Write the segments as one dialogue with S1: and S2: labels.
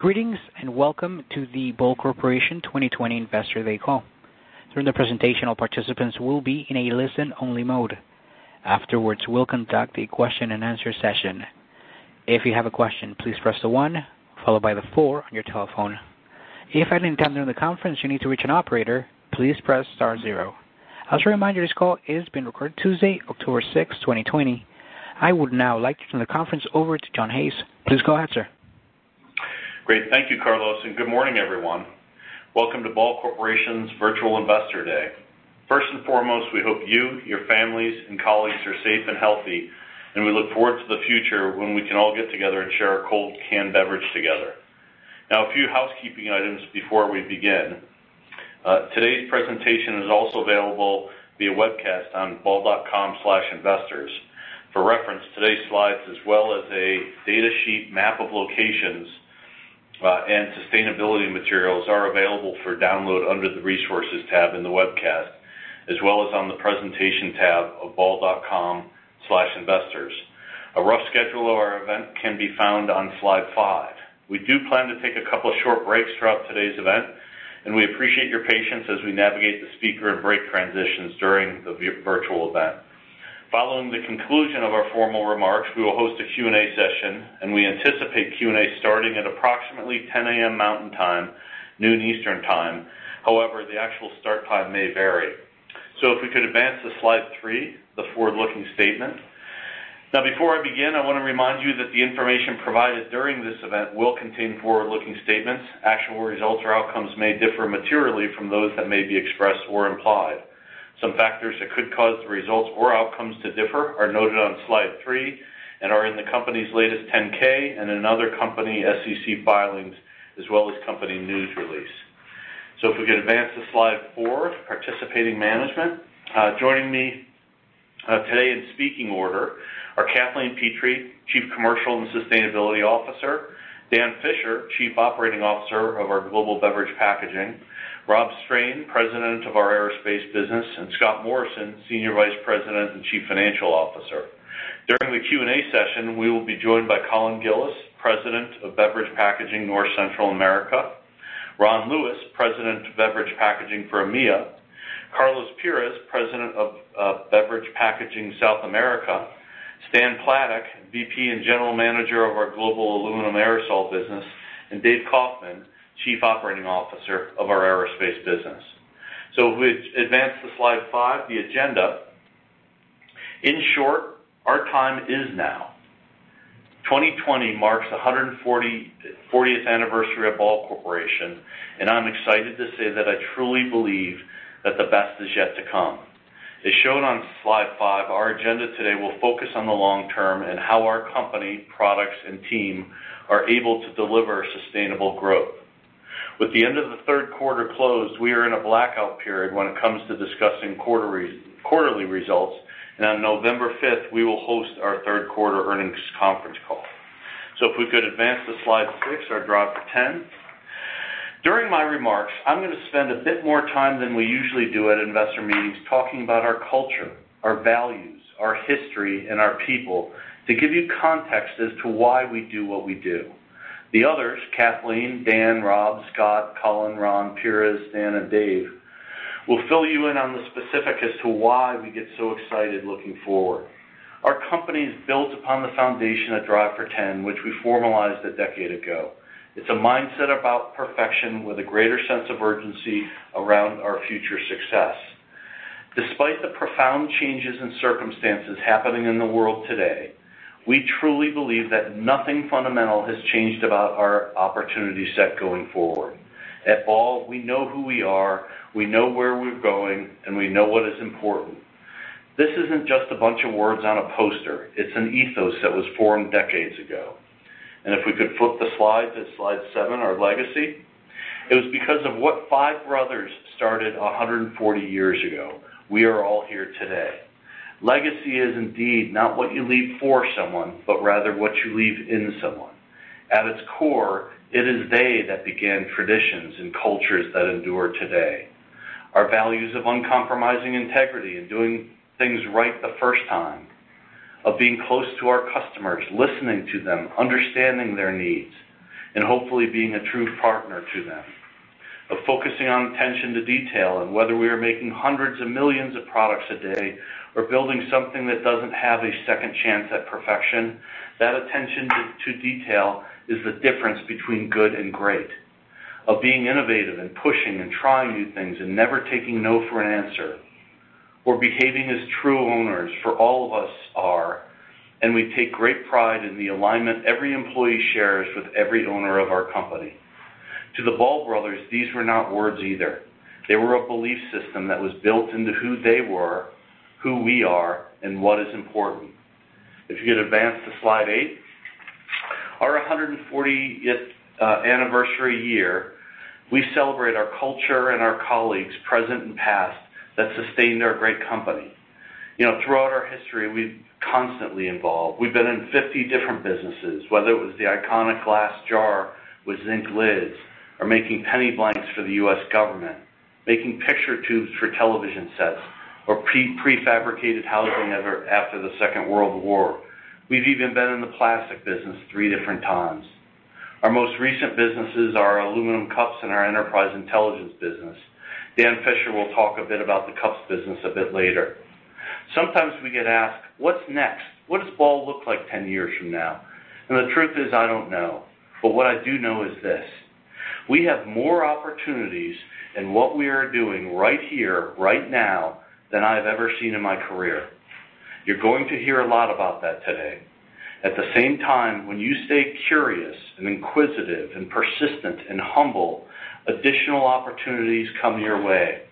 S1: Greetings, welcome to the Ball Corporation 2020 Investor Day call. During the presentation, all participants will be in a listen-only mode. Afterwards, we'll conduct a question and answer session. If you have a question, please press the one followed by the four on your telephone. If at any time during the conference you need to reach an operator, please press star zero. As a reminder, this call is being recorded Tuesday, October 6th, 2020. I would now like to turn the conference over to John Hayes. Please go ahead, sir.
S2: Great. Thank you, Carlos. Good morning, everyone. Welcome to Ball Corporation's Virtual Investor Day. First and foremost, we hope you, your families, and colleagues are safe and healthy, and we look forward to the future when we can all get together and share a cold canned beverage together. A few housekeeping items before we begin. Today's presentation is also available via webcast on ball.com/investors. For reference, today's slides, as well as a data sheet map of locations, and sustainability materials are available for download under the Resources tab in the webcast, as well as on the Presentation tab of ball.com/investors. A rough schedule of our event can be found on slide five. We do plan to take a couple short breaks throughout today's event, and we appreciate your patience as we navigate the speaker and break transitions during the virtual event. Following the conclusion of our formal remarks, we will host a Q&A session, and we anticipate Q&A starting at approximately 10:00 A.M. Mountain Time, noon Eastern Time. However, the actual start time may vary. If we could advance to slide three, the forward-looking statement. Before I begin, I want to remind you that the information provided during this event will contain forward-looking statements. Actual results or outcomes may differ materially from those that may be expressed or implied. Some factors that could cause the results or outcomes to differ are noted on slide three and are in the company's latest 10-K and in other company SEC filings, as well as company news release. If we could advance to slide four, Participating Management. Joining me today in speaking order are Kathleen Pitre, Chief Commercial and Sustainability Officer, Dan Fisher, Chief Operating Officer of our Global Beverage Packaging, Rob Strain, President of our Aerospace business, and Scott Morrison, Senior Vice President and Chief Financial Officer. During the Q&A session, we will be joined by Colin Gillis, President of Beverage Packaging, North Central America, Ron Lewis, President of Beverage Packaging for EMEA, Carlos Pires, President of Beverage Packaging South America, Stan Platek, VP and General Manager of our Global Aluminum Aerosol business, and Dave Kaufman, Chief Operating Officer of our Aerospace business. If we advance to slide five, The Agenda. In short, our time is now. 2020 marks the 140th anniversary of Ball Corporation, and I'm excited to say that I truly believe that the best is yet to come. As shown on slide five, our agenda today will focus on the long term and how our company, products, and team are able to deliver sustainable growth. With the end of the third quarter closed, we are in a blackout period when it comes to discussing quarterly results, and on November 5th, we will host our third quarter earnings conference call. If we could advance to slide six, our Drive for 10. During my remarks, I'm going to spend a bit more time than we usually do at investor meetings, talking about our culture, our values, our history, and our people to give you context as to why we do what we do. The others, Kathleen, Dan, Rob, Scott, Colin, Ron, Pires, Stan, and Dave, will fill you in on the specifics as to why we get so excited looking forward. Our company is built upon the foundation of Drive for 10, which we formalized a decade ago. It's a mindset about perfection with a greater sense of urgency around our future success. Despite the profound changes and circumstances happening in the world today, we truly believe that nothing fundamental has changed about our opportunity set going forward. At Ball, we know who we are, we know where we're going, and we know what is important. This isn't just a bunch of words on a poster. It's an ethos that was formed decades ago. If we could flip the slide to slide seven, Our Legacy. It was because of what five brothers started 140 years ago, we are all here today. Legacy is indeed not what you leave for someone, but rather what you leave in someone. At its core, it is they that began traditions and cultures that endure today. Our values of uncompromising integrity and doing things right the first time, of being close to our customers, listening to them, understanding their needs, and hopefully being a true partner to them. Of focusing on attention to detail and whether we are making hundreds of millions of products a day or building something that doesn't have a second chance at perfection, that attention to detail is the difference between good and great. Of being innovative and pushing and trying new things and never taking no for an answer or behaving as true owners, for all of us are, and we take great pride in the alignment every employee shares with every owner of our company. To the Ball brothers, these were not words either. They were a belief system that was built into who they were, who we are, and what is important. If you could advance to slide eight. Our 140th anniversary year, we celebrate our culture and our colleagues, present and past, that sustained our great company. Throughout our history, we've constantly evolved. We've been in 50 different businesses, whether it was the iconic glass jar with zinc lids, or making penny blanks for the U.S. government, making picture tubes for television sets, or prefabricated housing after the Second World War. We've even been in the plastic business three different times. Our most recent businesses are aluminum cups and our enterprise intelligence business. Dan Fisher will talk a bit about the cups business a bit later. Sometimes we get asked, "What's next? What does Ball look like 10 years from now?" The truth is, I don't know. What I do know is this, we have more opportunities in what we are doing right here, right now, than I've ever seen in my career. You're going to hear a lot about that today. At the same time, when you stay curious and inquisitive and persistent and humble, additional opportunities come your way.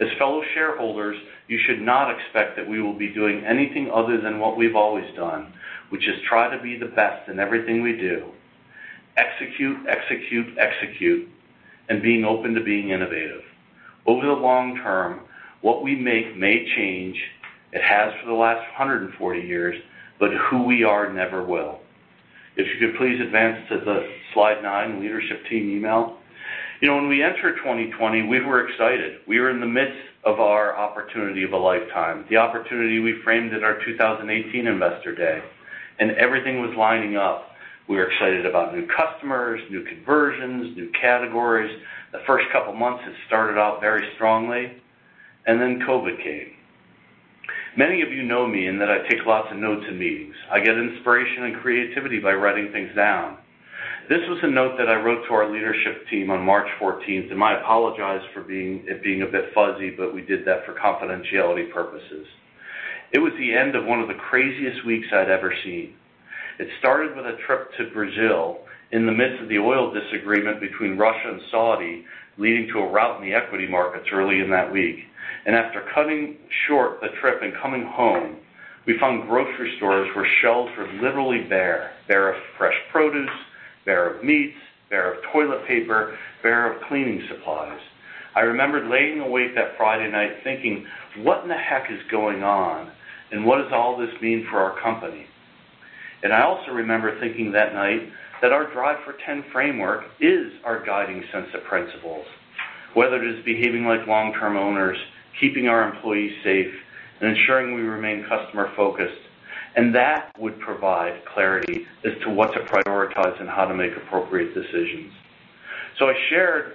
S2: As fellow shareholders, you should not expect that we will be doing anything other than what we've always done, which is try to be the best in everything we do. Execute, execute, and being open to being innovative. Over the long term, what we make may change. It has for the last 140 years. Who we are never will. If you could please advance to the slide nine, leadership team email. When we entered 2020, we were excited. We were in the midst of our opportunity of a lifetime, the opportunity we framed at our 2018 Investor Day. Everything was lining up. We were excited about new customers, new conversions, new categories. The first couple of months had started out very strongly. Then COVID came. Many of you know me in that I take lots of notes in meetings. I get inspiration and creativity by writing things down. This was a note that I wrote to our leadership team on March 14th. I apologize for it being a bit fuzzy, but we did that for confidentiality purposes. It was the end of one of the craziest weeks I'd ever seen. It started with a trip to Brazil in the midst of the oil disagreement between Russia and Saudi, leading to a rout in the equity markets early in that week. After cutting short the trip and coming home, we found grocery stores where shelves were literally bare. Bare of fresh produce, bare of meats, bare of toilet paper, bare of cleaning supplies. I remembered laying awake that Friday night thinking, "What in the heck is going on, and what does all this mean for our company?" I also remember thinking that night that our Drive for 10 framework is our guiding sense of principles, whether it is behaving like long-term owners, keeping our employees safe, and ensuring we remain customer-focused, and that would provide clarity as to what to prioritize and how to make appropriate decisions. I shared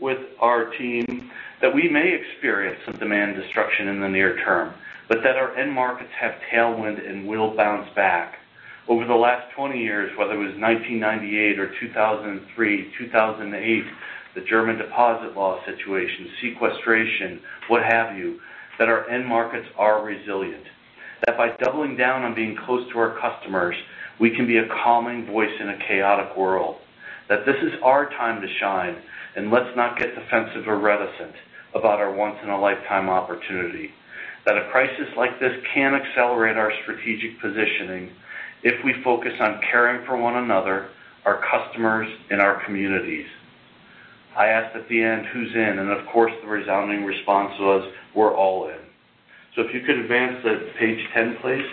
S2: with our team that we may experience some demand destruction in the near term, but that our end markets have tailwind and will bounce back. Over the last 20 years, whether it was 1998 or 2003, 2008, the German deposit law situation, sequestration, what have you, that our end markets are resilient. That by doubling down on being close to our customers, we can be a calming voice in a chaotic world. That this is our time to shine, and let's not get defensive or reticent about our once in a lifetime opportunity. That a crisis like this can accelerate our strategic positioning if we focus on caring for one another, our customers, and our communities. I asked at the end, "Who's in?" Of course, the resounding response was, "We're all in." If you could advance to page 10, please.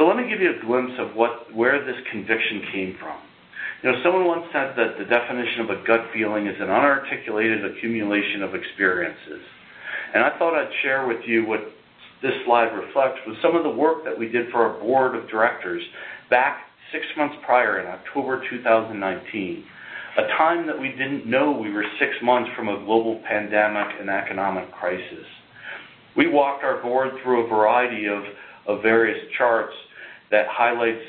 S2: Let me give you a glimpse of where this conviction came from. Someone once said that the definition of a gut feeling is an unarticulated accumulation of experiences. I thought I'd share with you what this slide reflects, with some of the work that we did for our board of directors back six months prior in October 2019. A time that we didn't know we were six months from a global pandemic and economic crisis. We walked our board through a variety of various charts that highlights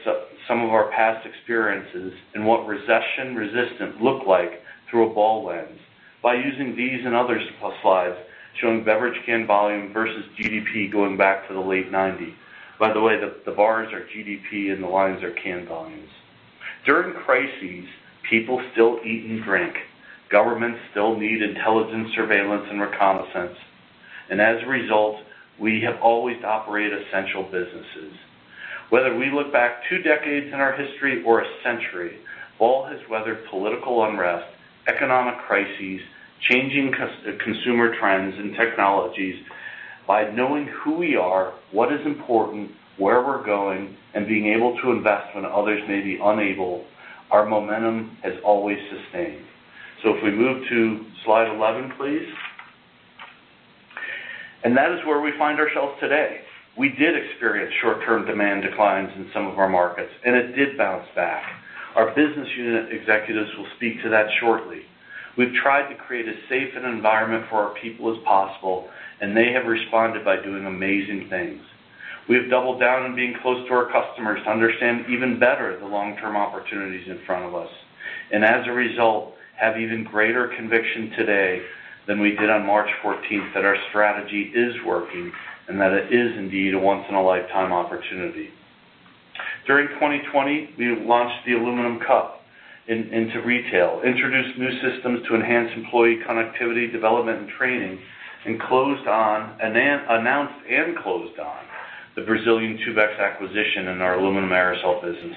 S2: some of our past experiences and what recession-resistant look like through a Ball lens by using these and other slides showing beverage can volume versus GDP going back to the late 1990s. By the way, the bars are GDP and the lines are can volumes. During crises, people still eat and drink. Governments still need intelligence, surveillance, and reconnaissance. As a result, we have always operated essential businesses. Whether we look back two decades in our history or a century, Ball has weathered political unrest, economic crises, changing consumer trends and technologies. By knowing who we are, what is important, where we're going, and being able to invest when others may be unable, our momentum has always sustained. If we move to slide 11, please. That is where we find ourselves today. We did experience short-term demand declines in some of our markets, and it did bounce back. Our business unit executives will speak to that shortly. We've tried to create as safe an environment for our people as possible, and they have responded by doing amazing things. We have doubled down on being close to our customers to understand even better the long-term opportunities in front of us. As a result, have even greater conviction today than we did on March 14th that our strategy is working and that it is indeed a once in a lifetime opportunity. During 2020, we launched the aluminum cup into retail, introduced new systems to enhance employee connectivity, development, and training, and announced and closed on the Brazilian Tubex acquisition in our aluminum aerosol business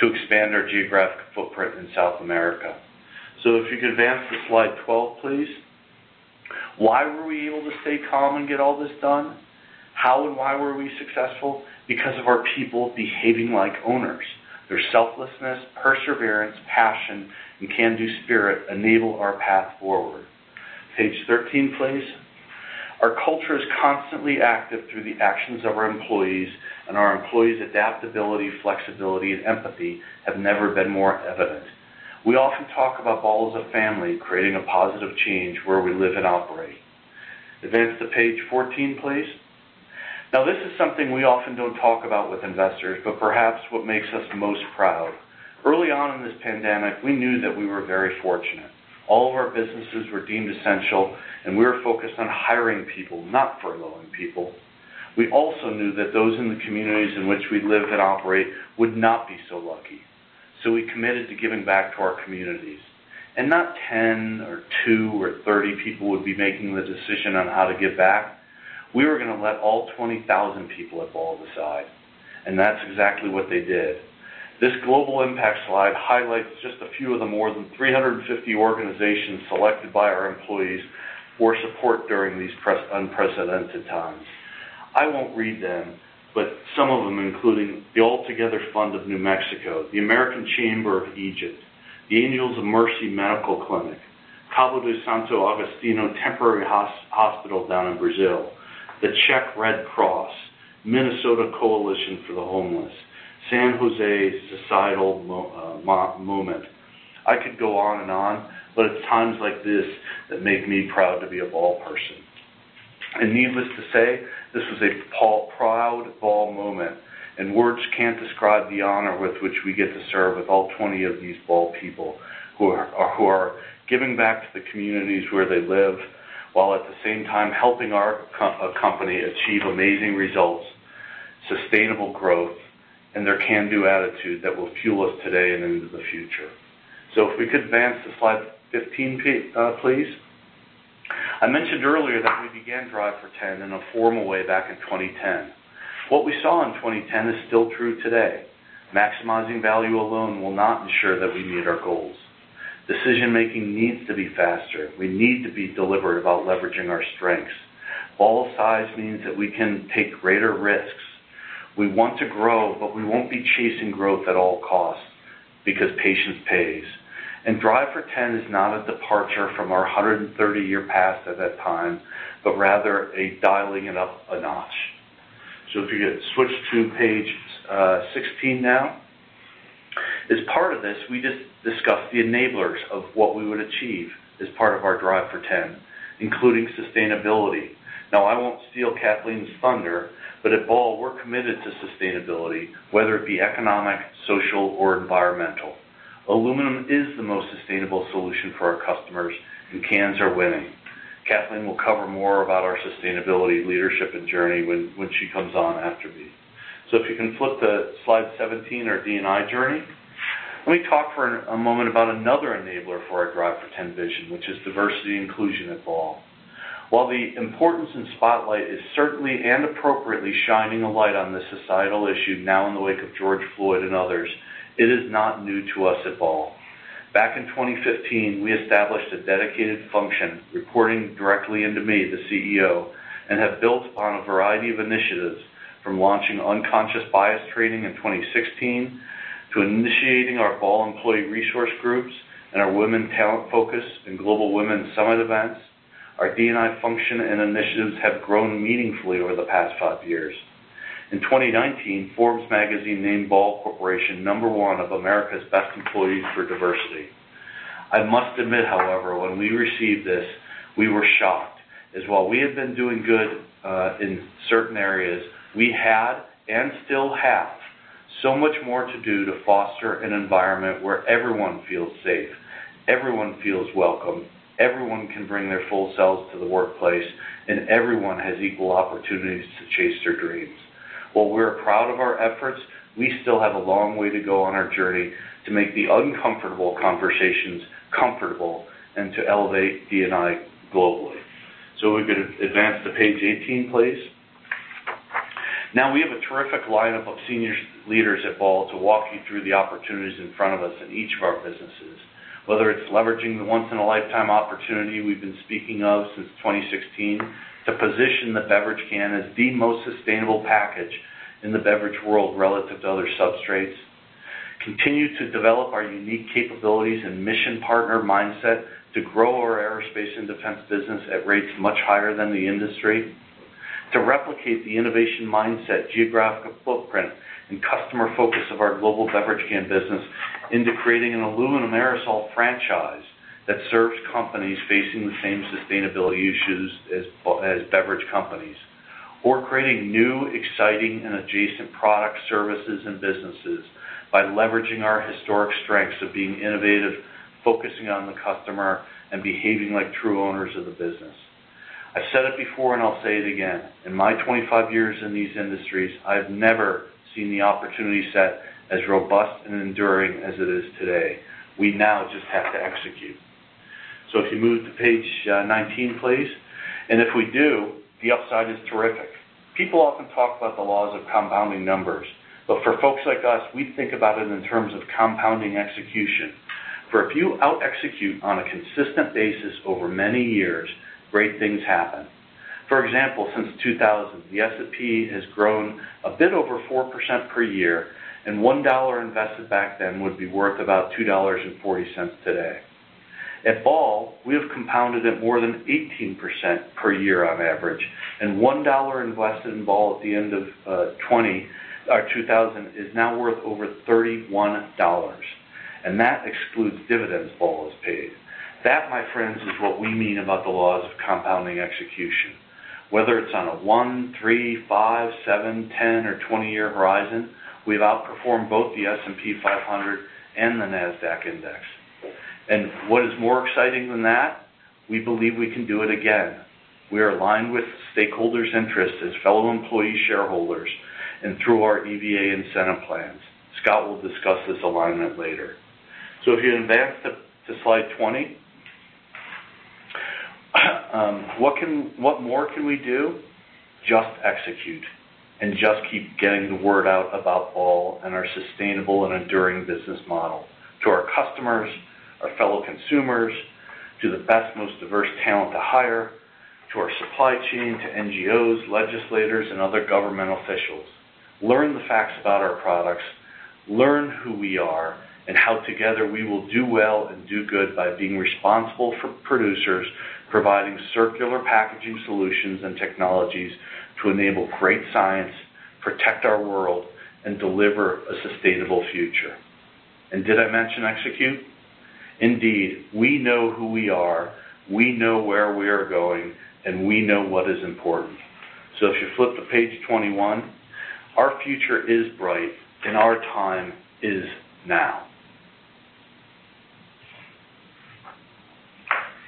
S2: to expand our geographic footprint in South America. If you could advance to slide 12, please. Why were we able to stay calm and get all this done? How and why were we successful? Because of our people behaving like owners. Their selflessness, perseverance, passion, and can-do spirit enable our path forward. Page 13, please. Our culture is constantly active through the actions of our employees, and our employees' adaptability, flexibility, and empathy have never been more evident. We often talk about Ball as a family, creating a positive change where we live and operate. Advance to page 14, please. This is something we often don't talk about with investors, but perhaps what makes us most proud. Early on in this pandemic, we knew that we were very fortunate. All of our businesses were deemed essential, and we were focused on hiring people, not furloughing people. We also knew that those in the communities in which we live and operate would not be so lucky. We committed to giving back to our communities. Not 10 or two or 30 people would be making the decision on how to give back. We were going to let all 20,000 people at Ball decide, and that's exactly what they did. This global impact slide highlights just a few of the more than 350 organizations selected by our employees for support during these unprecedented times. I won't read them, but some of them including the All Together Fund of New Mexico, the American Chamber of Egypt, the Angels of Mercy Medical Clinic, Cabo de Santo Agostinho Temporary Hospital down in Brazil, the Czech Red Cross, Minnesota Coalition for the Homeless, San Jose's Societal Moment. I could go on and on, but it's times like this that make me proud to be a Ball person. Needless to say, this was a proud Ball moment, and words can't describe the honor with which we get to serve with all 20 of these Ball people who are giving back to the communities where they live, while at the same time helping our company achieve amazing results, sustainable growth, and their can-do attitude that will fuel us today and into the future. If we could advance to slide 15, please. I mentioned earlier that we began Drive for 10 in a formal way back in 2010. What we saw in 2010 is still true today. Maximizing value alone will not ensure that we meet our goals. Decision-making needs to be faster. We need to be deliberate about leveraging our strengths. Ball size means that we can take greater risks. We want to grow, but we won't be chasing growth at all costs because patience pays. Drive for 10 is not a departure from our 130-year path at that time, but rather a dialing it up a notch. If you could switch to page 16 now. As part of this, we just discussed the enablers of what we would achieve as part of our Drive for 10, including sustainability. I won't steal Kathleen's thunder, but at Ball, we're committed to sustainability, whether it be economic, social, or environmental. Aluminum is the most sustainable solution for our customers, and cans are winning. Kathleen will cover more about our sustainability leadership and journey when she comes on after me. If you can flip to slide 17, our D&I journey. Let me talk for a moment about another enabler for our Drive for 10 vision, which is diversity and inclusion at Ball. While the importance and spotlight is certainly and appropriately shining a light on this societal issue now in the wake of George Floyd and others, it is not new to us at Ball. Back in 2015, we established a dedicated function, reporting directly into me, the CEO, and have built upon a variety of initiatives from launching unconscious bias training in 2016 to initiating our Ball employee resource groups and our women talent focus and global women summit events. Our D&I function and initiatives have grown meaningfully over the past five years. In 2019, Forbes magazine named Ball Corporation number one of America's best employees for diversity. I must admit, however, when we received this, we were shocked, as while we had been doing good in certain areas, we had and still have so much more to do to foster an environment where everyone feels safe, everyone feels welcome, everyone can bring their full selves to the workplace, and everyone has equal opportunities to chase their dreams. While we're proud of our efforts, we still have a long way to go on our journey to make the uncomfortable conversations comfortable and to elevate D&I globally. If we could advance to page 18, please. We have a terrific lineup of senior leaders at Ball to walk you through the opportunities in front of us in each of our businesses, whether it's leveraging the once-in-a-lifetime opportunity we've been speaking of since 2016 to position the beverage can as the most sustainable package in the beverage world relative to other substrates. Continue to develop our unique capabilities and mission partner mindset to grow our aerospace and defense business at rates much higher than the industry. To replicate the innovation mindset, geographic footprint, and customer focus of our global beverage can business into creating an aluminum aerosol franchise that serves companies facing the same sustainability issues as beverage companies. Creating new, exciting, and adjacent products, services, and businesses by leveraging our historic strengths of being innovative, focusing on the customer, and behaving like true owners of the business. I said it before and I'll say it again, in my 25 years in these industries, I've never seen the opportunity set as robust and enduring as it is today. We now just have to execute. If you move to page 19, please. If we do, the upside is terrific. People often talk about the laws of compounding numbers, but for folks like us, we think about it in terms of compounding execution. If you out execute on a consistent basis over many years, great things happen. Example, since 2000, the S&P has grown a bit over 4% per year, and $1 invested back then would be worth about $2.40 today. At Ball, we have compounded at more than 18% per year on average, and $1 invested in Ball at the end of 2000 is now worth over $31, and that excludes dividends Ball has paid. That, my friends, is what we mean about the laws of compounding execution. Whether it's on a one, three, five, seven, 10, or 20-year horizon, we've outperformed both the S&P 500 and the NASDAQ index. What is more exciting than that? We believe we can do it again. We are aligned with stakeholders' interests as fellow employee shareholders and through our EVA incentive plans. Scott will discuss this alignment later. If you advance to slide 20. What more can we do? Just execute and just keep getting the word out about Ball and our sustainable and enduring business model to our customers, our fellow consumers, to the best, most diverse talent to hire, to our supply chain, to NGOs, legislators, and other government officials. Learn the facts about our products, learn who we are, and how together we will do well and do good by being responsible for producers, providing circular packaging solutions and technologies to enable great science, protect our world, and deliver a sustainable future. Did I mention execute? Indeed, we know who we are, we know where we are going, and we know what is important. If you flip to page 21, our future is bright, and our time is now.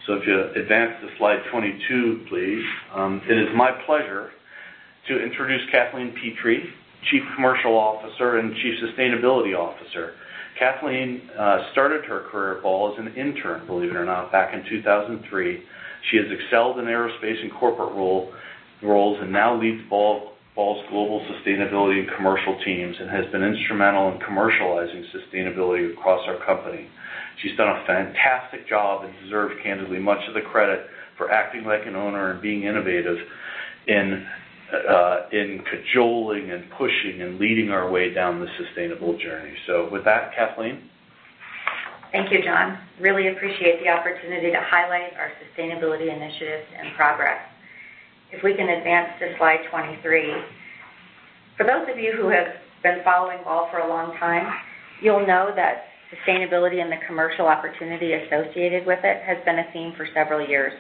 S2: If you advance to slide 22, please. It is my pleasure to introduce Kathleen Pitre, Chief Commercial Officer and Chief Sustainability Officer. Kathleen started her career at Ball as an intern, believe it or not, back in 2003. She has excelled in aerospace and corporate roles and now leads Ball's global sustainability and commercial teams and has been instrumental in commercializing sustainability across our company. She's done a fantastic job and deserves, candidly, much of the credit for acting like an owner and being innovative in cajoling and pushing and leading our way down the sustainable journey. With that, Kathleen.
S3: Thank you, John. Really appreciate the opportunity to highlight our sustainability initiatives and progress. If we can advance to slide 23. For those of you who have been following Ball for a long time, you'll know that sustainability and the commercial opportunity associated with it has been a theme for several years.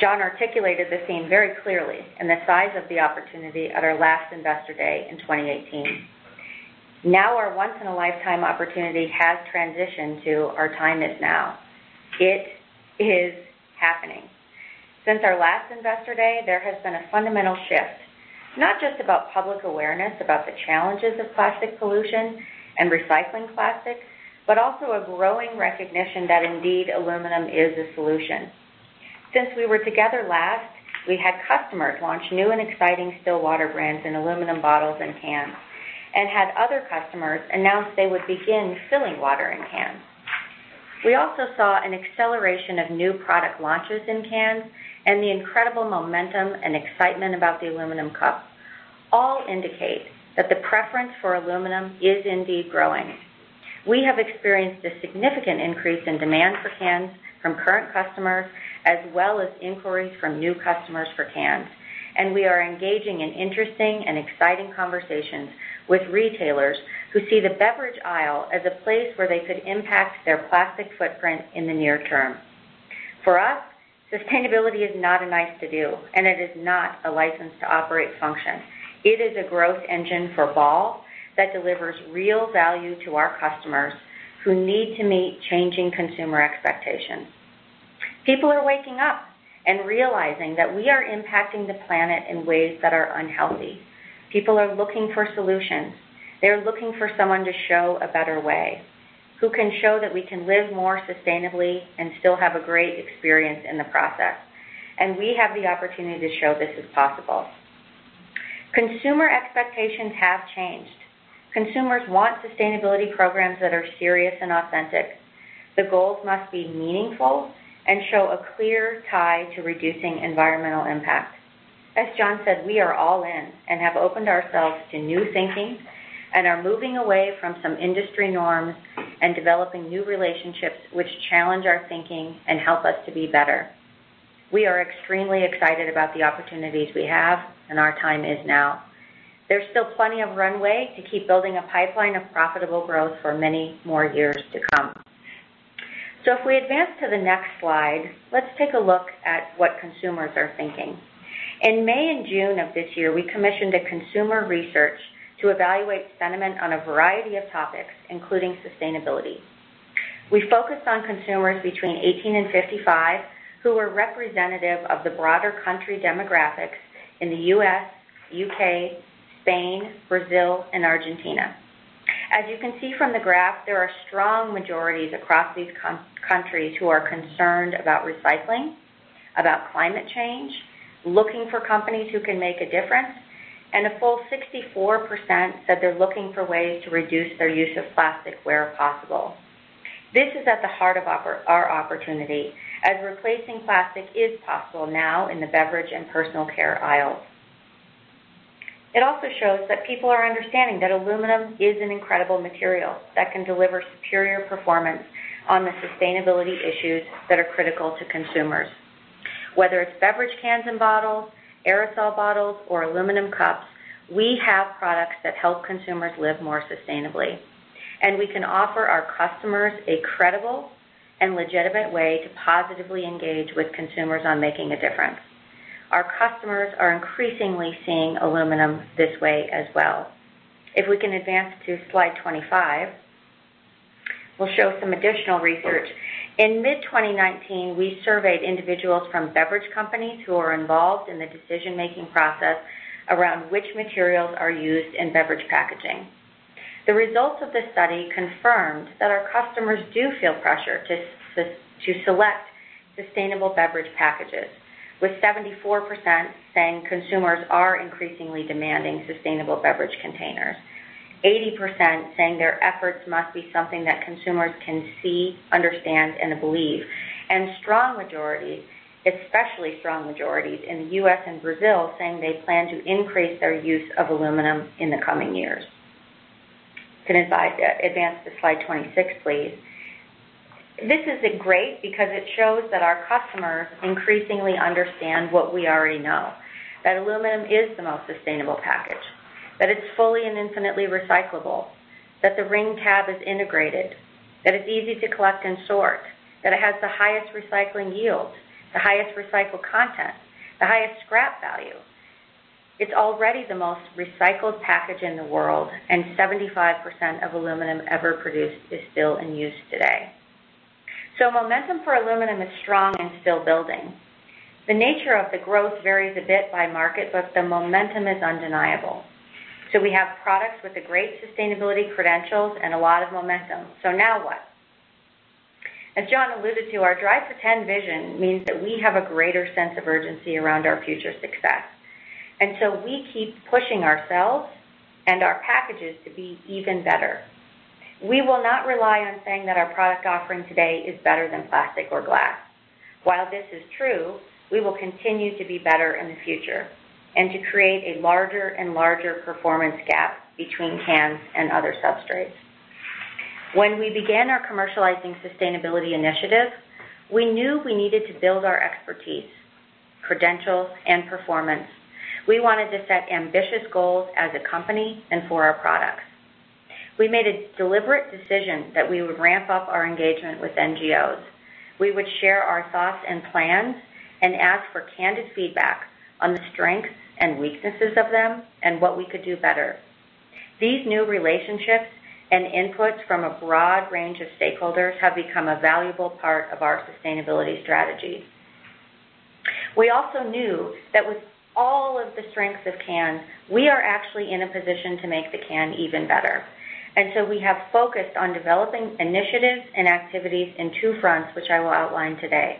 S3: John articulated the theme very clearly and the size of the opportunity at our last Investor Day in 2018. Now our once-in-a-lifetime opportunity has transitioned to our time is now. It is happening. Since our last Investor Day, there has been a fundamental shift, not just about public awareness about the challenges of plastic pollution and recycling plastic, but also a growing recognition that indeed aluminum is a solution. Since we were together last, we had customers launch new and exciting still water brands in aluminum bottles and cans and had other customers announce they would begin filling water in cans. We also saw an acceleration of new product launches in cans and the incredible momentum and excitement about the aluminum cup all indicate that the preference for aluminum is indeed growing. We have experienced a significant increase in demand for cans from current customers, as well as inquiries from new customers for cans. We are engaging in interesting and exciting conversations with retailers who see the beverage aisle as a place where they could impact their plastic footprint in the near term. For us, sustainability is not a nice-to-do, and it is not a license-to-operate function. It is a growth engine for Ball that delivers real value to our customers who need to meet changing consumer expectations. People are waking up and realizing that we are impacting the planet in ways that are unhealthy. People are looking for solutions. They're looking for someone to show a better way, who can show that we can live more sustainably and still have a great experience in the process. We have the opportunity to show this is possible. Consumer expectations have changed. Consumers want sustainability programs that are serious and authentic. The goals must be meaningful and show a clear tie to reducing environmental impact. As John said, we are all in and have opened ourselves to new thinking and are moving away from some industry norms and developing new relationships which challenge our thinking and help us to be better. We are extremely excited about the opportunities we have, and our time is now. There's still plenty of runway to keep building a pipeline of profitable growth for many more years to come. If we advance to the next slide, let's take a look at what consumers are thinking. In May and June of this year, we commissioned a consumer research to evaluate sentiment on a variety of topics, including sustainability. We focused on consumers between 18 and 55 who were representative of the broader country demographics in the U.S., U.K., Spain, Brazil, and Argentina. As you can see from the graph, there are strong majorities across these countries who are concerned about recycling, about climate change, looking for companies who can make a difference, and a full 64% said they're looking for ways to reduce their use of plastic where possible. This is at the heart of our opportunity, as replacing plastic is possible now in the beverage and personal care aisles. It also shows that aluminum is an incredible material that can deliver superior performance on the sustainability issues that are critical to consumers. Whether it is beverage cans and bottles, aerosol bottles, or aluminum cups, we have products that help consumers live more sustainably, and we can offer our customers a credible and legitimate way to positively engage with consumers on making a difference. Our customers are increasingly seeing aluminum this way as well. If we can advance to slide 25, we will show some additional research. In mid-2019, we surveyed individuals from beverage companies who are involved in the decision-making process around which materials are used in beverage packaging. The results of this study confirmed that our customers do feel pressure to select sustainable beverage packages, with 74% saying consumers are increasingly demanding sustainable beverage containers, 80% saying their efforts must be something that consumers can see, understand, and believe, and strong majority, especially strong majorities in the U.S. and Brazil, saying they plan to increase their use of aluminum in the coming years. Advance to slide 26, please. This is great because it shows that our customers increasingly understand what we already know, that aluminum is the most sustainable package, that it's fully and infinitely recyclable, that the ring tab is integrated, that it's easy to collect and sort, that it has the highest recycling yield, the highest recycled content, the highest scrap value. It's already the most recycled package in the world, 75% of aluminum ever produced is still in use today. Momentum for aluminum is strong and still building. The nature of the growth varies a bit by market, but the momentum is undeniable. We have products with a great sustainability credentials and a lot of momentum. Now what? As John alluded to, our Drive for 10 vision means that we have a greater sense of urgency around our future success, and so we keep pushing ourselves and our packages to be even better. We will not rely on saying that our product offering today is better than plastic or glass. While this is true, we will continue to be better in the future and to create a larger and larger performance gap between cans and other substrates. When we began our commercializing sustainability initiative, we knew we needed to build our expertise, credentials, and performance. We wanted to set ambitious goals as a company and for our products. We made a deliberate decision that we would ramp up our engagement with NGOs. We would share our thoughts and plans and ask for candid feedback on the strengths and weaknesses of them and what we could do better. These new relationships and inputs from a broad range of stakeholders have become a valuable part of our sustainability strategy. We also knew that with all of the strengths of cans, we are actually in a position to make the can even better. We have focused on developing initiatives and activities in two fronts, which I will outline today.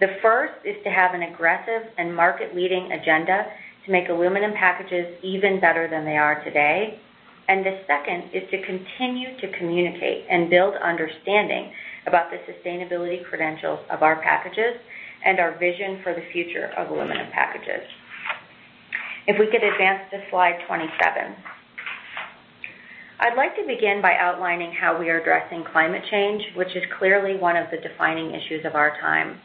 S3: The first is to have an aggressive and market-leading agenda to make aluminum packages even better than they are today. The second is to continue to communicate and build understanding about the sustainability credentials of our packages and our vision for the future of aluminum packages. If we could advance to slide 27. I'd like to begin by outlining how we are addressing climate change, which is clearly one of the defining issues of our time.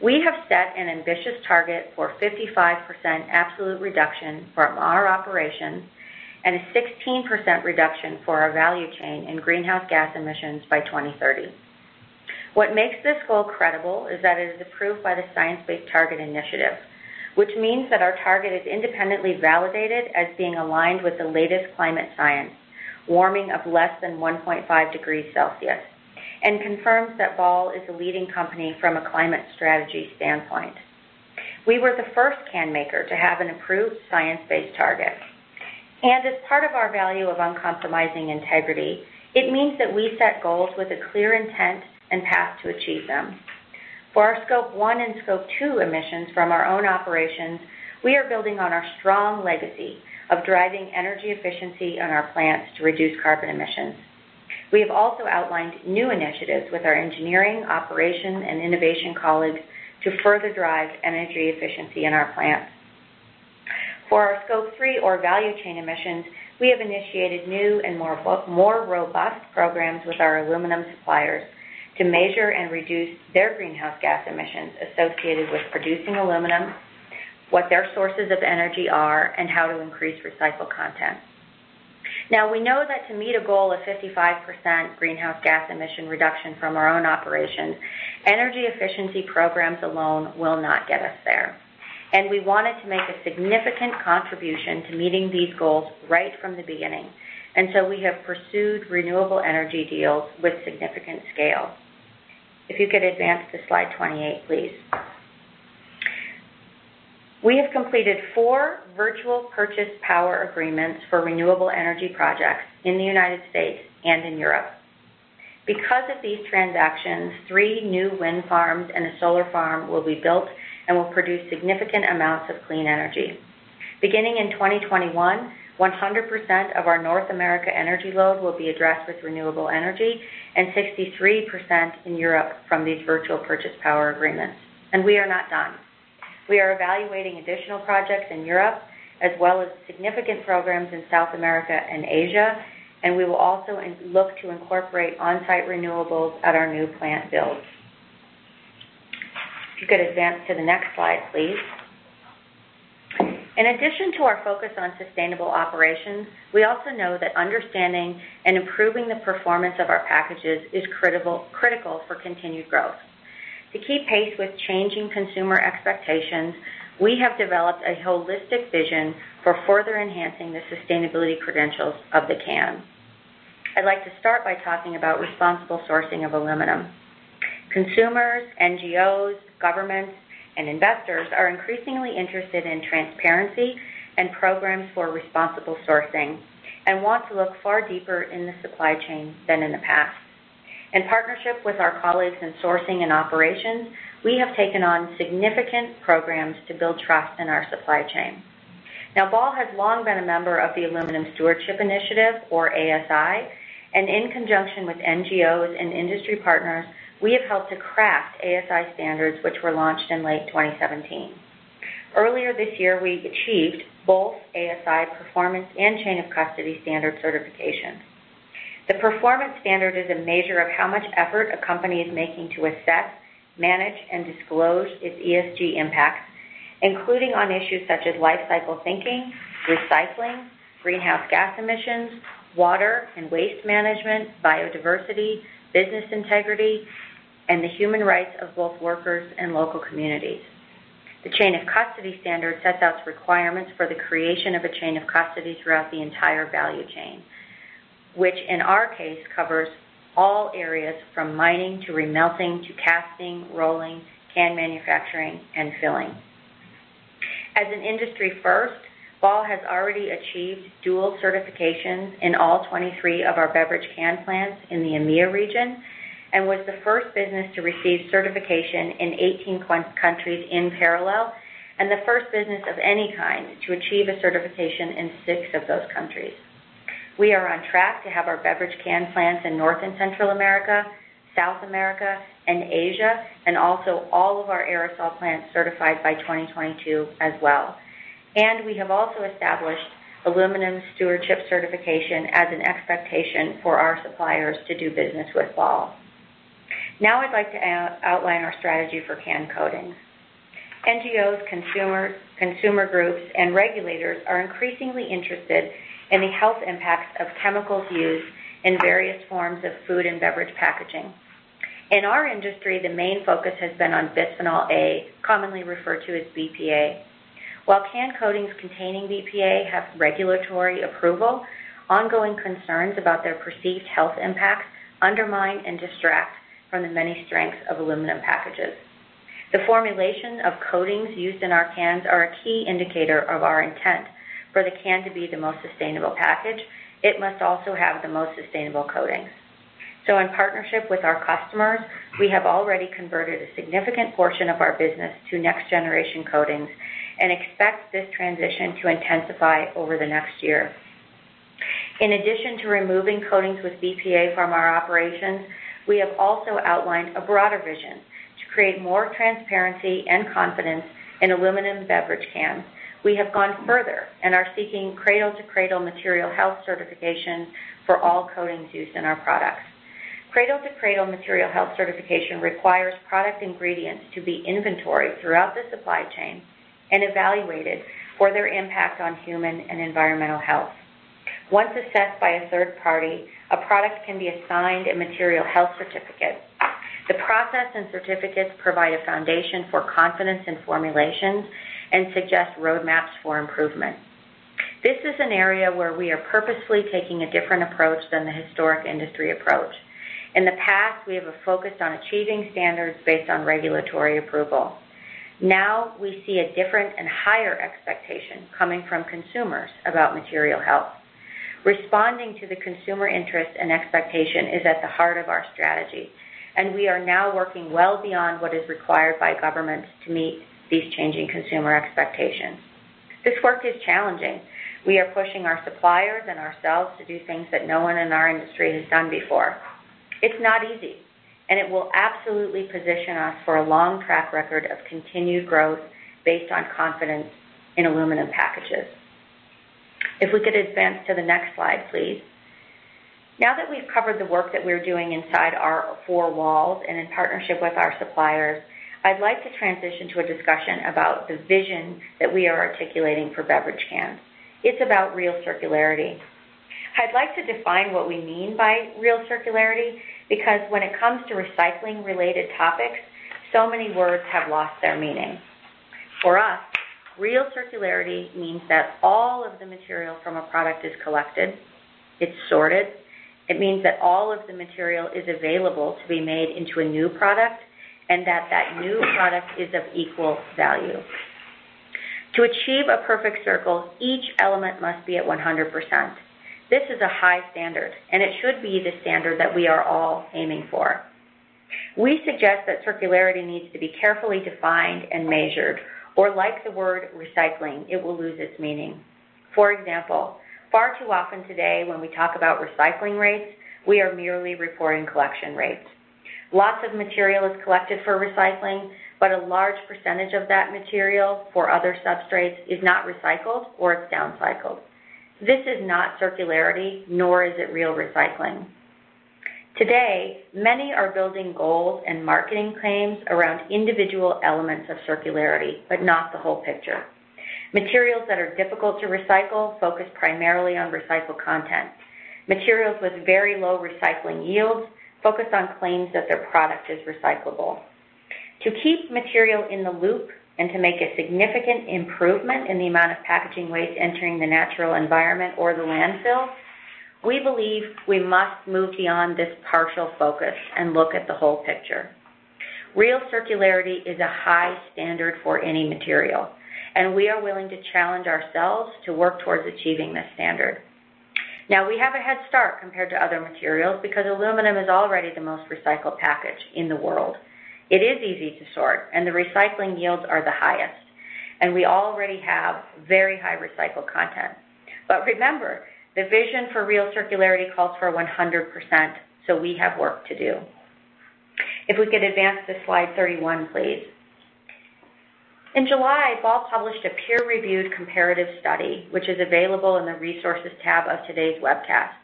S3: We have set an ambitious target for 55% absolute reduction from our operations and a 16% reduction for our value chain in greenhouse gas emissions by 2030. What makes this goal credible is that it is approved by the Science Based Targets initiative, which means that our target is independently validated as being aligned with the latest climate science, warming of less than 1.5 degrees Celsius, and confirms that Ball is a leading company from a climate strategy standpoint. We were the first can maker to have an approved Science Based Target. As part of our value of uncompromising integrity, it means that we set goals with a clear intent and path to achieve them. For our Scope 1 and Scope 2 emissions from our own operations, we are building on our strong legacy of driving energy efficiency in our plants to reduce carbon emissions. We have also outlined new initiatives with our engineering, operation, and innovation colleagues to further drive energy efficiency in our plants. For our Scope 3 or value chain emissions, we have initiated new and more robust programs with our aluminum suppliers to measure and reduce their greenhouse gas emissions associated with producing aluminum, what their sources of energy are, and how to increase recycled content. We know that to meet a goal of 55% greenhouse gas emission reduction from our own operations, energy efficiency programs alone will not get us there. We wanted to make a significant contribution to meeting these goals right from the beginning, and so we have pursued renewable energy deals with significant scale. If you could advance to slide 28, please. We have completed four Virtual Purchase Power Agreements for renewable energy projects in the United States and in Europe. Because of these transactions, three new wind farms and a solar farm will be built and will produce significant amounts of clean energy. Beginning in 2021, 100% of our North America energy load will be addressed with renewable energy and 63% in Europe from these Virtual Purchase Power Agreements. We are not done. We are evaluating additional projects in Europe, as well as significant programs in South America and Asia, and we will also look to incorporate on-site renewables at our new plant builds. If you could advance to the next slide, please. In addition to our focus on sustainable operations, we also know that understanding and improving the performance of our packages is critical for continued growth. To keep pace with changing consumer expectations, we have developed a holistic vision for further enhancing the sustainability credentials of the can. I'd like to start by talking about responsible sourcing of aluminum. Consumers, NGOs, governments, and investors are increasingly interested in transparency and programs for responsible sourcing and want to look far deeper in the supply chain than in the past. In partnership with our colleagues in sourcing and operations, we have taken on significant programs to build trust in our supply chain. Ball has long been a member of the Aluminium Stewardship Initiative, or ASI, and in conjunction with NGOs and industry partners, we have helped to craft ASI standards, which were launched in late 2017. Earlier this year, we achieved both ASI performance and chain of custody standard certification. The performance standard is a measure of how much effort a company is making to assess, manage, and disclose its ESG impacts, including on issues such as life cycle thinking, recycling, greenhouse gas emissions, water and waste management, biodiversity, business integrity, and the human rights of both workers and local communities. The chain of custody standard sets out requirements for the creation of a chain of custody throughout the entire value chain, which in our case, covers all areas from mining to remelting to casting, rolling, can manufacturing, and filling. As an industry first, Ball has already achieved dual certifications in all 23 of our beverage can plants in the EMEIA region and was the first business to receive certification in 18 countries in parallel, and the first business of any kind to achieve a certification in six of those countries. We are on track to have our beverage can plants in North and Central America, South America, and Asia, and also all of our aerosol plants certified by 2022 as well. We have also established aluminum stewardship certification as an expectation for our suppliers to do business with Ball. Now I'd like to outline our strategy for can coatings. NGOs, consumer groups, and regulators are increasingly interested in the health impacts of chemicals used in various forms of food and beverage packaging. In our industry, the main focus has been on bisphenol A, commonly referred to as BPA. While can coatings containing BPA have regulatory approval, ongoing concerns about their perceived health impacts undermine and distract from the many strengths of aluminum packages. The formulation of coatings used in our cans are a key indicator of our intent. For the can to be the most sustainable package, it must also have the most sustainable coatings. In partnership with our customers, we have already converted a significant portion of our business to next generation coatings and expect this transition to intensify over the next year. In addition to removing coatings with BPA from our operations, we have also outlined a broader vision to create more transparency and confidence in aluminum beverage cans. We have gone further and are seeking Cradle to Cradle material health certification for all coatings used in our products. Cradle to Cradle Material Health certification requires product ingredients to be inventoried throughout the supply chain and evaluated for their impact on human and environmental health. Once assessed by a third party, a product can be assigned a material health certificate. The process and certificates provide a foundation for confidence in formulations and suggest roadmaps for improvement. This is an area where we are purposefully taking a different approach than the historic industry approach. In the past, we have focused on achieving standards based on regulatory approval. Now we see a different and higher expectation coming from consumers about material health. Responding to the consumer interest and expectation is at the heart of our strategy, and we are now working well beyond what is required by governments to meet these changing consumer expectations. This work is challenging. We are pushing our suppliers and ourselves to do things that no one in our industry has done before. It's not easy. It will absolutely position us for a long track record of continued growth based on confidence in aluminum packages. If we could advance to the next slide, please. Now that we've covered the work that we're doing inside our four walls and in partnership with our suppliers, I'd like to transition to a discussion about the vision that we are articulating for beverage cans. It's about real circularity. I'd like to define what we mean by real circularity, because when it comes to recycling-related topics, so many words have lost their meaning. For us, real circularity means that all of the material from a product is collected, it's sorted. It means that all of the material is available to be made into a new product, and that that new product is of equal value. To achieve a perfect circle, each element must be at 100%. This is a high standard, and it should be the standard that we are all aiming for. We suggest that circularity needs to be carefully defined and measured, or like the word recycling, it will lose its meaning. For example, far too often today when we talk about recycling rates, we are merely reporting collection rates. Lots of material is collected for recycling, but a large percentage of that material for other substrates is not recycled or it's downcycled. This is not circularity, nor is it real recycling. Today, many are building goals and marketing claims around individual elements of circularity, but not the whole picture. Materials that are difficult to recycle focus primarily on recycled content. Materials with very low recycling yields focus on claims that their product is recyclable. To keep material in the loop and to make a significant improvement in the amount of packaging waste entering the natural environment or the landfill, we believe we must move beyond this partial focus and look at the whole picture. Real circularity is a high standard for any material, and we are willing to challenge ourselves to work towards achieving this standard. Now, we have a head start compared to other materials because aluminum is already the most recycled package in the world. It is easy to sort, and the recycling yields are the highest, and we already have very high recycled content. Remember, the vision for real circularity calls for 100%, so we have work to do. If we could advance to slide 31, please. In July, Ball published a peer-reviewed comparative study, which is available in the resources tab of today's webcast.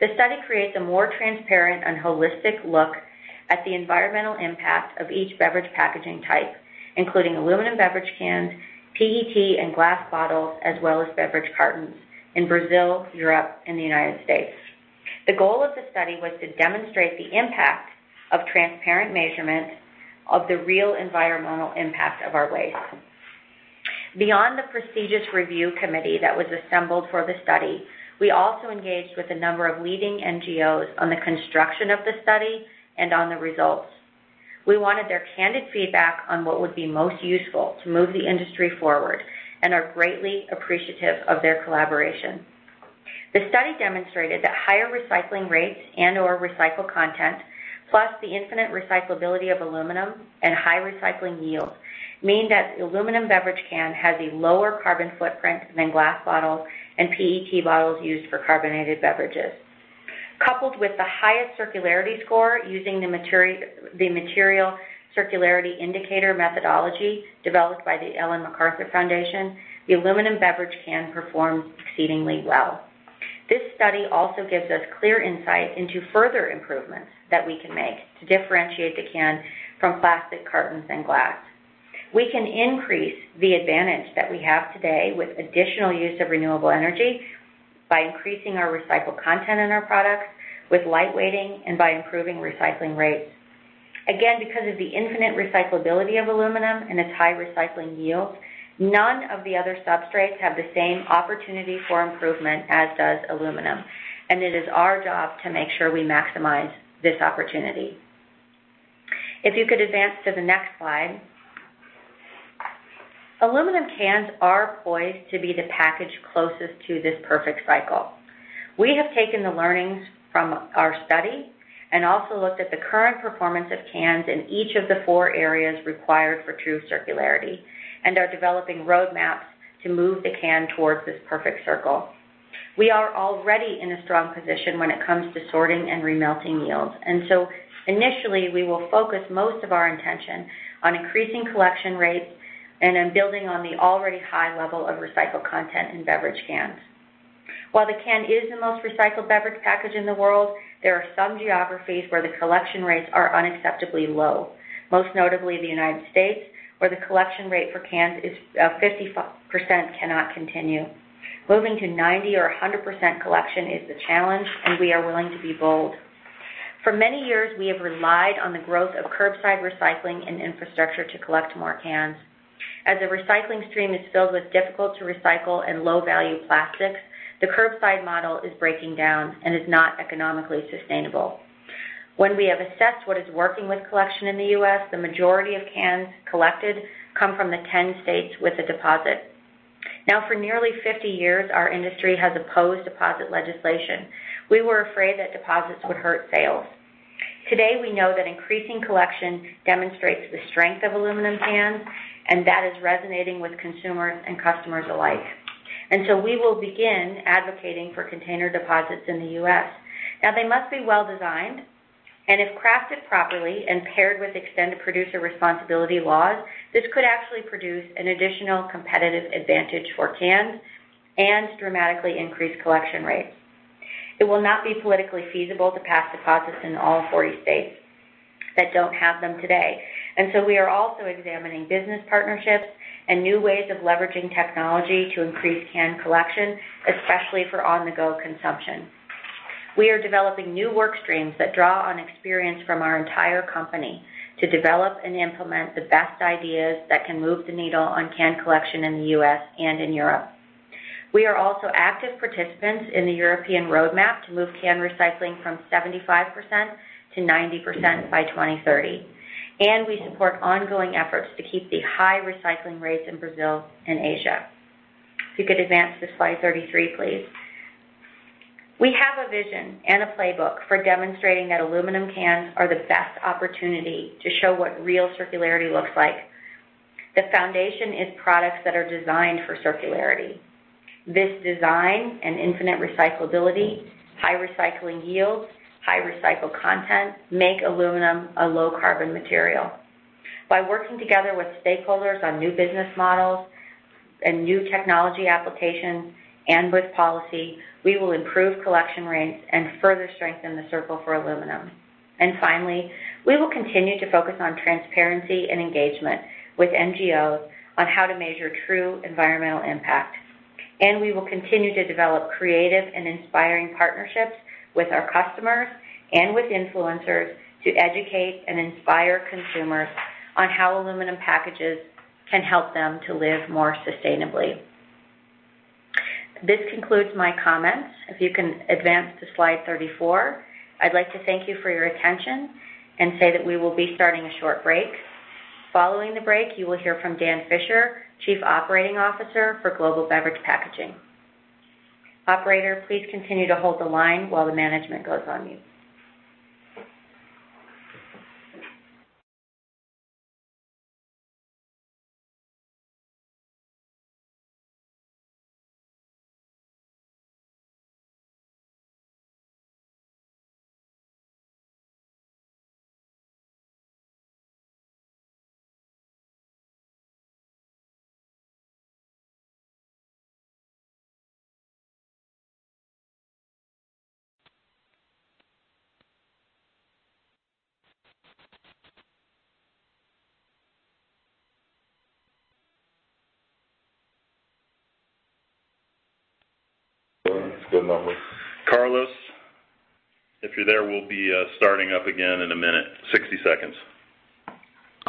S3: The study creates a more transparent and holistic look at the environmental impact of each beverage packaging type, including aluminum beverage cans, PET and glass bottles, as well as beverage cartons in Brazil, Europe, and the United States. The goal of the study was to demonstrate the impact of transparent measurement of the real environmental impact of our waste. Beyond the prestigious review committee that was assembled for the study, we also engaged with a number of leading NGOs on the construction of the study and on the results. We wanted their candid feedback on what would be most useful to move the industry forward, and are greatly appreciative of their collaboration. The study demonstrated that higher recycling rates and/or recycled content, plus the infinite recyclability of aluminum and high recycling yields, mean that the aluminum beverage can has a lower carbon footprint than glass bottles and PET bottles used for carbonated beverages. Coupled with the highest circularity score using the Material Circularity Indicator methodology developed by the Ellen MacArthur Foundation, the aluminum beverage can perform exceedingly well. This study also gives us clear insight into further improvements that we can make to differentiate the can from plastic cartons and glass. We can increase the advantage that we have today with additional use of renewable energy by increasing our recycled content in our products with light weighting and by improving recycling rates. Again, because of the infinite recyclability of aluminum and its high recycling yield, none of the other substrates have the same opportunity for improvement as does aluminum, and it is our job to make sure we maximize this opportunity. If you could advance to the next slide. aluminum cans are poised to be the package closest to this perfect cycle. We have taken the learnings from our study and also looked at the current performance of cans in each of the four areas required for true circularity and are developing roadmaps to move the can towards this perfect circle. We are already in a strong position when it comes to sorting and re-melting yields, and so initially, we will focus most of our intention on increasing collection rates and on building on the already high level of recycled content in beverage cans. While the can is the most recycled beverage package in the world, there are some geographies where the collection rates are unacceptably low, most notably the United States., where the collection rate for cans is 50%. Cannot continue. Moving to 90% or 100% collection is the challenge, and we are willing to be bold. For many years, we have relied on the growth of curbside recycling and infrastructure to collect more cans. As the recycling stream is filled with difficult to recycle and low value plastics, the curbside model is breaking down and is not economically sustainable. When we have assessed what is working with collection in the U.S., the majority of cans collected come from the 10 states with a deposit. Now, for nearly 50 years, our industry has opposed deposit legislation. We were afraid that deposits would hurt sales. Today, we know that increasing collection demonstrates the strength of aluminum cans, that is resonating with consumers and customers alike. We will begin advocating for container deposits in the U.S. Now, they must be well designed, and if crafted properly and paired with extended producer responsibility laws, this could actually produce an additional competitive advantage for cans and dramatically increase collection rates. It will not be politically feasible to pass deposits in all 40 states that don't have them today. We are also examining business partnerships and new ways of leveraging technology to increase can collection, especially for on-the-go consumption. We are developing new work streams that draw on experience from our entire company to develop and implement the best ideas that can move the needle on can collection in the U.S. and in Europe. We are also active participants in the European roadmap to move can recycling from 75% to 90% by 2030, and we support ongoing efforts to keep the high recycling rates in Brazil and Asia. If you could advance to slide 33, please. We have a vision and a playbook for demonstrating that aluminum cans are the best opportunity to show what real circularity looks like. The foundation is products that are designed for circularity. This design and infinite recyclability, high recycling yields, high recycled content, make aluminum a low carbon material. By working together with stakeholders on new business models and new technology applications, and with policy, we will improve collection rates and further strengthen the circle for aluminum. Finally, we will continue to focus on transparency and engagement with NGOs on how to measure true environmental impact. We will continue to develop creative and inspiring partnerships with our customers and with influencers to educate and inspire consumers on how aluminum packages can help them to live more sustainably. This concludes my comments. If you can advance to slide 34. I'd like to thank you for your attention and say that we will be starting a short break. Following the break, you will hear from Dan Fisher, Chief Operating Officer for Global Beverage Packaging. Operator, please continue to hold the line while the management goes on mute.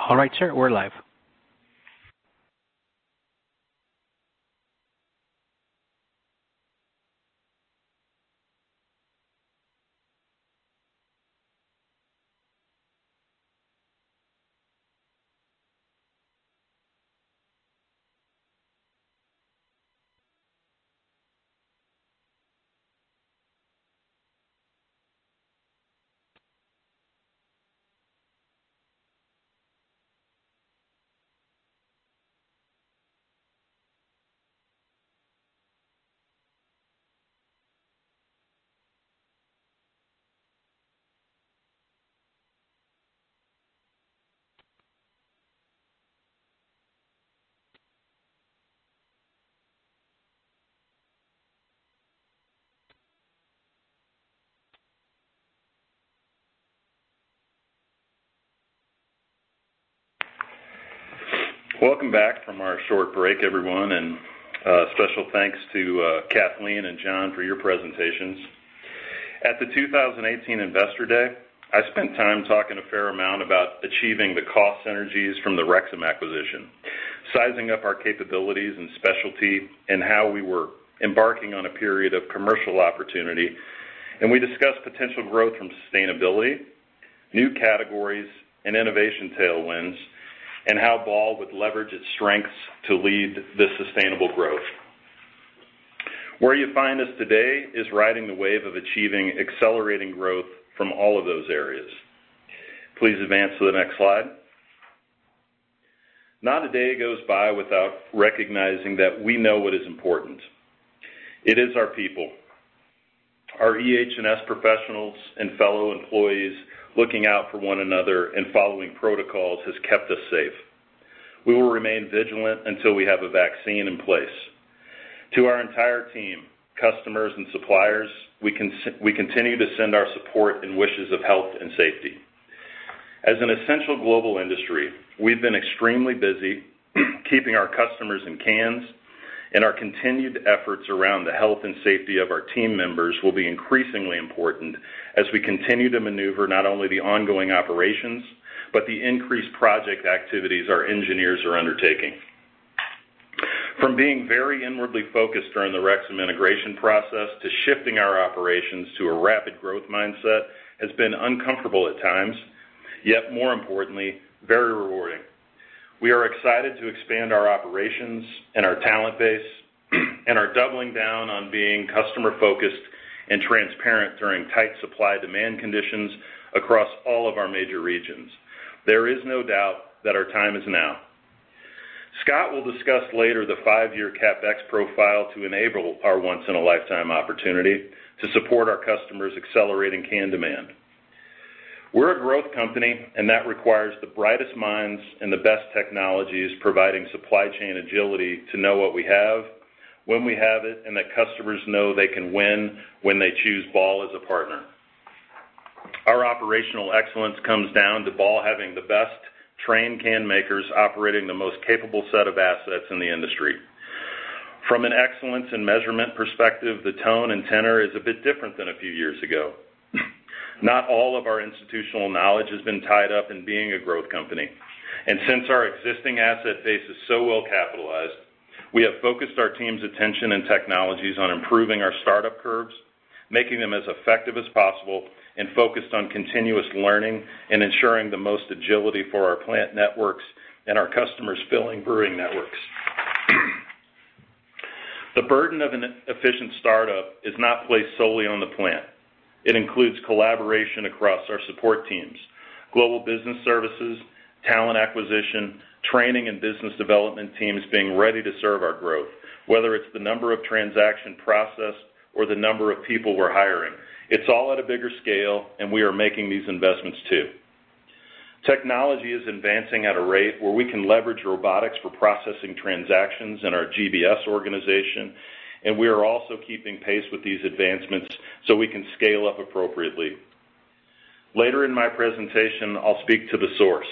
S1: All right, sir, we're live.
S4: Welcome back from our short break, everyone, and special thanks to Kathleen and John for your presentations. At the 2018 Investor Day, I spent time talking a fair amount about achieving the cost synergies from the Rexam acquisition, sizing up our capabilities and specialty, and how we were embarking on a period of commercial opportunity. We discussed potential growth from sustainability, new categories, and innovation tailwinds, and how Ball would leverage its strengths to lead the sustainable growth. Where you find us today is riding the wave of achieving accelerating growth from all of those areas. Please advance to the next slide. Not a day goes by without recognizing that we know what is important. It is our people. Our EH&S professionals and fellow employees looking out for one another and following protocols has kept us safe. We will remain vigilant until we have a vaccine in place. To our entire team, customers, and suppliers, we continue to send our support and wishes of health and safety. As an essential global industry, we've been extremely busy keeping our customers in cans, and our continued efforts around the health and safety of our team members will be increasingly important as we continue to maneuver not only the ongoing operations, but the increased project activities our engineers are undertaking. From being very inwardly focused during the Rexam integration process to shifting our operations to a rapid growth mindset has been uncomfortable at times, yet more importantly, very rewarding. We are excited to expand our operations and our talent base and are doubling down on being customer-focused and transparent during tight supply/demand conditions across all of our major regions. There is no doubt that our time is now. Scott will discuss later the five-year CapEx profile to enable our once-in-a-lifetime opportunity to support our customers' accelerating can demand. We're a growth company, and that requires the brightest minds and the best technologies providing supply chain agility to know what we have, when we have it, and that customers know they can win when they choose Ball as a partner. Our operational excellence comes down to Ball having the best-trained can makers operating the most capable set of assets in the industry. From an excellence and measurement perspective, the tone and tenor is a bit different than a few years ago. Not all of our institutional knowledge has been tied up in being a growth company. Since our existing asset base is so well-capitalized, we have focused our team's attention and technologies on improving our startup curves, making them as effective as possible, and focused on continuous learning and ensuring the most agility for our plant networks and our customers' filling brewing networks. The burden of an efficient startup is not placed solely on the plant. It includes collaboration across our support teams, Global Business Services, talent acquisition, training and business development teams being ready to serve our growth, whether it's the number of transactions processed or the number of people we're hiring. It's all at a bigger scale, we are making these investments, too. Technology is advancing at a rate where we can leverage robotics for processing transactions in our GBS organization, and we are also keeping pace with these advancements so we can scale up appropriately. Later in my presentation, I'll speak to The Source,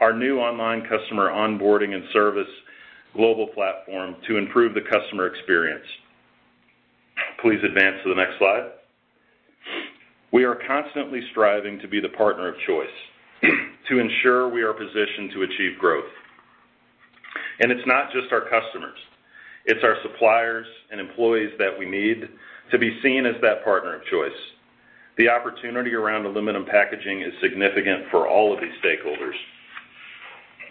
S4: our new online customer onboarding and service global platform to improve the customer experience. Please advance to the next slide. We are constantly striving to be the partner of choice, to ensure we are positioned to achieve growth. It's not just our customers. It's our suppliers and employees that we need to be seen as that partner of choice. The opportunity around aluminum packaging is significant for all of these stakeholders.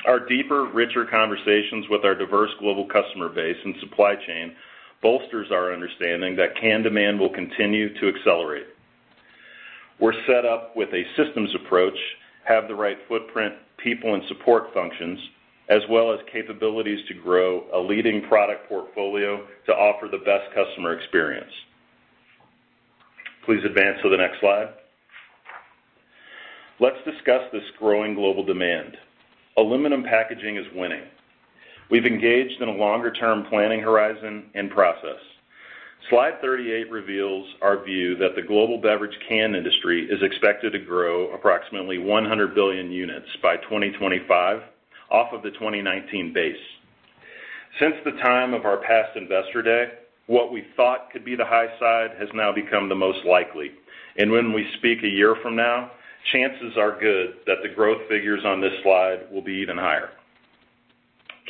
S4: Our deeper, richer conversations with our diverse global customer base and supply chain bolsters our understanding that can demand will continue to accelerate. We're set up with a systems approach, have the right footprint, people and support functions, as well as capabilities to grow a leading product portfolio to offer the best customer experience. Please advance to the next slide. Let's discuss this growing global demand. Aluminum packaging is winning. We've engaged in a longer-term planning horizon and process. Slide 38 reveals our view that the global beverage can industry is expected to grow approximately 100 billion units by 2025 off of the 2019 base. Since the time of our past Investor Day, what we thought could be the high side has now become the most likely, and when we speak a year from now, chances are good that the growth figures on this slide will be even higher.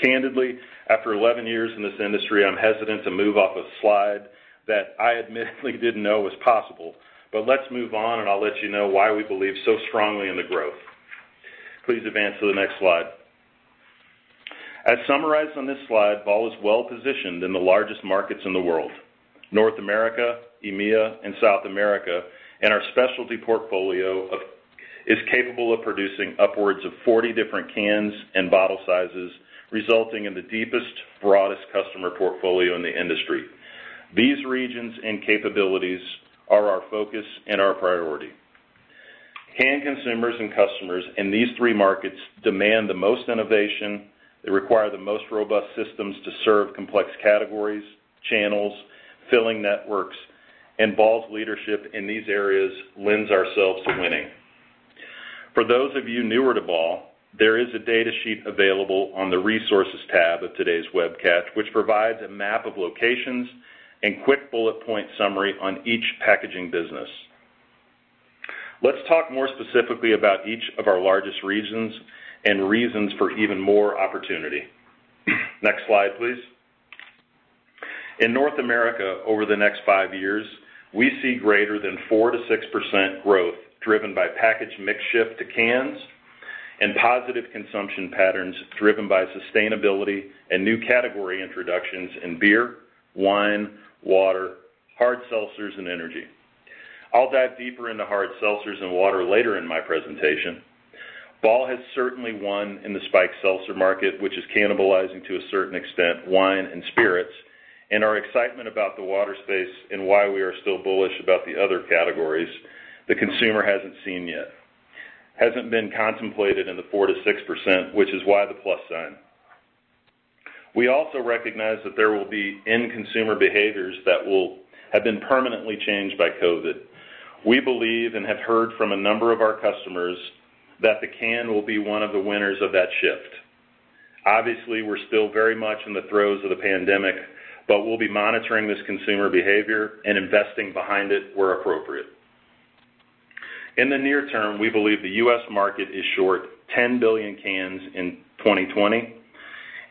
S4: Candidly, after 11 years in this industry, I'm hesitant to move off a slide that I admittedly didn't know was possible, but let's move on, and I'll let you know why we believe so strongly in the growth. Please advance to the next slide. As summarized on this slide, Ball is well-positioned in the largest markets in the world, North America, EMEA, and South America, and our specialty portfolio is capable of producing upwards of 40 different cans and bottle sizes, resulting in the deepest, broadest customer portfolio in the industry. These regions and capabilities are our focus and our priority. Can consumers and customers in these three markets demand the most innovation, they require the most robust systems to serve complex categories, channels, filling networks, and Ball's leadership in these areas lends ourselves to winning. For those of you newer to Ball, there is a data sheet available on the Resources tab of today's webcast which provides a map of locations and quick bullet point summary on each packaging business. Let's talk more specifically about each of our largest regions and reasons for even more opportunity. Next slide, please. In North America, over the next five years, we see greater than 4%-6% growth driven by package mix shift to cans and positive consumption patterns driven by sustainability and new category introductions in beer, wine, water, hard seltzers, and energy. I'll dive deeper into hard seltzers and water later in my presentation. Ball has certainly won in the spiked seltzer market, which is cannibalizing, to a certain extent, wine and spirits. Our excitement about the water space and why we are still bullish about the other categories the consumer hasn't seen yet, hasn't been contemplated in the 4%-6%, which is why the plus sign. We also recognize that there will be end consumer behaviors that will have been permanently changed by COVID. We believe, and have heard from a number of our customers, that the can will be one of the winners of that shift. Obviously, we're still very much in the throes of the pandemic, we'll be monitoring this consumer behavior and investing behind it where appropriate. In the near term, we believe the U.S. market is short 10 billion cans in 2020,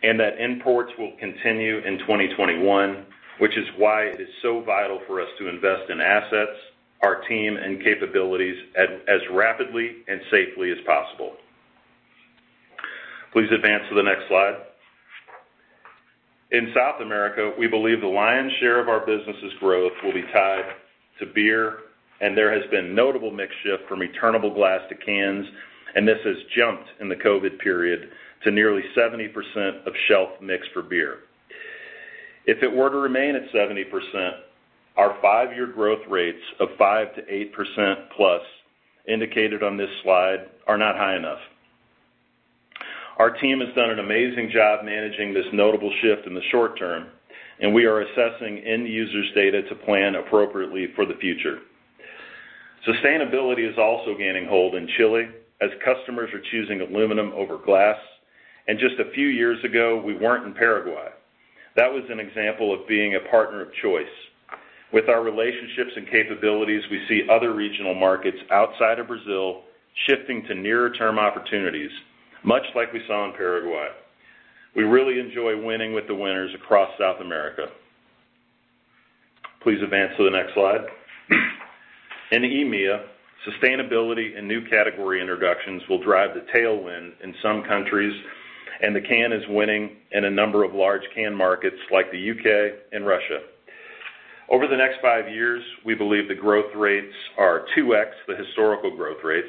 S4: and that imports will continue in 2021, which is why it is so vital for us to invest in assets, our team, and capabilities as rapidly and safely as possible. Please advance to the next slide. In South America, we believe the lion's share of our business's growth will be tied to beer, and there has been notable mix shift from returnable glass to cans, and this has jumped in the COVID period to nearly 70% of shelf mix for beer. If it were to remain at 70%, our five-year growth rates of 5%-8% plus indicated on this slide are not high enough. Our team has done an amazing job managing this notable shift in the short term. We are assessing end users' data to plan appropriately for the future. Sustainability is also gaining hold in Chile, as customers are choosing aluminum over glass. Just a few years ago, we weren't in Paraguay. That was an example of being a partner of choice. With our relationships and capabilities, we see other regional markets outside of Brazil shifting to nearer-term opportunities, much like we saw in Paraguay. We really enjoy winning with the winners across South America. Please advance to the next slide. In EMEA, sustainability and new category introductions will drive the tailwind in some countries, and the can is winning in a number of large can markets like the U.K. and Russia. Over the next five years, we believe the growth rates are 2x the historical growth rates.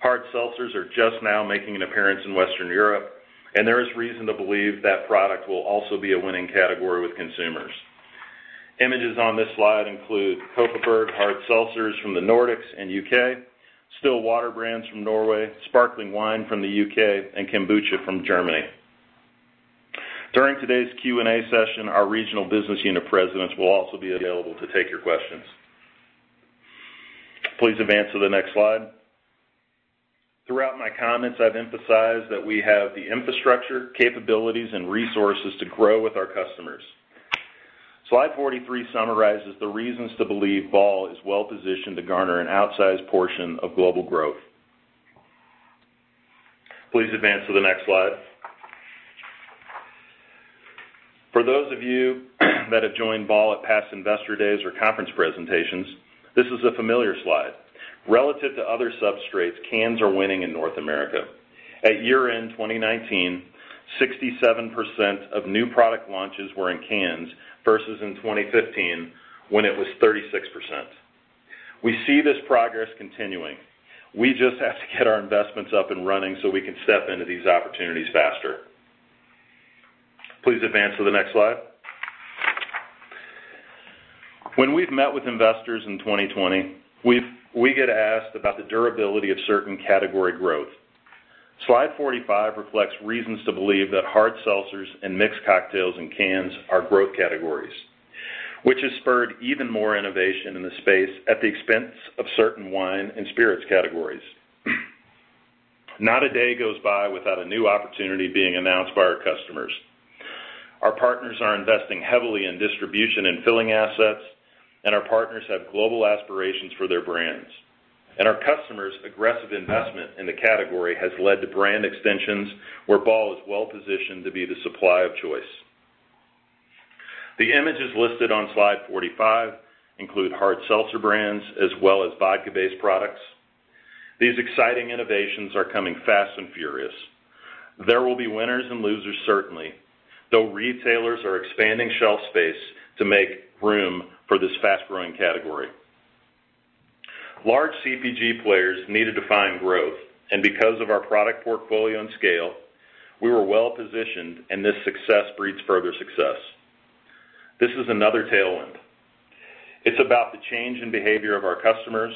S4: Hard seltzers are just now making an appearance in Western Europe, and there is reason to believe that product will also be a winning category with consumers. Images on this slide include Kopparberg hard seltzers from the Nordics and U.K., Still Water brands from Norway, Sparkling Wine from the U.K., and Kombucha from Germany. During today's Q&A session, our regional business unit presidents will also be available to take your questions. Please advance to the next slide. Throughout my comments, I've emphasized that we have the infrastructure, capabilities, and resources to grow with our customers. Slide 43 summarizes the reasons to believe Ball is well-positioned to garner an outsized portion of global growth. Please advance to the next slide. For those of you that have joined Ball at past investor days or conference presentations, this is a familiar slide. Relative to other substrates, cans are winning in North America. At year-end 2019, 67% of new product launches were in cans, versus in 2015, when it was 36%. We see this progress continuing. We just have to get our investments up and running so we can step into these opportunities faster. Please advance to the next slide. When we've met with investors in 2020, we get asked about the durability of certain category growth. Slide 45 reflects reasons to believe that hard seltzers and mixed cocktails in cans are growth categories, which has spurred even more innovation in the space at the expense of certain wine and spirits categories. Not a day goes by without a new opportunity being announced by our customers. Our partners are investing heavily in distribution and filling assets, and our partners have global aspirations for their brands. Our customers' aggressive investment in the category has led to brand extensions where Ball is well-positioned to be the supplier of choice. The images listed on Slide 45 include hard seltzer brands as well as vodka-based products. These exciting innovations are coming fast and furious. There will be winners and losers, certainly, though retailers are expanding shelf space to make room for this fast-growing category. Large CPG players need to define growth, and because of our product portfolio and scale, we were well-positioned, and this success breeds further success. This is another tailwind. It's about the change in behavior of our customers.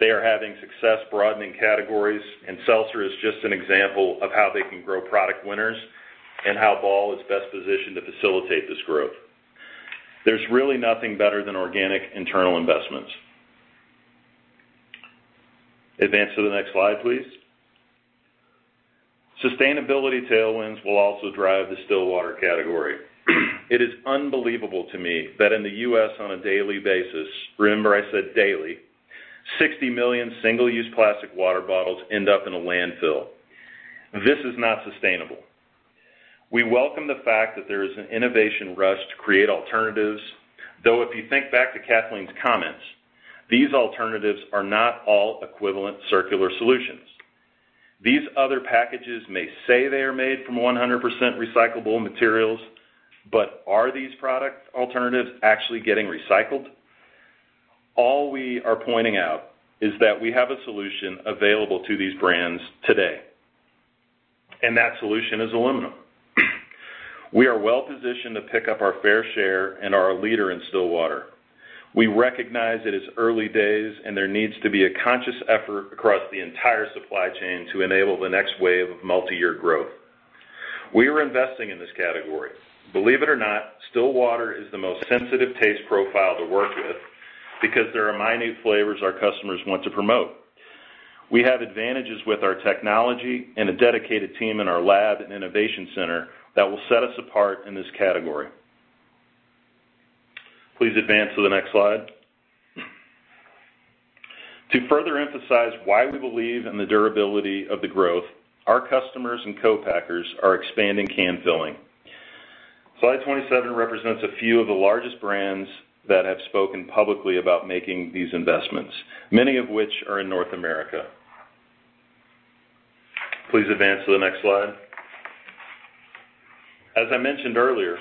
S4: They are having success broadening categories, and seltzer is just an example of how they can grow product winners and how Ball is best positioned to facilitate this growth. There's really nothing better than organic internal investments. Advance to the next slide, please. Sustainability tailwinds will also drive the still water category. It is unbelievable to me that in the U.S. on a daily basis, remember I said daily, 60 million single-use plastic water bottles end up in a landfill. This is not sustainable. We welcome the fact that there is an innovation rush to create alternatives, though if you think back to Kathleen's comments, these alternatives are not all equivalent circular solutions. These other packages may say they are made from 100% recyclable materials, but are these product alternatives actually getting recycled? All we are pointing out is that we have a solution available to these brands today, and that solution is aluminum. We are well-positioned to pick up our fair share and are a leader in still water. We recognize it is early days. There needs to be a conscious effort across the entire supply chain to enable the next wave of multiyear growth. We are investing in this category. Believe it or not, still water is the most sensitive taste profile to work with because there are minute flavors our customers want to promote. We have advantages with our technology and a dedicated team in our lab and innovation center that will set us apart in this category. Please advance to the next slide. To further emphasize why we believe in the durability of the growth, our customers and co-packers are expanding can filling. Slide 27 represents a few of the largest brands that have spoken publicly about making these investments, many of which are in North America. Please advance to the next slide. As I mentioned earlier,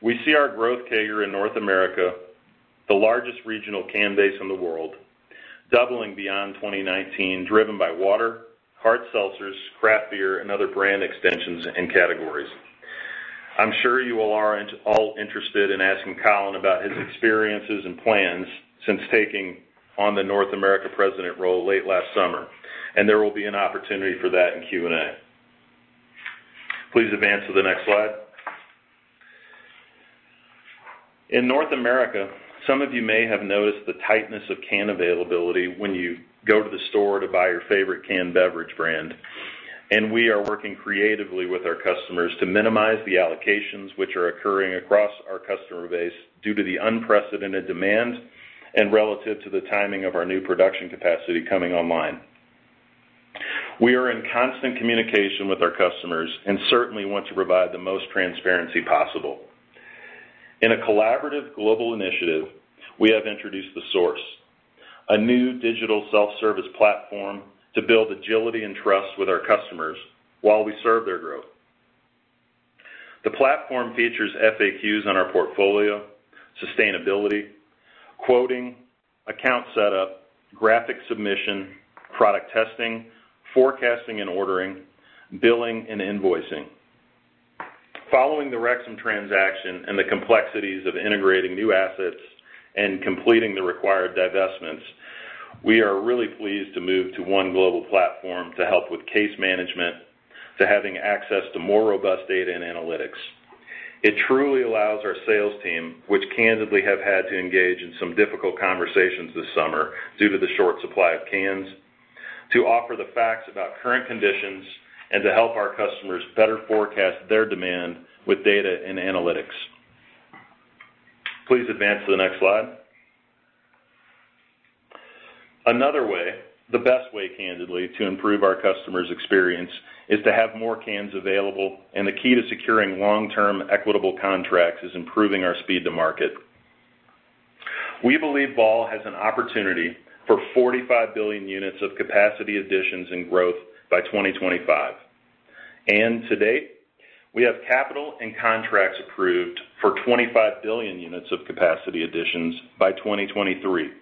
S4: we see our growth CAGR in North America, the largest regional can base in the world, doubling beyond 2019, driven by water, hard seltzers, craft beer, and other brand extensions and categories. I'm sure you all are interested in asking Colin about his experiences and plans since taking on the North America president role late last summer. There will be an opportunity for that in Q&A. Please advance to the next slide. In North America, some of you may have noticed the tightness of can availability when you go to the store to buy your favorite canned beverage brand. We are working creatively with our customers to minimize the allocations which are occurring across our customer base due to the unprecedented demand and relative to the timing of our new production capacity coming online. We are in constant communication with our customers and certainly want to provide the most transparency possible. In a collaborative global initiative, we have introduced The Source, a new digital self-service platform to build agility and trust with our customers while we serve their growth. The platform features FAQs on our portfolio, sustainability, quoting, account setup, graphic submission, product testing, forecasting and ordering, billing, and invoicing. Following the Rexam transaction and the complexities of integrating new assets and completing the required divestments, we are really pleased to move to one global platform to help with case management, to having access to more robust data and analytics. It truly allows our sales team, which candidly have had to engage in some difficult conversations this summer due to the short supply of cans, to offer the facts about current conditions and to help our customers better forecast their demand with data and analytics. Please advance to the next slide. Another way, the best way, candidly, to improve our customers' experience is to have more cans available, and the key to securing long-term equitable contracts is improving our speed to market. We believe Ball has an opportunity for 45 billion units of capacity additions in growth by 2025. To date, we have capital and contracts approved for 25 billion units of capacity additions by 2023.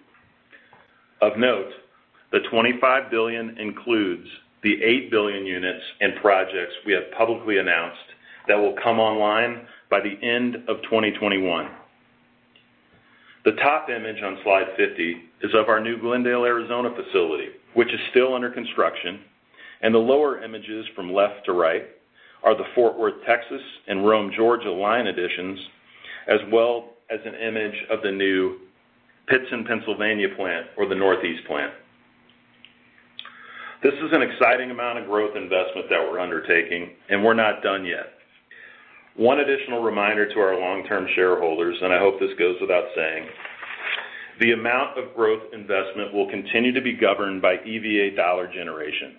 S4: Of note, the 25 billion includes the 8 billion units and projects we have publicly announced that will come online by the end of 2021. The top image on slide 50 is of our new Glendale, Arizona facility, which is still under construction, and the lower images from left to right are the Fort Worth, Texas, and Rome, Georgia, line additions, as well as an image of the new Pittston, Pennsylvania, plant or the Northeast plant. This is an exciting amount of growth investment that we're undertaking, and we're not done yet. One additional reminder to our long-term shareholders, and I hope this goes without saying, the amount of growth investment will continue to be governed by EVA dollar generation.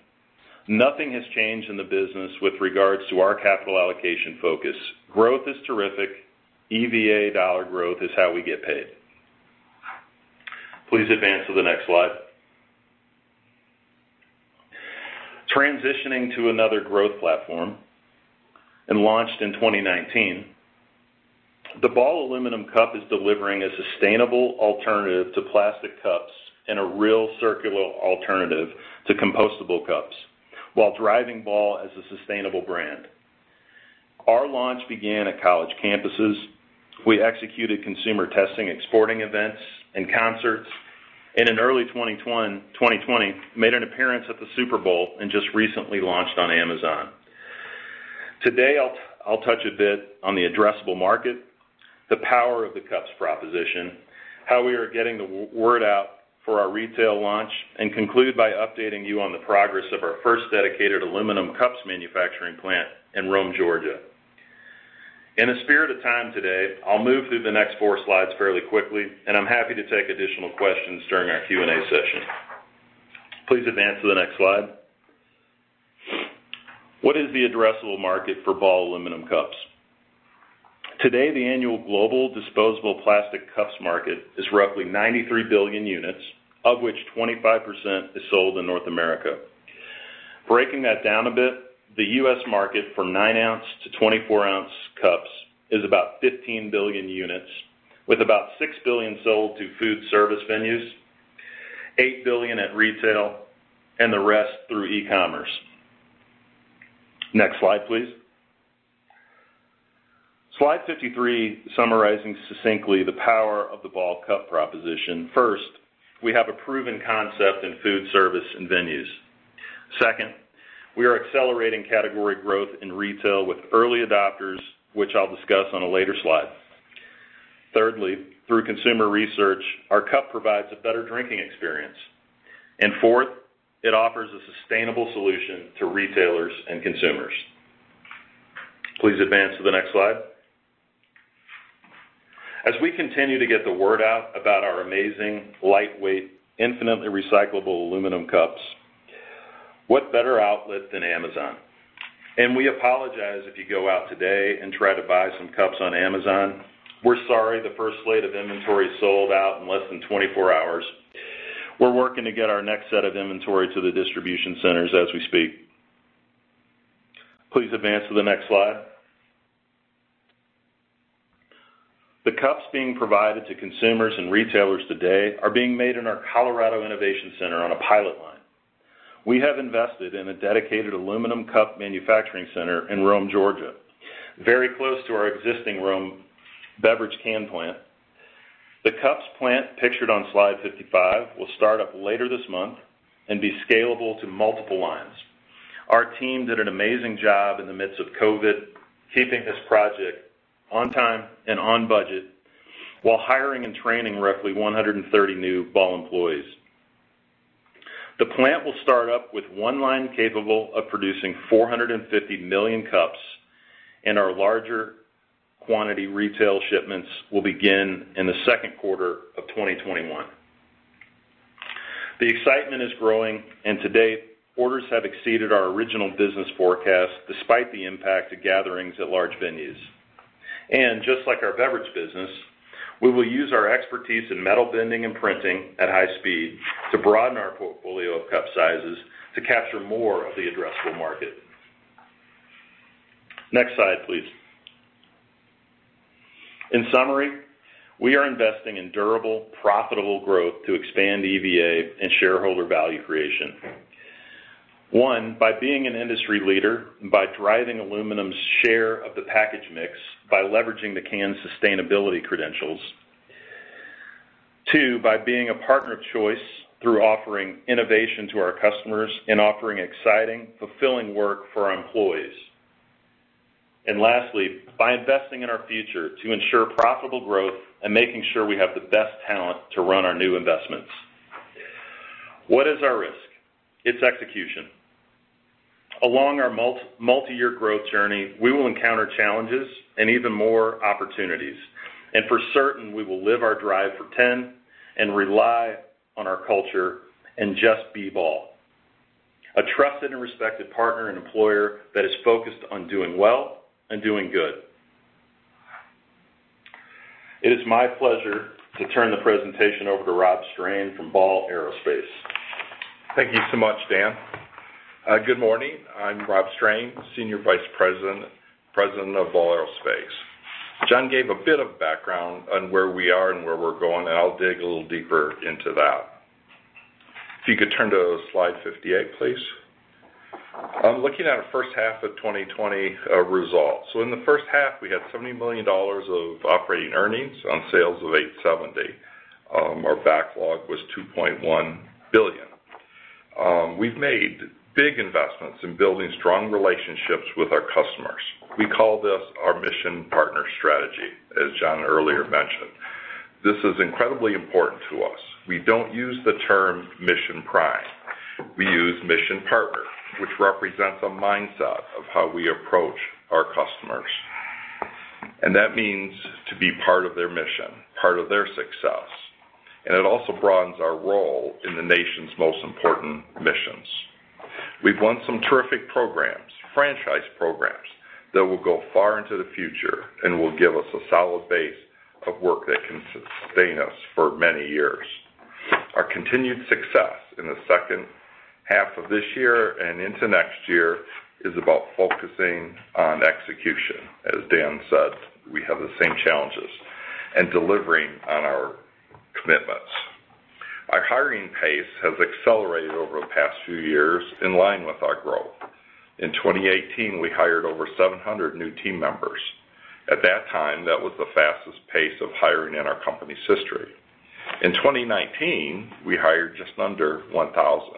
S4: Nothing has changed in the business with regards to our capital allocation focus. Growth is terrific. EVA dollar growth is how we get paid. Please advance to the next slide. Transitioning to another growth platform and launched in 2019, the Ball aluminum cup is delivering a sustainable alternative to plastic cups and a real circular alternative to compostable cups while driving Ball as a sustainable brand. Our launch began at college campuses. We executed consumer testing at sporting events and concerts, and in early 2020, made an appearance at the Super Bowl and just recently launched on Amazon. Today, I'll touch a bit on the addressable market, the power of the cups proposition, how we are getting the word out for our retail launch, and conclude by updating you on the progress of our first dedicated aluminum cups manufacturing plant in Rome, Georgia. In the spirit of time today, I'll move through the next four slides fairly quickly, and I'm happy to take additional questions during our Q&A session. Please advance to the next slide. What is the addressable market for Ball aluminum cups? Today, the annual global disposable plastic cups market is roughly 93 billion units, of which 25% is sold in North America. Breaking that down a bit, the U.S. market for 9 ounce-24 ounce cups is about 15 billion units, with about six billion sold to food service venues, eight billion at retail, and the rest through e-commerce. Next slide, please. Slide 53 summarizing succinctly the power of the Ball cup proposition. First, we have a proven concept in food service and venues. Second, we are accelerating category growth in retail with early adopters, which I'll discuss on a later slide. Thirdly, through consumer research, our cup provides a better drinking experience. Fourth, it offers a sustainable solution to retailers and consumers. Please advance to the next slide. As we continue to get the word out about our amazing, lightweight, infinitely recyclable aluminum cups, what better outlet than Amazon? We apologize if you go out today and try to buy some cups on Amazon. We're sorry, the first slate of inventory sold out in less than 24 hours. We're working to get our next set of inventory to the distribution centers as we speak. Please advance to the next slide. The cups being provided to consumers and retailers today are being made in our Colorado innovation center on a pilot line. We have invested in a dedicated aluminum cup manufacturing center in Rome, Georgia, very close to our existing Rome beverage can plant. The cups plant pictured on slide 55 will start up later this month and be scalable to multiple lines. Our team did an amazing job in the midst of COVID, keeping this project on time and on budget while hiring and training roughly 130 new Ball employees. The plant will start up with one line capable of producing 450 million cups, and our larger quantity retail shipments will begin in the second quarter of 2021. The excitement is growing, and to date, orders have exceeded our original business forecast despite the impact of gatherings at large venues. Just like our beverage business, we will use our expertise in metal bending and printing at high speed to broaden our portfolio of cup sizes to capture more of the addressable market. Next slide, please. In summary, we are investing in durable, profitable growth to expand EVA and shareholder value creation. One, by being an industry leader and by driving aluminum's share of the package mix by leveraging the canned sustainability credentials. Two, by being a partner of choice through offering innovation to our customers and offering exciting, fulfilling work for our employees. Lastly, by investing in our future to ensure profitable growth and making sure we have the best talent to run our new investments. What is our risk? It's execution. Along our multi-year growth journey, we will encounter challenges and even more opportunities. For certain, we will live our Drive for 10 and rely on our culture and just be Ball, a trusted and respected partner and employer that is focused on doing well and doing good. It is my pleasure to turn the presentation over to Rob Strain from Ball Aerospace.
S5: Thank you so much, Dan. Good morning. I'm Rob Strain, Senior Vice Presiden, President of Ball Aerospace. John gave a bit of background on where we are and where we're going, I'll dig a little deeper into that. If you could turn to slide 58, please. I'm looking at first half of 2020 results. In the first half, we had $70 million of operating earnings on sales of $870 million. Our backlog was $2.1 billion. We've made big investments in building strong relationships with our customers. We call this our Mission Partner strategy, as John earlier mentioned. This is incredibly important to us. We don't use the term Mission Prime. We use Mission Partner, which represents a mindset of how we approach our customers. That means to be part of their mission, part of their success, and it also broadens our role in the nation's most important missions. We've won some terrific programs, franchise programs that will go far into the future and will give us a solid base of work that can sustain us for many years. Our continued success in the second half of this year and into next year is about focusing on execution, as Dan said, we have the same challenges, and delivering on our commitments. Our hiring pace has accelerated over the past few years in line with our growth. In 2018, we hired over 700 new team members. At that time, that was the fastest pace of hiring in our company's history. In 2019, we hired just under 1,000,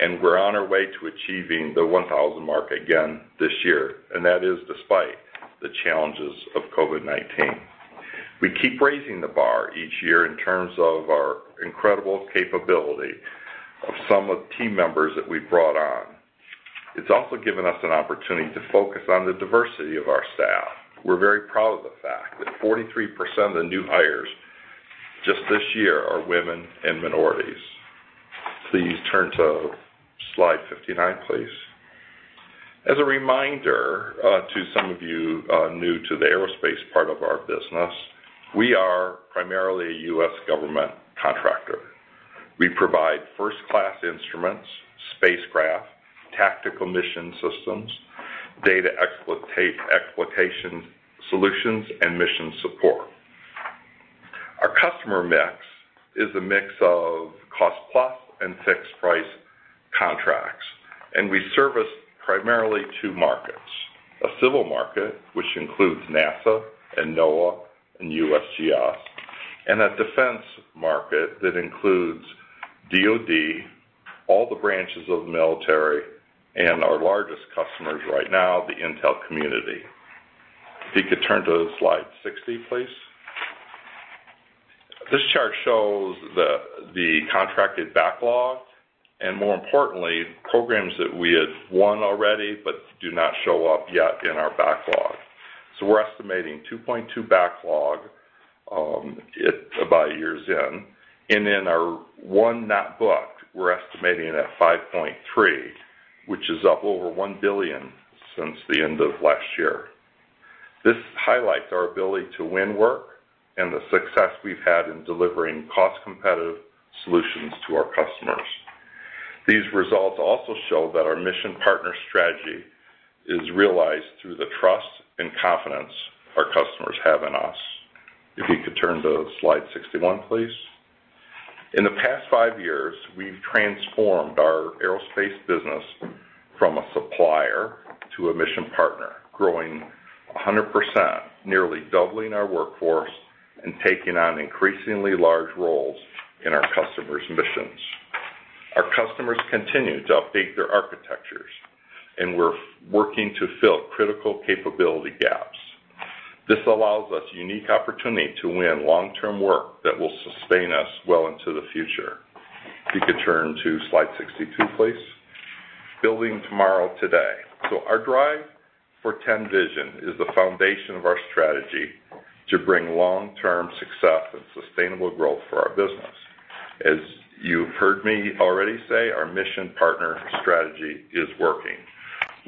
S5: and we're on our way to achieving the 1,000 mark again this year, and that is despite the challenges of COVID-19. We keep raising the bar each year in terms of our incredible capability of some of the team members that we've brought on. It's also given us an opportunity to focus on the diversity of our staff. We're very proud of the fact that 43% of the new hires just this year are women and minorities. Please turn to slide 59, please. As a reminder to some of you new to the aerospace part of our business, we are primarily a U.S. government contractor. We provide first-class instruments, spacecraft, tactical mission systems, data exploitation solutions, and mission support. Our customer mix is a mix of cost plus and fixed price contracts, and we service primarily two markets, a civil market, which includes NASA and NOAA and USGS, and a defense market that includes DoD, all the branches of the military, and our largest customers right now, the Intel Community. If you could turn to slide 60, please. This chart shows the contracted backlog and more importantly, programs that we had won already but do not show up yet in our backlog. We're estimating 2.2 backlog about years in. In our won not booked, we're estimating it at 5.3, which is up over $1 billion since the end of last year. This highlights our ability to win work and the success we've had in delivering cost-competitive solutions to our customers. These results also show that our Mission Partner strategy is realized through the trust and confidence our customers have in us. If you could turn to slide 61, please. In the past five years, we've transformed our Aerospace business from a supplier to a mission partner, growing 100%, nearly doubling our workforce, and taking on increasingly large roles in our customers' missions. Our customers continue to update their architectures, and we're working to fill critical capability gaps. This allows us unique opportunity to win long-term work that will sustain us well into the future. If you could turn to slide 62, please. Building tomorrow today. Our Drive for 10 vision is the foundation of our strategy to bring long-term success and sustainable growth for our business. As you've heard me already say, our Mission Partner strategy is working.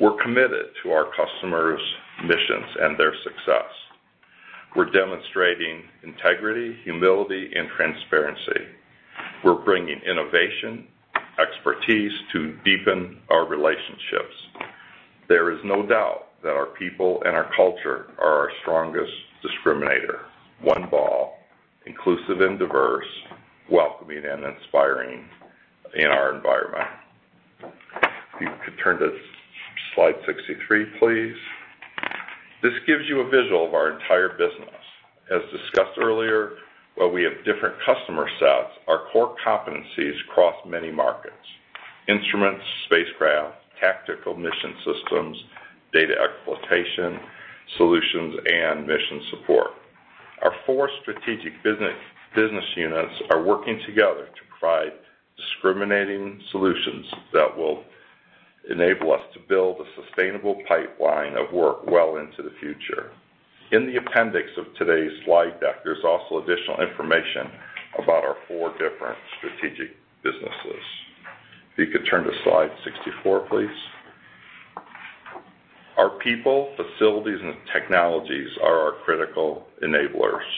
S5: We're committed to our customers' missions and their success. We're demonstrating integrity, humility, and transparency. We're bringing innovation, expertise to deepen our relationships. There is no doubt that our people and our culture are our strongest discriminator. One Ball, inclusive and diverse, welcoming and inspiring in our environment. If you could turn to slide 63, please. This gives you a visual of our entire business. As discussed earlier, while we have different customer sets, our core competencies cross many markets. Instruments, spacecraft, tactical mission systems, data exploitation, solutions, and mission support. Our four strategic business units are working together to provide discriminating solutions that will enable us to build a sustainable pipeline of work well into the future. In the appendix of today's slide deck, there is also additional information about our four different strategic businesses. If you could turn to slide 64, please. Our people, facilities, and technologies are our critical enablers.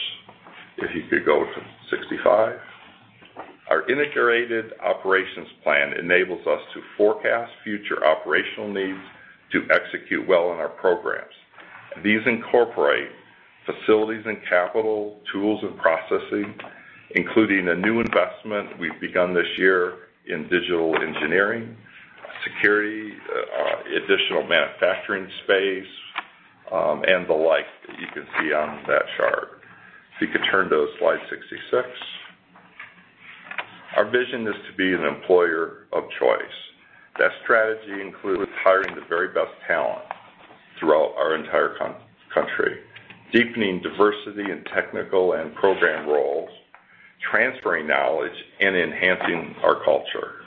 S5: If you could go to 65. Our integrated operations plan enables us to forecast future operational needs to execute well on our programs. These incorporate facilities and capital, tools and processing, including a new investment we have begun this year in digital engineering, security, additional manufacturing space, and the like that you can see on that chart. If you could turn to slide 66. Our vision is to be an employer of choice. That strategy includes hiring the very best talent throughout our entire country, deepening diversity in technical and program roles, transferring knowledge, and enhancing our culture.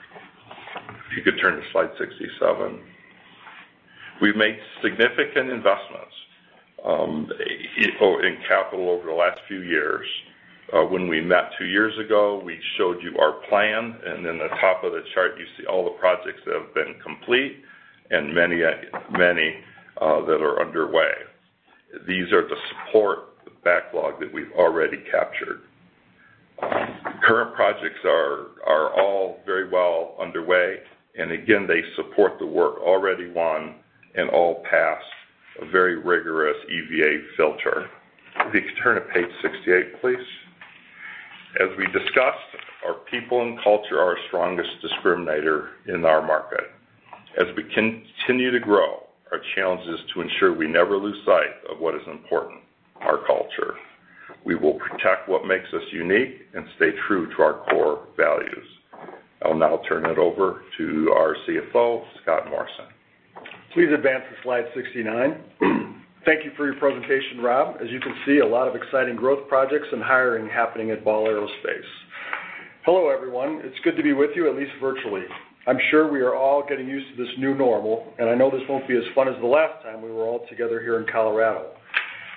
S5: If you could turn to slide 67. We've made significant investments in capital over the last few years. When we met two years ago, we showed you our plan, and in the top of the chart, you see all the projects that have been complete and many that are underway. These are to support the backlog that we've already captured. Current projects are all very well underway, and again, they support the work already won and all pass a very rigorous EVA filter. If you could turn to page 68, please. As we discussed, our people and culture are our strongest discriminator in our market. As we continue to grow, our challenge is to ensure we never lose sight of what is important, our culture. We will protect what makes us unique and stay true to our core values. I will now turn it over to our CFO, Scott Morrison.
S6: Please advance to slide 69. Thank you for your presentation, Rob. As you can see, a lot of exciting growth projects and hiring happening at Ball Aerospace. Hello, everyone. It's good to be with you, at least virtually. I'm sure we are all getting used to this new normal, and I know this won't be as fun as the last time we were all together here in Colorado.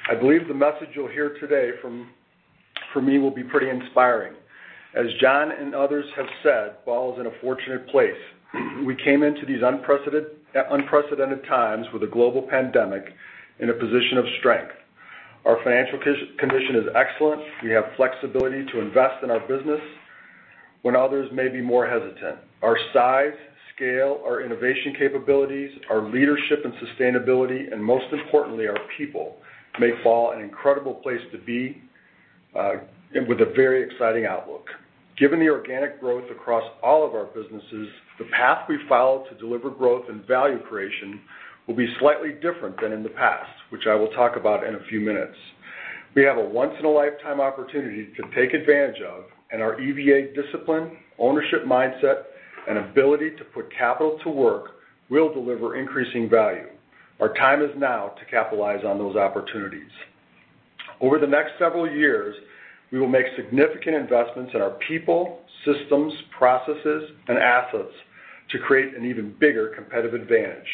S6: I believe the message you'll hear today from me will be pretty inspiring. As John and others have said, Ball is in a fortunate place. We came into these unprecedented times with a global pandemic in a position of strength. Our financial condition is excellent. We have flexibility to invest in our business when others may be more hesitant. Our size, scale, our innovation capabilities, our leadership and sustainability, and most importantly, our people, make Ball an incredible place to be, with a very exciting outlook. Given the organic growth across all of our businesses, the path we follow to deliver growth and value creation will be slightly different than in the past, which I will talk about in a few minutes. We have a once-in-a-lifetime opportunity to take advantage of, and our EVA discipline, ownership mindset, and ability to put capital to work will deliver increasing value. Our time is now to capitalize on those opportunities. Over the next several years, we will make significant investments in our people, systems, processes, and assets to create an even bigger competitive advantage,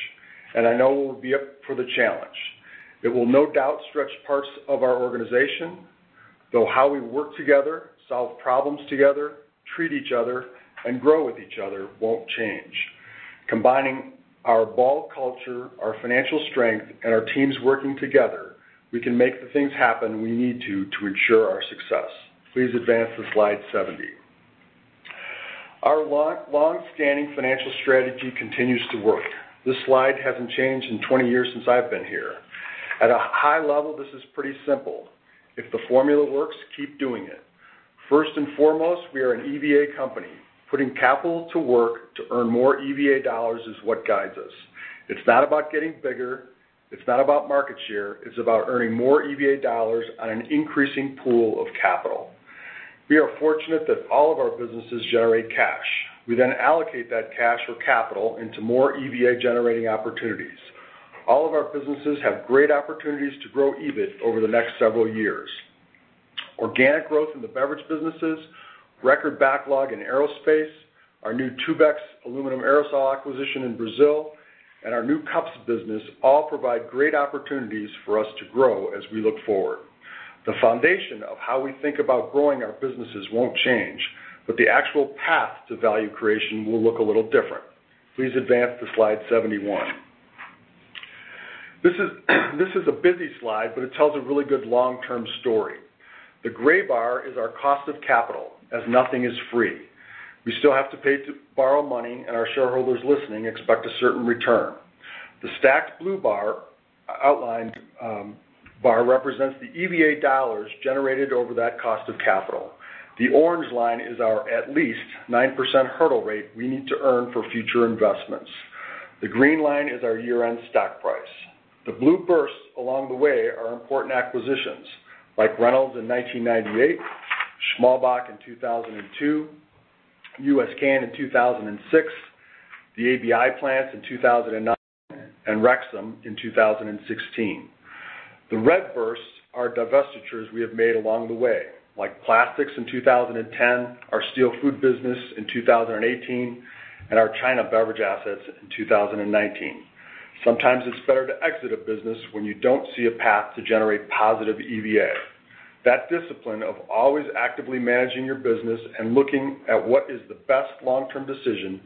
S6: and I know we'll be up for the challenge. It will no doubt stretch parts of our organization, though how we work together, solve problems together, treat each other, and grow with each other won't change. Combining our Ball Culture, our financial strength, and our teams working together, we can make the things happen we need to ensure our success. Please advance to slide 70. Our long-standing financial strategy continues to work. This slide hasn't changed in 20 years since I've been here. At a high level, this is pretty simple. If the formula works, keep doing it. First and foremost, we are an EVA company. Putting capital to work to earn more EVA dollars is what guides us. It's not about getting bigger, it's not about market share, it's about earning more EVA dollars on an increasing pool of capital. We are fortunate that all of our businesses generate cash. We allocate that cash or capital into more EVA-generating opportunities. All of our businesses have great opportunities to grow EBIT over the next several years. Organic growth in the beverage businesses, record backlog in Aerospace, our new Tubex aluminum aerosol acquisition in Brazil, and our new cups business all provide great opportunities for us to grow as we look forward. The foundation of how we think about growing our businesses won't change, the actual path to value creation will look a little different. Please advance to slide 71. This is a busy slide, it tells a really good long-term story. The gray bar is our cost of capital, as nothing is free. We still have to pay to borrow money, our shareholders listening expect a certain return. The stacked blue bar, outlined bar, represents the EVA dollars generated over that cost of capital. The orange line is our at least 9% hurdle rate we need to earn for future investments. The green line is our year-end stock price. The blue bursts along the way are important acquisitions, like Reynolds in 1998, Schmalbach in 2002, U.S. Can in 2006, the ABI plants in 2009, and Rexam in 2016. The red bursts are divestitures we have made along the way, like Plastics in 2010, our Steel Food business in 2018, and our China beverage assets in 2019. Sometimes it's better to exit a business when you don't see a path to generate positive EVA. That discipline of always actively managing your business and looking at what is the best long-term decision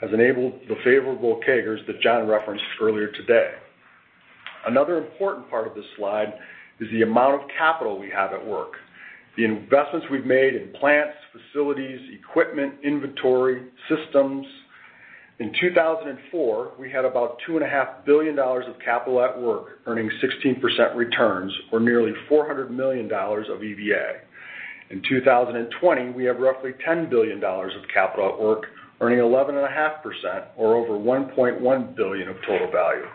S6: has enabled the favorable CAGRs that John referenced earlier today. Another important part of this slide is the amount of capital we have at work, the investments we made in plants, facilities, equipment, inventory, systems. In 2004, we had about $2.5 billion of capital at work earning 16% returns or nearly $400 million of EVA. In 2020, we have roughly $10 billion of capital at work earning 11.5%, or over $1.1 billion of total value.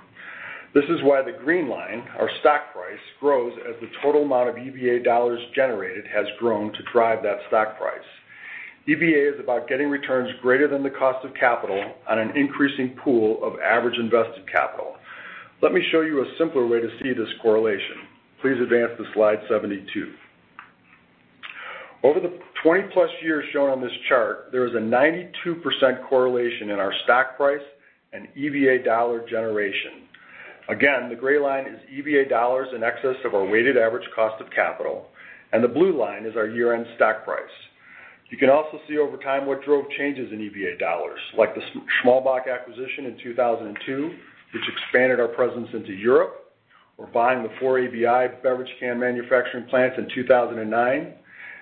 S6: This is why the green line, our stock price, grows as the total amount of EVA dollars generated has grown to drive that stock price. EVA is about getting returns greater than the cost of capital on an increasing pool of average invested capital. Let me show you a simpler way to see this correlation. Please advance to slide 72. Over the 20-plus years shown on this chart, there is a 92% correlation in our stock price and EVA dollar generation. The gray line is EVA dollars in excess of our weighted average cost of capital, and the blue line is our year-end stock price. You can also see over time what drove changes in EVA dollars, like the Schmalbach acquisition in 2002, which expanded our presence into Europe, or buying the four ABI beverage can manufacturing plants in 2009,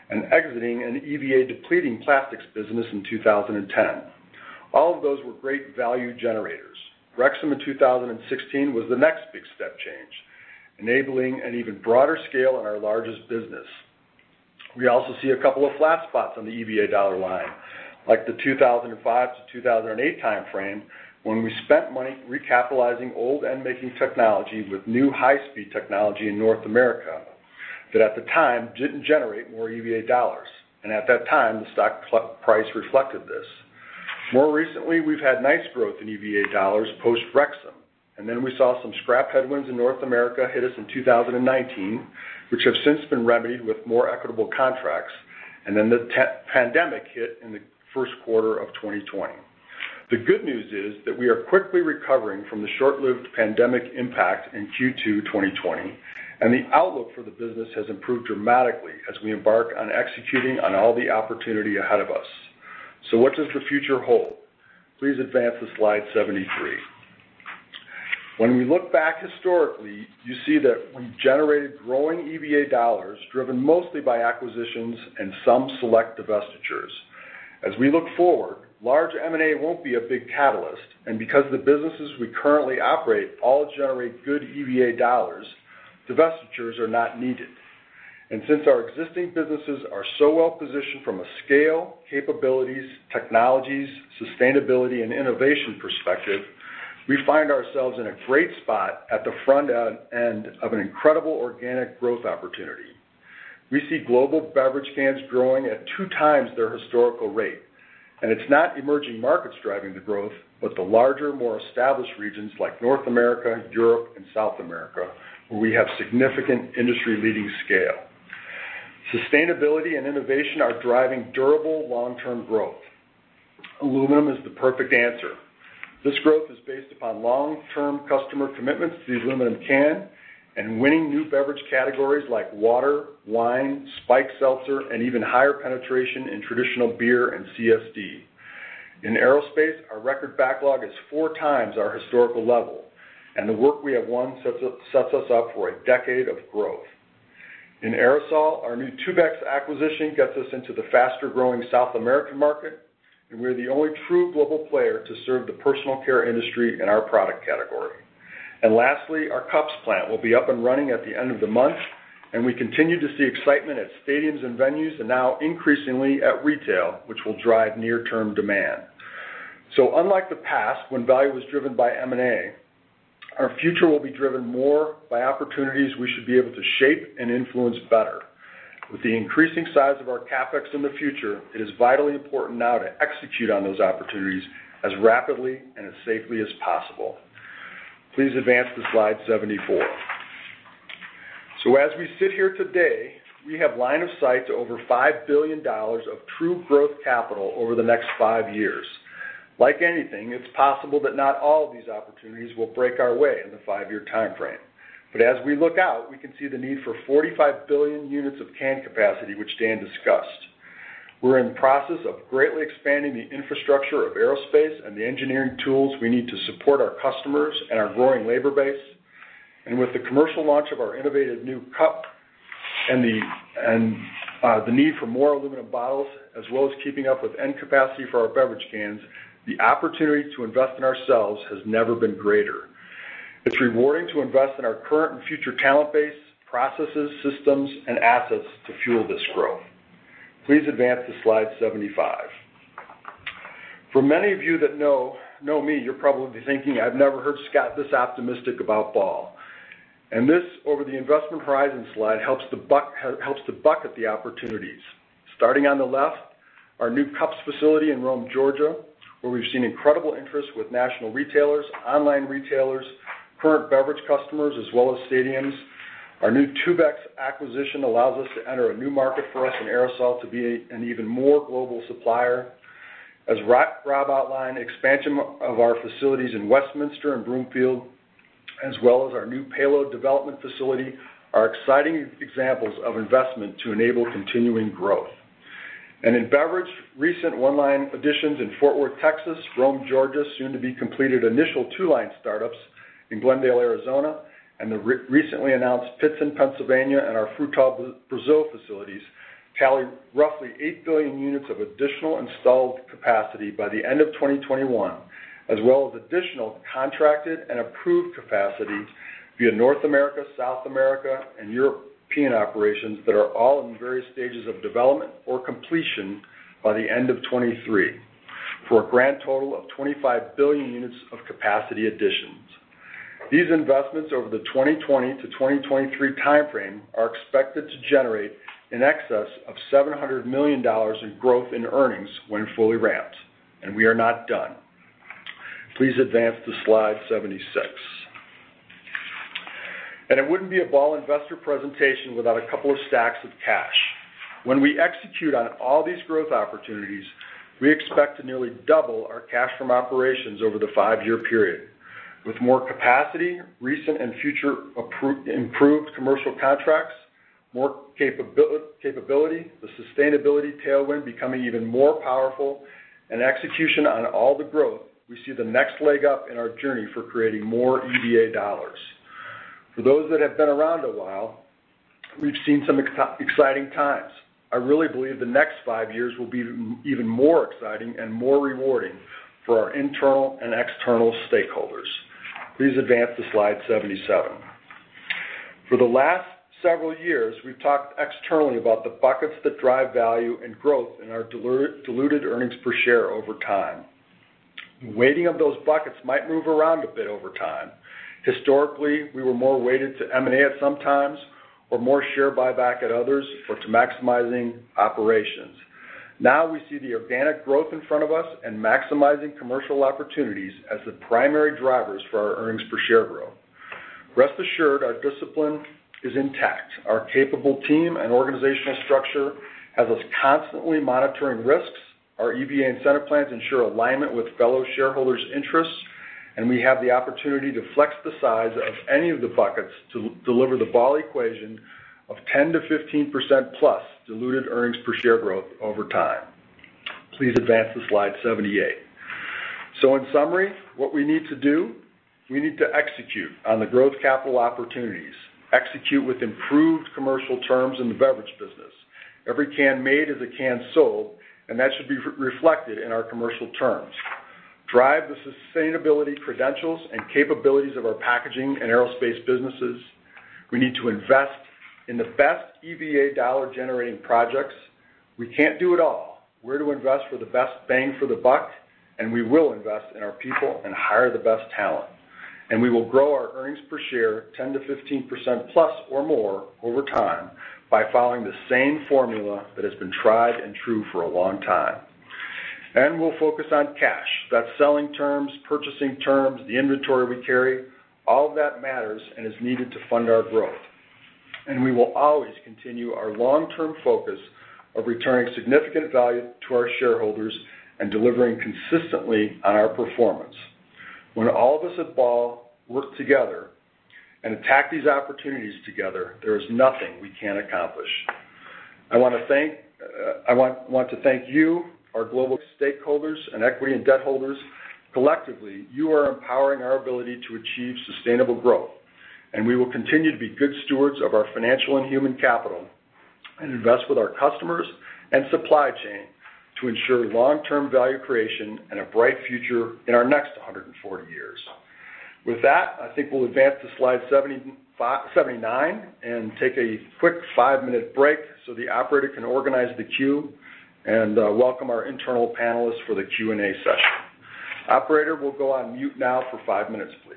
S6: and exiting an EVA-depleting plastics business in 2010. All of those were great value generators. Rexam in 2016 was the next big step change, enabling an even broader scale in our largest business. We also see a couple of flat spots on the EVA dollar line, like the 2005-2008 time frame when we spent money recapitalizing old end-making technology with new high-speed technology in North America that at the time didn't generate more EVA dollars. At that time, the stock price reflected this. More recently, we've had nice growth in EVA dollars post-Rexam. We saw some scrap headwinds in North America hit us in 2019, which have since been remedied with more equitable contracts. The pandemic hit in the first quarter of 2020. The good news is that we are quickly recovering from the short-lived pandemic impact in Q2 2020. The outlook for the business has improved dramatically as we embark on executing on all the opportunity ahead of us. What does the future hold? Please advance to slide 73. When we look back historically, you see that we've generated growing EVA dollars driven mostly by acquisitions and some select divestitures. As we look forward, large M&A won't be a big catalyst. Because the businesses we currently operate all generate good EVA dollars, divestitures are not needed. Since our existing businesses are so well-positioned from a scale, capabilities, technologies, sustainability, and innovation perspective, we find ourselves in a great spot at the front end of an incredible organic growth opportunity. We see global beverage cans growing at two times their historical rate, and it's not emerging markets driving the growth, but the larger, more established regions like North America, Europe, and South America, where we have significant industry-leading scale. Sustainability and innovation are driving durable long-term growth. Aluminum is the perfect answer. This growth is based upon long-term customer commitments to the aluminum can and winning new beverage categories like water, wine, spiked seltzer, and even higher penetration in traditional beer and CSD. In aerospace, our record backlog is four times our historical level, and the work we have won sets us up for a decade of growth. In aerosol, our new Tubex acquisition gets us into the faster-growing South American market, and we're the only true global player to serve the personal care industry in our product category. Lastly, our cups plant will be up and running at the end of the month, and we continue to see excitement at stadiums and venues, and now increasingly at retail, which will drive near-term demand. Unlike the past, when value was driven by M&A, our future will be driven more by opportunities we should be able to shape and influence better. With the increasing size of our CapEx in the future, it is vitally important now to execute on those opportunities as rapidly and as safely as possible. Please advance to slide 74. As we sit here today, we have line of sight to over $5 billion of true growth capital over the next five years. Like anything, it's possible that not all of these opportunities will break our way in the five-year timeframe. As we look out, we can see the need for 45 billion units of can capacity, which Dan discussed. We're in the process of greatly expanding the infrastructure of aerospace and the engineering tools we need to support our customers and our growing labor base. With the commercial launch of our innovative new cup and the need for more aluminum bottles, as well as keeping up with end capacity for our beverage cans, the opportunity to invest in ourselves has never been greater. It's rewarding to invest in our current and future talent base, processes, systems, and assets to fuel this growth. Please advance to slide 75. For many of you that know me, you're probably thinking, "I've never heard Scott this optimistic about Ball." This, over the investment horizon slide, helps to bucket the opportunities. Starting on the left, our new cups facility in Rome, Georgia, where we've seen incredible interest with national retailers, online retailers, current beverage customers, as well as stadiums. Our new Tubex acquisition allows us to enter a new market for us in aerosol to be an even more global supplier. As Rob outlined, expansion of our facilities in Westminster and Broomfield, as well as our new payload development facility, are exciting examples of investment to enable continuing growth. In beverage, recent one-line additions in Fort Worth, Texas, Rome, Georgia, soon to be completed initial two-line startups in Glendale, Arizona, and the recently announced Pittston, Pennsylvania, and our Frutal, Brazil facilities tally roughly eight billion units of additional installed capacity by the end of 2021. As well as additional contracted and approved capacity via North America, South America, and European operations that are all in various stages of development or completion by the end of 2023, for a grand total of 25 billion units of capacity additions. These investments over the 2020-2023 timeframe are expected to generate in excess of $700 million in growth in earnings when fully ramped, and we are not done. Please advance to slide 76. It wouldn't be a Ball investor presentation without a couple of stacks of cash. When we execute on all these growth opportunities, we expect to nearly double our cash from operations over the five-year period. With more capacity, recent and future improved commercial contracts, more capability, the sustainability tailwind becoming even more powerful, and execution on all the growth, we see the next leg up in our journey for creating more EVA dollars. For those that have been around a while, we've seen some exciting times. I really believe the next five years will be even more exciting and more rewarding for our internal and external stakeholders. Please advance to slide 77. For the last several years, we've talked externally about the buckets that drive value and growth in our diluted earnings per share over time. The weighting of those buckets might move around a bit over time. Historically, we were more weighted to M&A at some times, or more share buyback at others, or to maximizing operations. Now we see the organic growth in front of us and maximizing commercial opportunities as the primary drivers for our earnings per share growth. Rest assured, our discipline is intact. Our capable team and organizational structure has us constantly monitoring risks. Our EVA incentive plans ensure alignment with fellow shareholders' interests, and we have the opportunity to flex the size of any of the buckets to deliver the Ball equation of 10%-15% plus diluted earnings per share growth over time. Please advance to slide 78. In summary, what we need to do, we need to execute on the growth capital opportunities. Execute with improved commercial terms in the beverage business. Every can made is a can sold, and that should be reflected in our commercial terms. Drive the sustainability credentials and capabilities of our packaging and aerospace businesses. We need to invest in the best EVA dollar-generating projects. We can't do it all. We're to invest for the best bang for the buck, and we will invest in our people and hire the best talent. We will grow our earnings per share 10%-15% plus or more over time by following the same formula that has been tried and true for a long time. We'll focus on cash. That's selling terms, purchasing terms, the inventory we carry. All of that matters and is needed to fund our growth. We will always continue our long-term focus of returning significant value to our shareholders and delivering consistently on our performance. When all of us at Ball work together and attack these opportunities together, there is nothing we can't accomplish. I want to thank you, our global stakeholders, and equity and debt holders. Collectively, you are empowering our ability to achieve sustainable growth, and we will continue to be good stewards of our financial and human capital and invest with our customers and supply chain to ensure long-term value creation and a bright future in our next 140 years. With that, I think we'll advance to slide 79 and take a quick five-minute break so the operator can organize the queue and welcome our internal panelists for the Q&A session. Operator, we'll go on mute now for five minutes, please.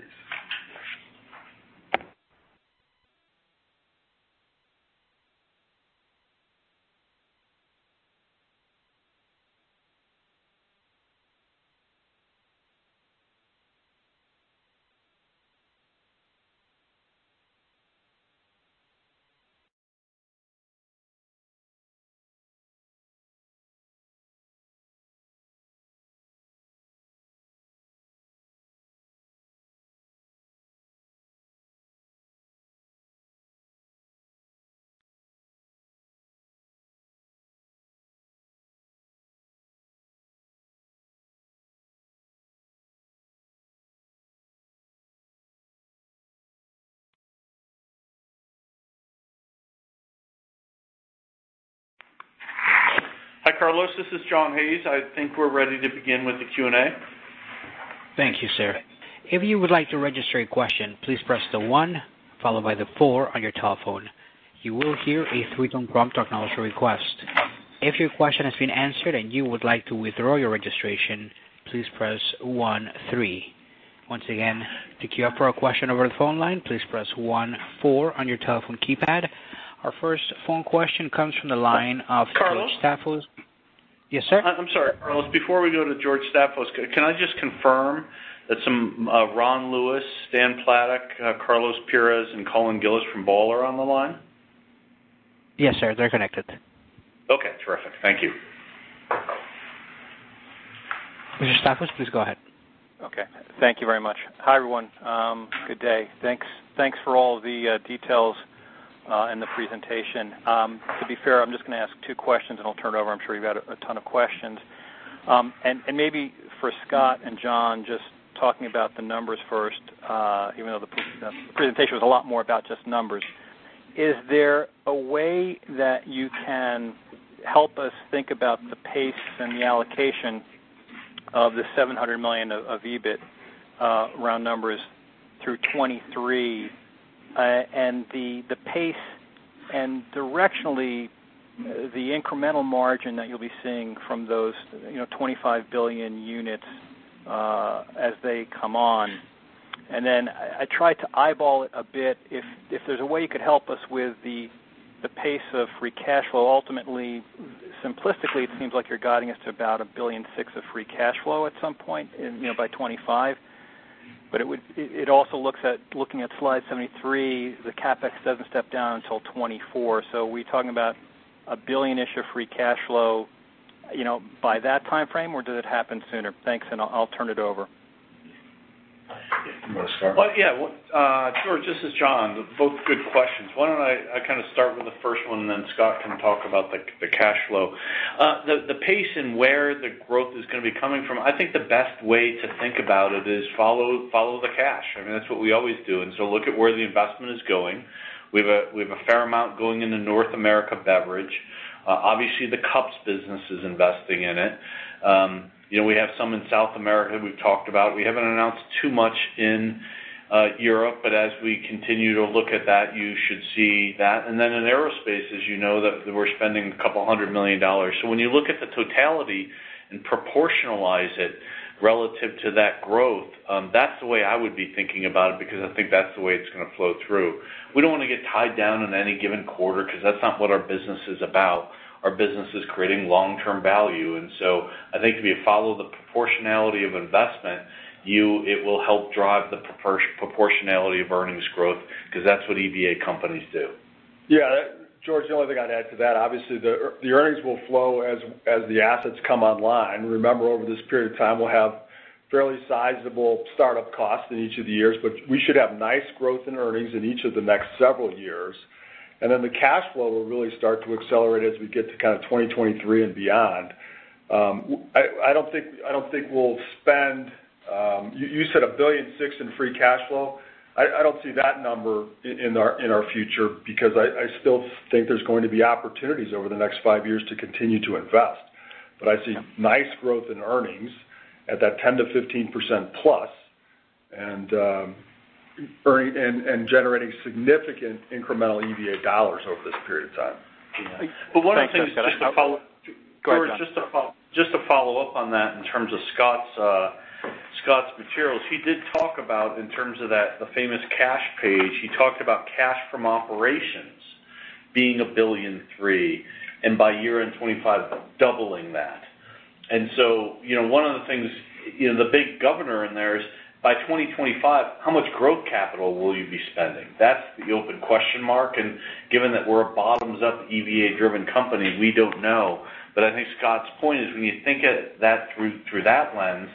S2: Hi, Carlos, this is John Hayes. I think we're ready to begin with the Q&A.
S1: Thank you, sir. If you would like to register a question, please press the one followed by the four on your telephone. You will hear a three-tone prompt to acknowledge your request. If your question has been answered and you would like to withdraw your registration, please press one, three. Once again, to queue up for a question over the phone line, please press one, four on your telephone keypad. Our first phone question comes from the line of-
S2: Carlos
S1: George Staphos. Yes, sir?
S2: I'm sorry, Carlos, before we go to George Staphos, can I just confirm that Ron Lewis, Stan Platek, Carlos Pires, and Colin Gillis from Ball are on the line?
S1: Yes, sir. They're connected.
S2: Okay, terrific. Thank you.
S1: Mr. Staphos, please go ahead.
S7: Okay. Thank you very much. Hi, everyone. Good day. Thanks for all the details and the presentation. To be fair, I'm just going to ask two questions, and I'll turn it over. I'm sure you've had a ton of questions. Maybe for Scott and John, just talking about the numbers first, even though the presentation was a lot more about just numbers, is there a way that you can help us think about the pace and the allocation of the $700 million of EBIT, round numbers, through 2023, and the pace and directionally the incremental margin that you'll be seeing from those 25 billion units as they come on? I tried to eyeball it a bit, if there's a way you could help us with the pace of free cash flow. Simplistically, it seems like you're guiding us to about $1.6 billion of free cash flow at some point by 2025. It also, looking at slide 73, the CapEx doesn't step down until 2024. Are we talking about a billion-ish of free cash flow by that timeframe, or does it happen sooner? Thanks, I'll turn it over.
S6: You want to start?
S2: Yeah. George, this is John. Both good questions. Why don't I start with the first one, then Scott can talk about the cash flow. The pace and where the growth is going to be coming from, I think the best way to think about it is follow the cash. That's what we always do. Look at where the investment is going. We have a fair amount going into North America Beverage. Obviously, the cups business is investing in it. We have some in South America we've talked about. We haven't announced too much in Europe, but as we continue to look at that, you should see that. In Aerospace, as you know, that we're spending $200 million. When you look at the totality and proportionalize it relative to that growth, that's the way I would be thinking about it, because I think that's the way it's going to flow through. We don't want to get tied down in any given quarter, because that's not what our business is about. Our business is creating long-term value, I think if you follow the proportionality of investment, it will help drive the proportionality of earnings growth, because that's what EVA companies do.
S6: George, the only thing I'd add to that, obviously, the earnings will flow as the assets come online. Remember, over this period of time, we'll have fairly sizable startup costs in each of the years, but we should have nice growth in earnings in each of the next several years. The cash flow will really start to accelerate as we get to kind of 2023 and beyond. You said $1.6 billion in free cash flow. I don't see that number in our future because I still think there's going to be opportunities over the next five years to continue to invest. I see nice growth in earnings at that 10%-15% plus, and generating significant incremental EVA dollars over this period of time.
S2: one of the things, just to follow.
S7: Go ahead, John.
S2: George, just to follow up on that in terms of Scott's materials, he did talk about, in terms of the famous cash page, he talked about cash from operations being $1.3 billion, by year-end 2025, doubling that. One of the things, the big governor in there is by 2025, how much growth capital will you be spending? That's the open question mark, and given that we're a bottoms-up EVA-driven company, we don't know. I think Scott's point is when you think through that lens,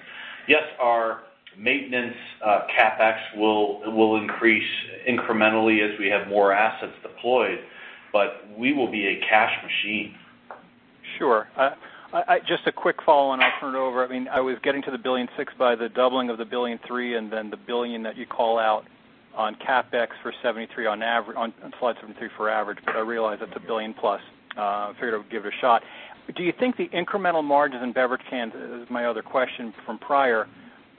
S2: yes, our Maintenance CapEx will increase incrementally as we have more assets deployed, but we will be a cash machine.
S7: Sure. Just a quick follow-on, I'll turn it over. I was getting to the $1.6 billion by the doubling of the $1.3 billion, and then the $1 billion that you call out on CapEx for 73 on average, on slide 73 for average. I realize that's a $1 billion plus. Figured I would give it a shot. Do you think the incremental margins in beverage cans, this is my other question from prior,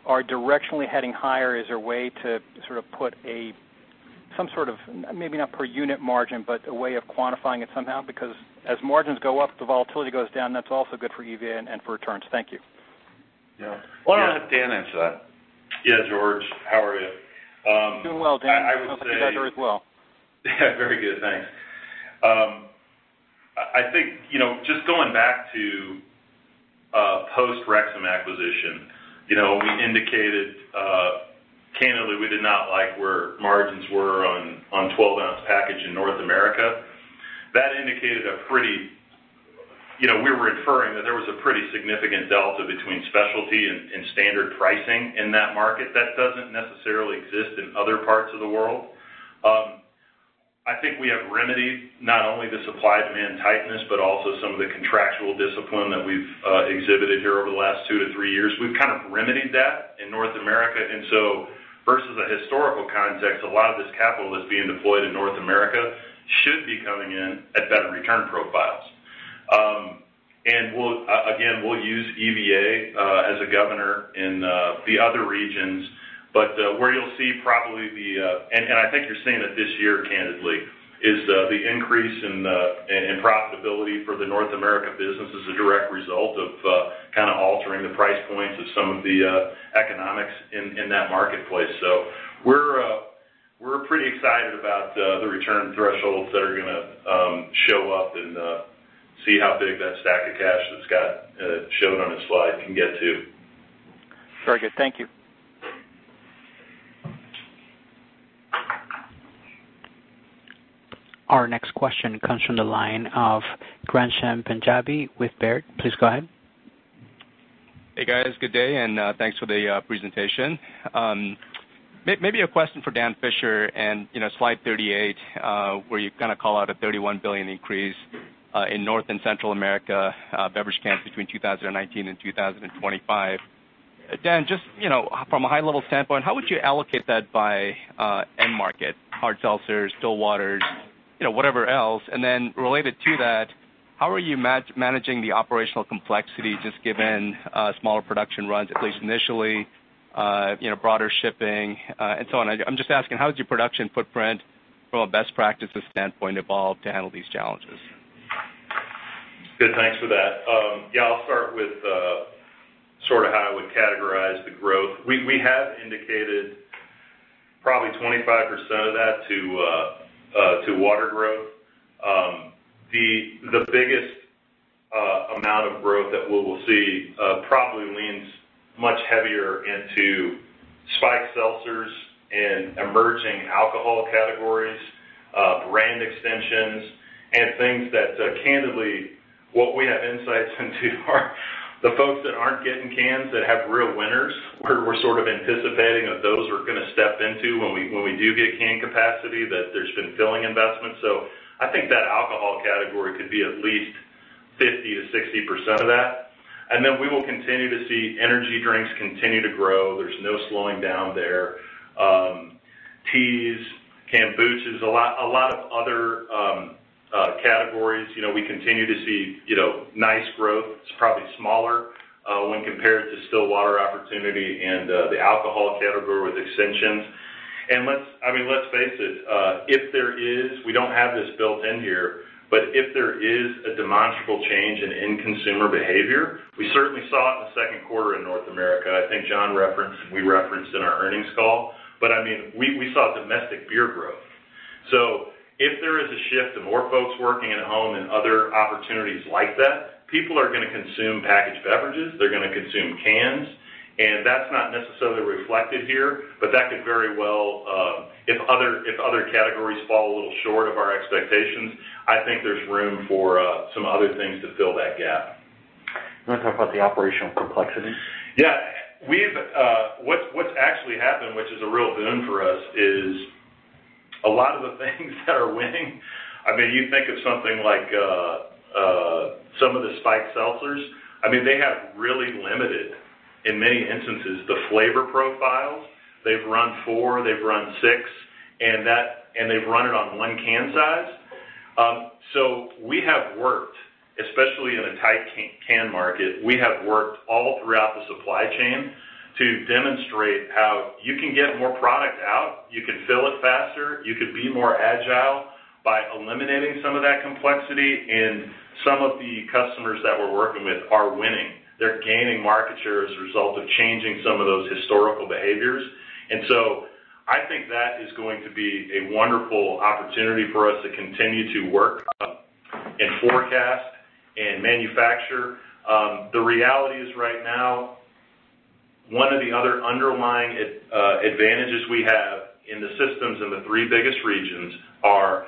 S7: are directionally heading higher? Is there a way to put some sort of, maybe not per unit margin, but a way of quantifying it somehow? As margins go up, the volatility goes down, that's also good for EVA and for returns. Thank you.
S2: Yeah. Why don't I let Dan answer that?
S4: Yeah, George, how are you?
S7: Doing well, Dan.
S4: I would say-
S7: Hope you're as well.
S4: Very good, thanks. I think, just going back to post-Rexam acquisition, we indicated, candidly, we did not like where margins were on 12-ounce package in North America. We were inferring that there was a pretty significant delta between specialty and standard pricing in that market that doesn't necessarily exist in other parts of the world. I think we have remedied not only the supply-demand tightness, but also some of the contractual discipline that we've exhibited here over the last two to three years. We've kind of remedied that in North America. Versus a historical context, a lot of this capital that's being deployed in North America should be coming in at better return profiles. Again, we'll use EVA as a governor in the other regions, but where you'll see, I think you're seeing it this year, candidly, is the increase in profitability for the North America business as a direct result of kind of altering the price points of some of the economics in that marketplace. We're pretty excited about the return thresholds that are going to show up and see how big that stack of cash that Scott showed on his slide can get to.
S7: Very good. Thank you.
S1: Our next question comes from the line of Ghansham Panjabi with Baird. Please go ahead.
S8: Hey, guys. Good day. Thanks for the presentation. Maybe a question for Dan Fisher and slide 38, where you call out a $31 billion increase in North and Central America beverage cans between 2019 and 2025. Dan, just from a high-level standpoint, how would you allocate that by end market, hard seltzers, still waters, whatever else? Related to that, how are you managing the operational complexity, just given smaller production runs, at least initially, broader shipping, and so on? I'm just asking, how does your production footprint, from a best practices standpoint, evolve to handle these challenges?
S4: Good. Thanks for that. I'll start with how I would categorize the growth. We have indicated probably 25% of that to water growth. The biggest amount of growth that we will see probably leans much heavier into spiked seltzers and emerging alcohol categories, brand extensions, and things that, candidly, what we have insights into are the folks that aren't getting cans that have real winners. We're sort of anticipating that those we're going to step into when we do get can capacity, that there's been filling investments. I think that alcohol category could be at least 50%-60% of that. We will continue to see energy drinks continue to grow. There's no slowing down there. Teas, kombuchas, a lot of other categories. We continue to see nice growth. It's probably smaller when compared to still water opportunity and the alcohol category with extensions. Let's face it, we don't have this built in here, but if there is a demonstrable change in consumer behavior, we certainly saw it in the second quarter in North America. I think John referenced, and we referenced in our earnings call, we saw domestic beer growth. If there is a shift of more folks working at home and other opportunities like that, people are going to consume packaged beverages, they're going to consume cans, that's not necessarily reflected here, that could very well, if other categories fall a little short of our expectations, I think there's room for some other things to fill that gap.
S2: You want to talk about the operational complexity?
S4: Yeah. What's actually happened, which is a real boon for us, is a lot of the things that are winning, you think of something like some of the spiked seltzers. They have really limited, in many instances, the flavor profiles. They've run four, they've run six, and they've run it on one can size. We have worked, especially in a tight can market, we have worked all throughout the supply chain to demonstrate how you can get more product out, you can fill it faster, you could be more agile by eliminating some of that complexity. Some of the customers that we're working with are winning. They're gaining market share as a result of changing some of those historical behaviors. I think that is going to be a wonderful opportunity for us to continue to work and forecast and manufacture. The reality is right now, one of the other underlying advantages we have in the systems in the three biggest regions are.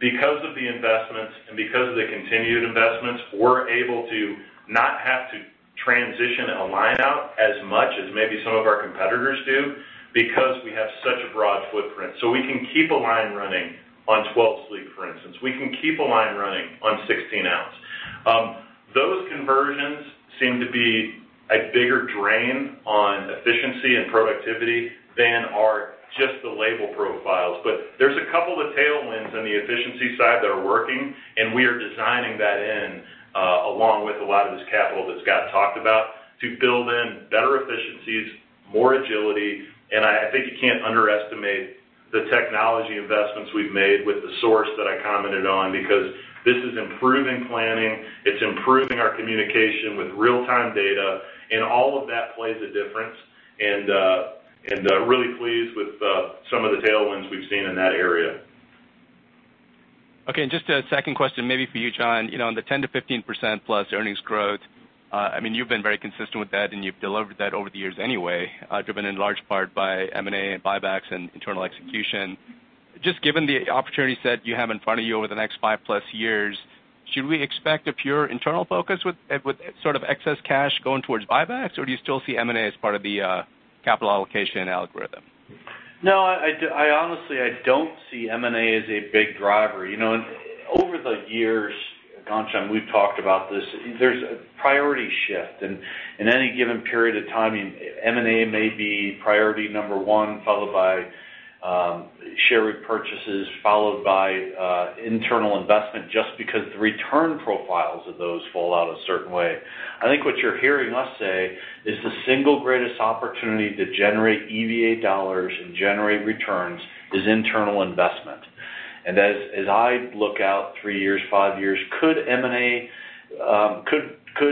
S4: Because of the investments and because of the continued investments, we're able to not have to transition a line out as much as maybe some of our competitors do because we have such a broad footprint. We can keep a line running on 12 sleek, for instance. We can keep a line running on 16 ounce. Those conversions seem to be a bigger drain on efficiency and productivity than are just the label profiles. There's a couple of the tailwinds on the efficiency side that are working, and we are designing that in, along with a lot of this capital that Scott talked about, to build in better efficiencies, more agility. I think you can't underestimate the technology investments we've made with The Source that I commented on, because this is improving planning, it's improving our communication with real-time data, and all of that plays a difference. Really pleased with some of the tailwinds we've seen in that area.
S8: Okay, just a second question maybe for you, John. On the 10%-15% plus earnings growth, you've been very consistent with that, and you've delivered that over the years anyway, driven in large part by M&A and buybacks and internal execution. Just given the opportunity set you have in front of you over the next five-plus years, should we expect a pure internal focus with excess cash going towards buybacks? Do you still see M&A as part of the capital allocation algorithm?
S2: No, honestly, I don't see M&A as a big driver. Over the years, Ghansham, we've talked about this. There's a priority shift. In any given period of time, M&A may be priority number one, followed by share repurchases, followed by internal investment, just because the return profiles of those fall out a certain way. I think what you're hearing us say is the single greatest opportunity to generate EVA dollars and generate returns is internal investment. As I look out three years, five years, could a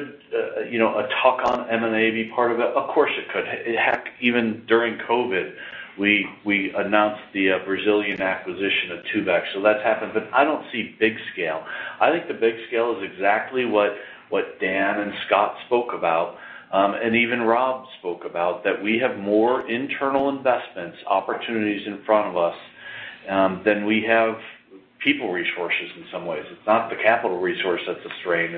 S2: tuck-in M&A be part of it? Of course, it could. Heck, even during COVID, we announced the Brazilian acquisition of Tubex. That's happened. I don't see big scale. I think the big scale is exactly what Dan and Scott spoke about, and even Rob spoke about, that we have more internal investments opportunities in front of us than we have people resources, in some ways. It's not the capital resource that's a strain.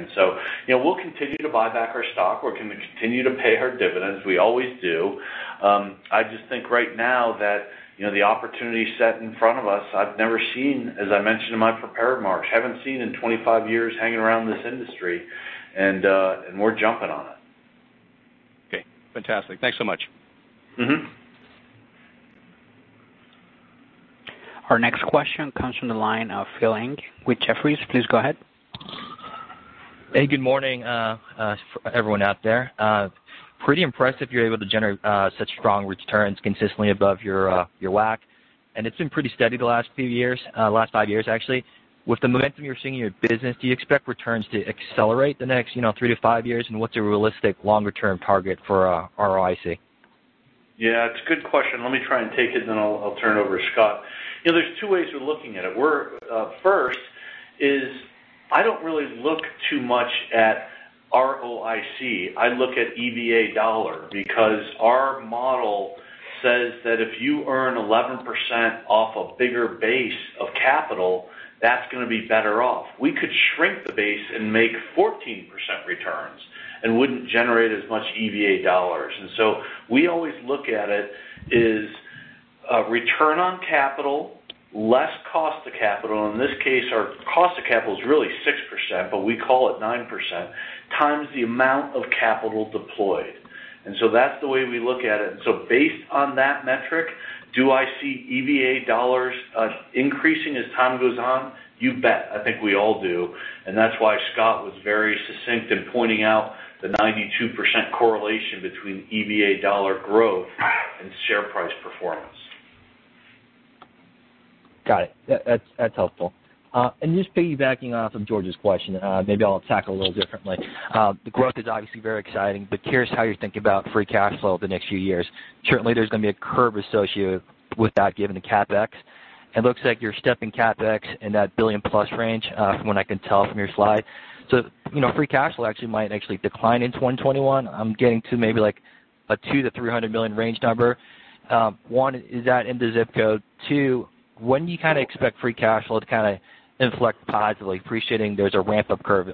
S2: We'll continue to buy back our stock. We're going to continue to pay our dividends. We always do. I just think right now that the opportunity set in front of us, I've never seen, as I mentioned in my prepared remarks, haven't seen in 25 years hanging around this industry, and we're jumping on it.
S8: Okay, fantastic. Thanks so much.
S1: Our next question comes from the line of Phil Ng with Jefferies. Please go ahead.
S9: Hey, good morning everyone out there. Pretty impressed that you're able to generate such strong returns consistently above your WACC. It's been pretty steady the last few years, last five years, actually. With the momentum you're seeing in your business, do you expect returns to accelerate the next three to five years? What's a realistic longer-term target for ROIC?
S2: Yeah, it's a good question. Let me try and take it, then I'll turn it over to Scott. There's two ways we're looking at it. First is I don't really look too much at ROIC. I look at EVA dollar because our model says that if you earn 11% off a bigger base of capital, that's going to be better off. We could shrink the base and make 14% returns and wouldn't generate as much EVA dollars. We always look at it is return on capital, less cost of capital. In this case, our cost of capital is really 6%, but we call it 9%, times the amount of capital deployed. That's the way we look at it. Based on that metric, do I see EVA dollars increasing as time goes on? You bet. I think we all do. That's why Scott was very succinct in pointing out the 92% correlation between EVA dollar growth and share price performance.
S9: Got it. That's helpful. Just piggybacking off of George's question, maybe I'll attack it a little differently. The growth is obviously very exciting, but curious how you think about free cash flow the next few years. Certainly, there's going to be a curve associated with that given the CapEx. It looks like you're stepping CapEx in that billion-plus range from what I can tell from your slide. Free cash flow actually might actually decline in 2021. I'm getting to maybe like a $200 million-$300 million range number. One, is that in the zip code? Two, when do you kind of expect free cash flow to kind of inflect positively? Appreciating there's a ramp-up curve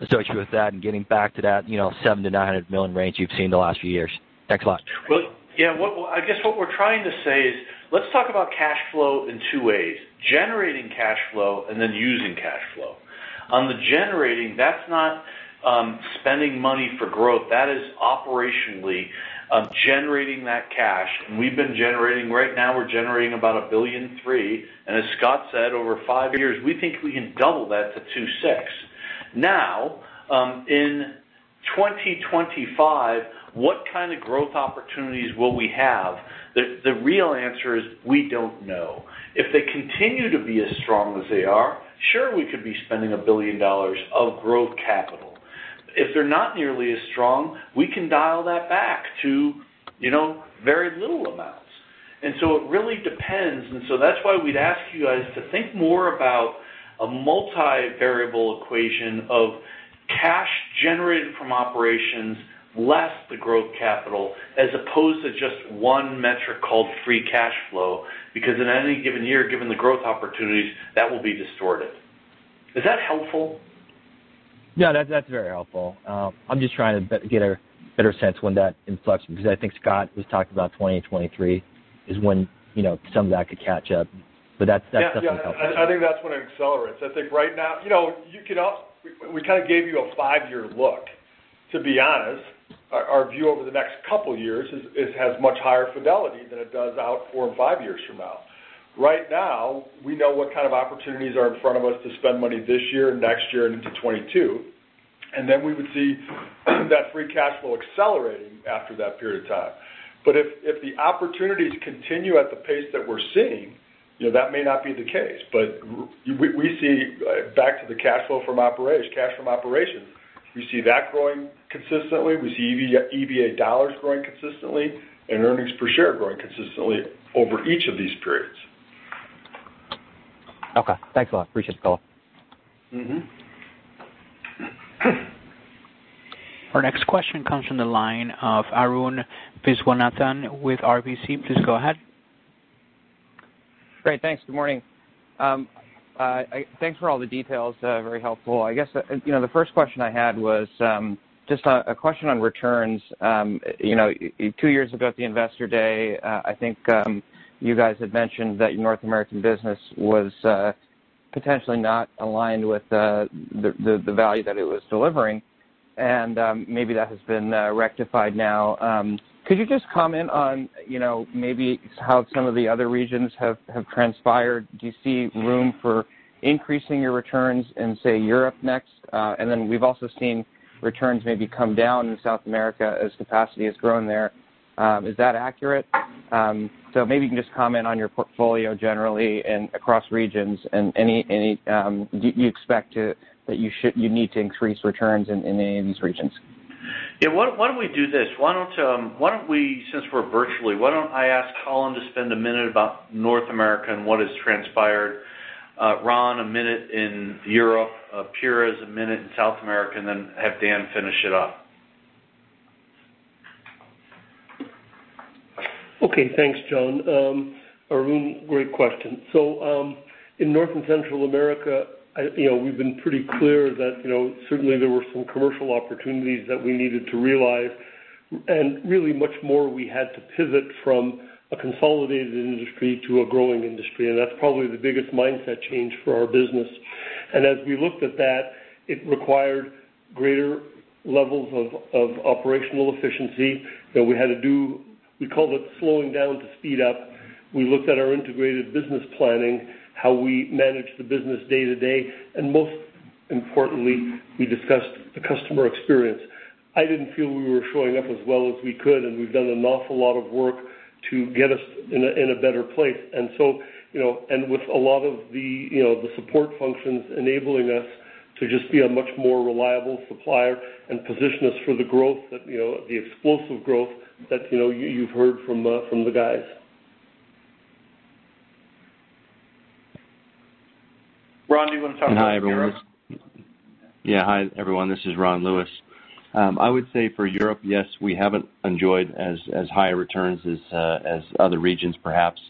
S9: associated with that and getting back to that $700 million-$900 million range you've seen the last few years. Thanks a lot.
S2: Well, yeah, I guess what we're trying to say is, let's talk about cash flow in two ways: generating cash flow and then using cash flow. On the generating, that's not spending money for growth. That is operationally generating that cash. Right now we're generating about $1.3 billion. As Scott said, over five years, we think we can double that to $2.6 billion. In 2025, what kind of growth opportunities will we have? The real answer is we don't know. If they continue to be as strong as they are, sure, we could be spending $1 billion of growth capital. If they're not nearly as strong, we can dial that back to very little amounts. It really depends. That's why we'd ask you guys to think more about a multi-variable equation of cash generated from operations less the growth capital, as opposed to just one metric called free cash flow. Because in any given year, given the growth opportunities, that will be distorted. Is that helpful?
S9: Yeah, that's very helpful. I'm just trying to get a better sense when that influx, because I think Scott was talking about 2023 is when some of that could catch up. That's definitely helpful.
S6: I think that's when it accelerates. I think right now, we gave you a five-year look. To be honest, our view over the next couple of years has much higher fidelity than it does out four and five years from now. Right now, we know what kind of opportunities are in front of us to spend money this year and next year and into 2022, and then we would see that free cash flow accelerating after that period of time. If the opportunities continue at the pace that we're seeing, that may not be the case. We see, back to the cash from operations, we see that growing consistently. We see EVA dollars growing consistently and earnings per share growing consistently over each of these periods.
S9: Okay, thanks a lot. Appreciate the call.
S1: Our next question comes from the line of Arun Viswanathan with RBC. Please go ahead.
S10: Great, thanks. Good morning. Thanks for all the details, very helpful. The first question I had was just a question on returns. Two years ago at the Investor Day, North American business was potentially not aligned with the value that it was delivering, and maybe that has been rectified now. Could you just comment on maybe how some of the other regions have transpired? Do you see room for increasing your returns in, say, Europe next? We've also seen returns maybe come down in South America as capacity has grown there. Is that accurate? Maybe you can just comment on your portfolio generally and across regions and do you expect that you need to increase returns in any of these regions?
S2: Yeah. Why don't we do this? Since we're virtually, why don't I ask Colin to spend a minute about North America and what has transpired, Ron, a minute in Europe, Pires, a minute in South America, and then have Dan finish it up.
S11: Thanks, John. Arun, great question. In North and Central America, we've been pretty clear that certainly there were some commercial opportunities that we needed to realize, and really much more we had to pivot from a consolidated industry to a growing industry, and that's probably the biggest mindset change for our business. As we looked at that, it required greater levels of operational efficiency that we had to do. We called it slowing down to speed up. We looked at our integrated business planning, how we manage the business day to day, and most importantly, we discussed the customer experience. I didn't feel we were showing up as well as we could, and we've done an awful lot of work to get us in a better place. With a lot of the support functions enabling us to just be a much more reliable supplier and position us for the explosive growth that you've heard from the guys.
S2: Ron, do you want to talk about Europe?
S12: Yeah. Hi, everyone. This is Ron Lewis. I would say for Europe, yes, we haven't enjoyed as high returns as other regions, perhaps.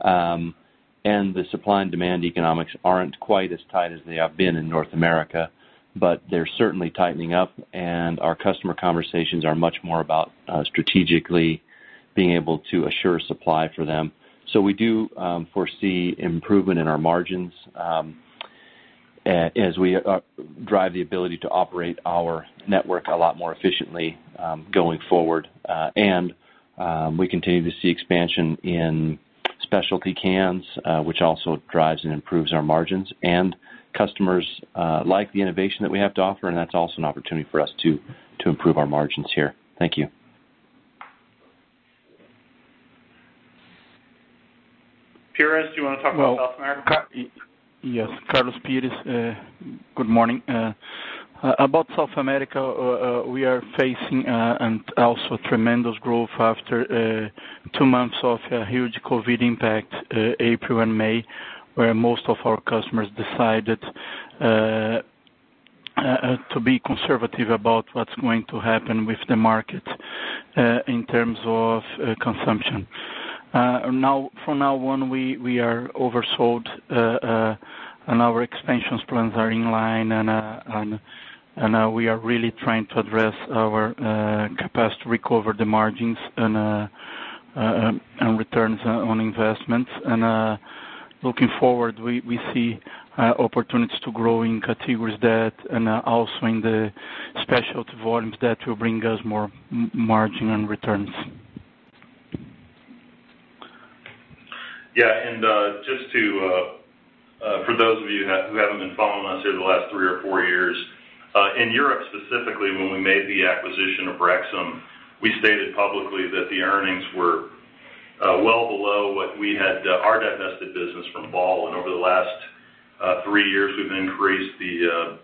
S12: The supply and demand economics aren't quite as tight as they have been in North America, but they're certainly tightening up, and our customer conversations are much more about strategically being able to assure supply for them. We do foresee improvement in our margins as we drive the ability to operate our network a lot more efficiently going forward. We continue to see expansion in specialty cans, which also drives and improves our margins. Customers like the innovation that we have to offer, and that's also an opportunity for us to improve our margins here. Thank you.
S2: Pires, do you want to talk about South America?
S13: Yes, Carlos Pires. Good morning. About South America, we are facing and also tremendous growth after two months of a huge COVID impact, April and May, where most of our customers decided to be conservative about what's going to happen with the market in terms of consumption. From now on, we are oversold, and our expansions plans are in line, and we are really trying to address our capacity to recover the margins and returns on investment. Looking forward, we see opportunities to grow in categories there and also in the specialty volumes that will bring us more margin and returns.
S4: Yeah. For those of you who haven't been following us over the last three or four years, in Europe specifically, when we made the acquisition of Rexam, we stated publicly that the earnings were well below what we had our divested business from Ball, and over the last three years, we've increased the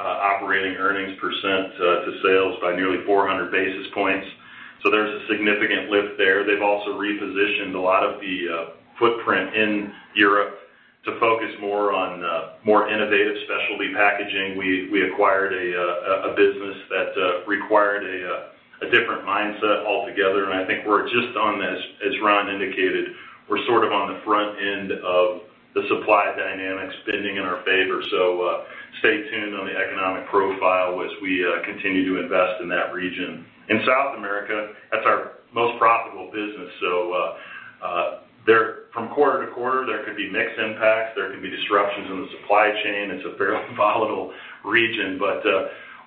S4: operating earnings percent to sales by nearly 400 basis points. There's a significant lift there. They've also repositioned a lot of the footprint in Europe to focus more on more innovative specialty packaging. We acquired a business that required a different mindset altogether, and I think we're just on this, as Ron indicated, we're sort of on the front end of the supply dynamics bending in our favor. Stay tuned on the economic profile as we continue to invest in that region. In South America, that's our most profitable business. From quarter-to-quarter, there could be mixed impacts. There could be disruptions in the supply chain. It's a fairly volatile region, but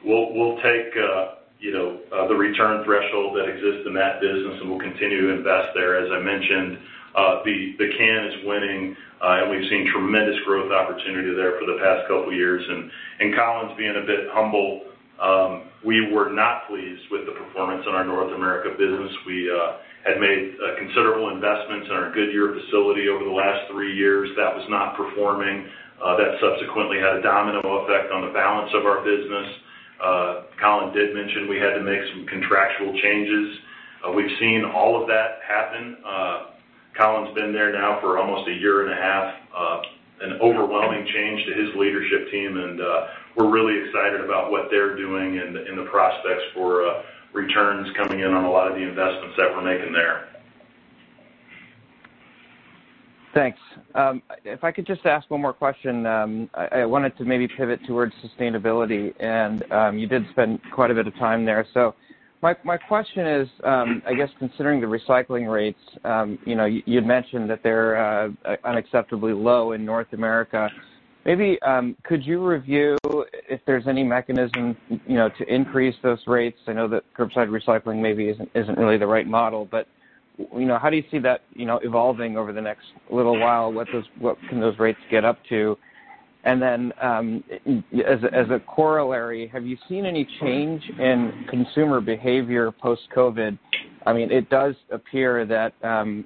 S4: we'll take the return threshold that exists in that business, and we'll continue to invest there. As I mentioned, the can is winning, and we've seen tremendous growth opportunity there for the past couple of years. Colin's being a bit humble. We were not pleased with the performance in our North America business. We had made considerable investments in our Goodyear facility over the last three years that was not performing. That subsequently had a domino effect on the balance of our business. Colin did mention we had to make some contractual changes. We've seen all of that happen. Colin's been there now for almost a year and a half, an overwhelming change to his leadership team, and we're really excited about what they're doing and the prospects for returns coming in on a lot of the investments that we're making there.
S10: Thanks. If I could just ask one more question. I wanted to maybe pivot towards sustainability. You did spend quite a bit of time there. My question is, I guess considering the recycling rates, you'd mentioned that they're unacceptably low in North America. Maybe could you review if there's any mechanism to increase those rates? I know that curbside recycling maybe isn't really the right model. How do you see that evolving over the next little while? What can those rates get up to? As a corollary, have you seen any change in consumer behavior post-COVID? It does appear that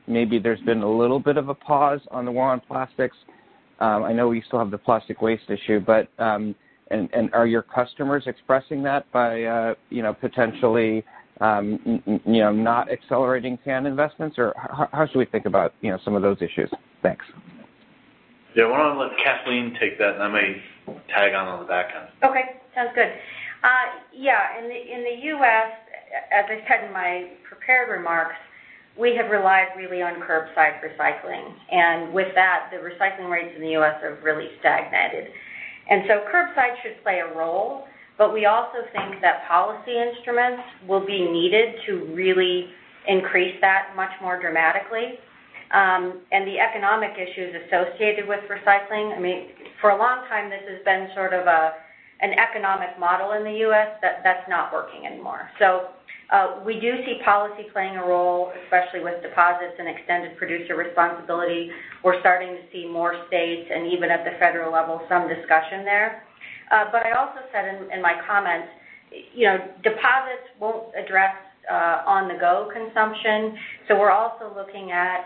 S10: maybe there's been a little bit of a pause on the war on plastics. I know we still have the plastic waste issue. Are your customers expressing that by potentially not accelerating can investments, or how should we think about some of those issues? Thanks.
S2: Yeah. Why don't I let Kathleen take that, and I may tag on on the back end.
S3: Okay. Sounds good. Yeah. In the U.S., as I said in my prepared remarks, we have relied really on curbside recycling. With that, the recycling rates in the U.S. have really stagnated. Curbside should play a role, but we also think that policy instruments will be needed to really increase that much more dramatically. The economic issues associated with recycling, for a long time, this has been sort of an economic model in the U.S. That's not working anymore. We do see policy playing a role, especially with deposits and extended producer responsibility. We're starting to see more states and even at the federal level, some discussion there. I also said in my comments, deposits won't address on-the-go consumption. We're also looking at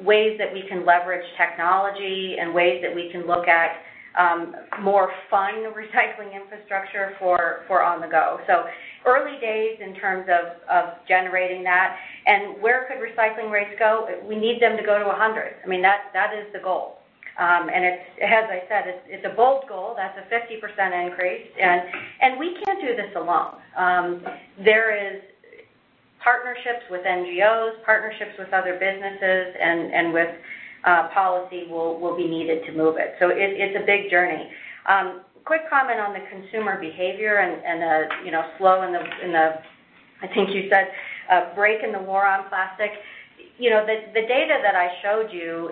S3: ways that we can leverage technology and ways that we can look at more fun recycling infrastructure for on the go. Early days in terms of generating that. Where could recycling rates go? We need them to go to 100. That is the goal. As I said, it's a bold goal. That's a 50% increase, and we can't do this alone. There is partnerships with NGOs, partnerships with other businesses, and with policy will be needed to move it. It's a big journey. Quick comment on the consumer behavior and a slow in the, I think you said, break in the war on plastic. The data that I showed you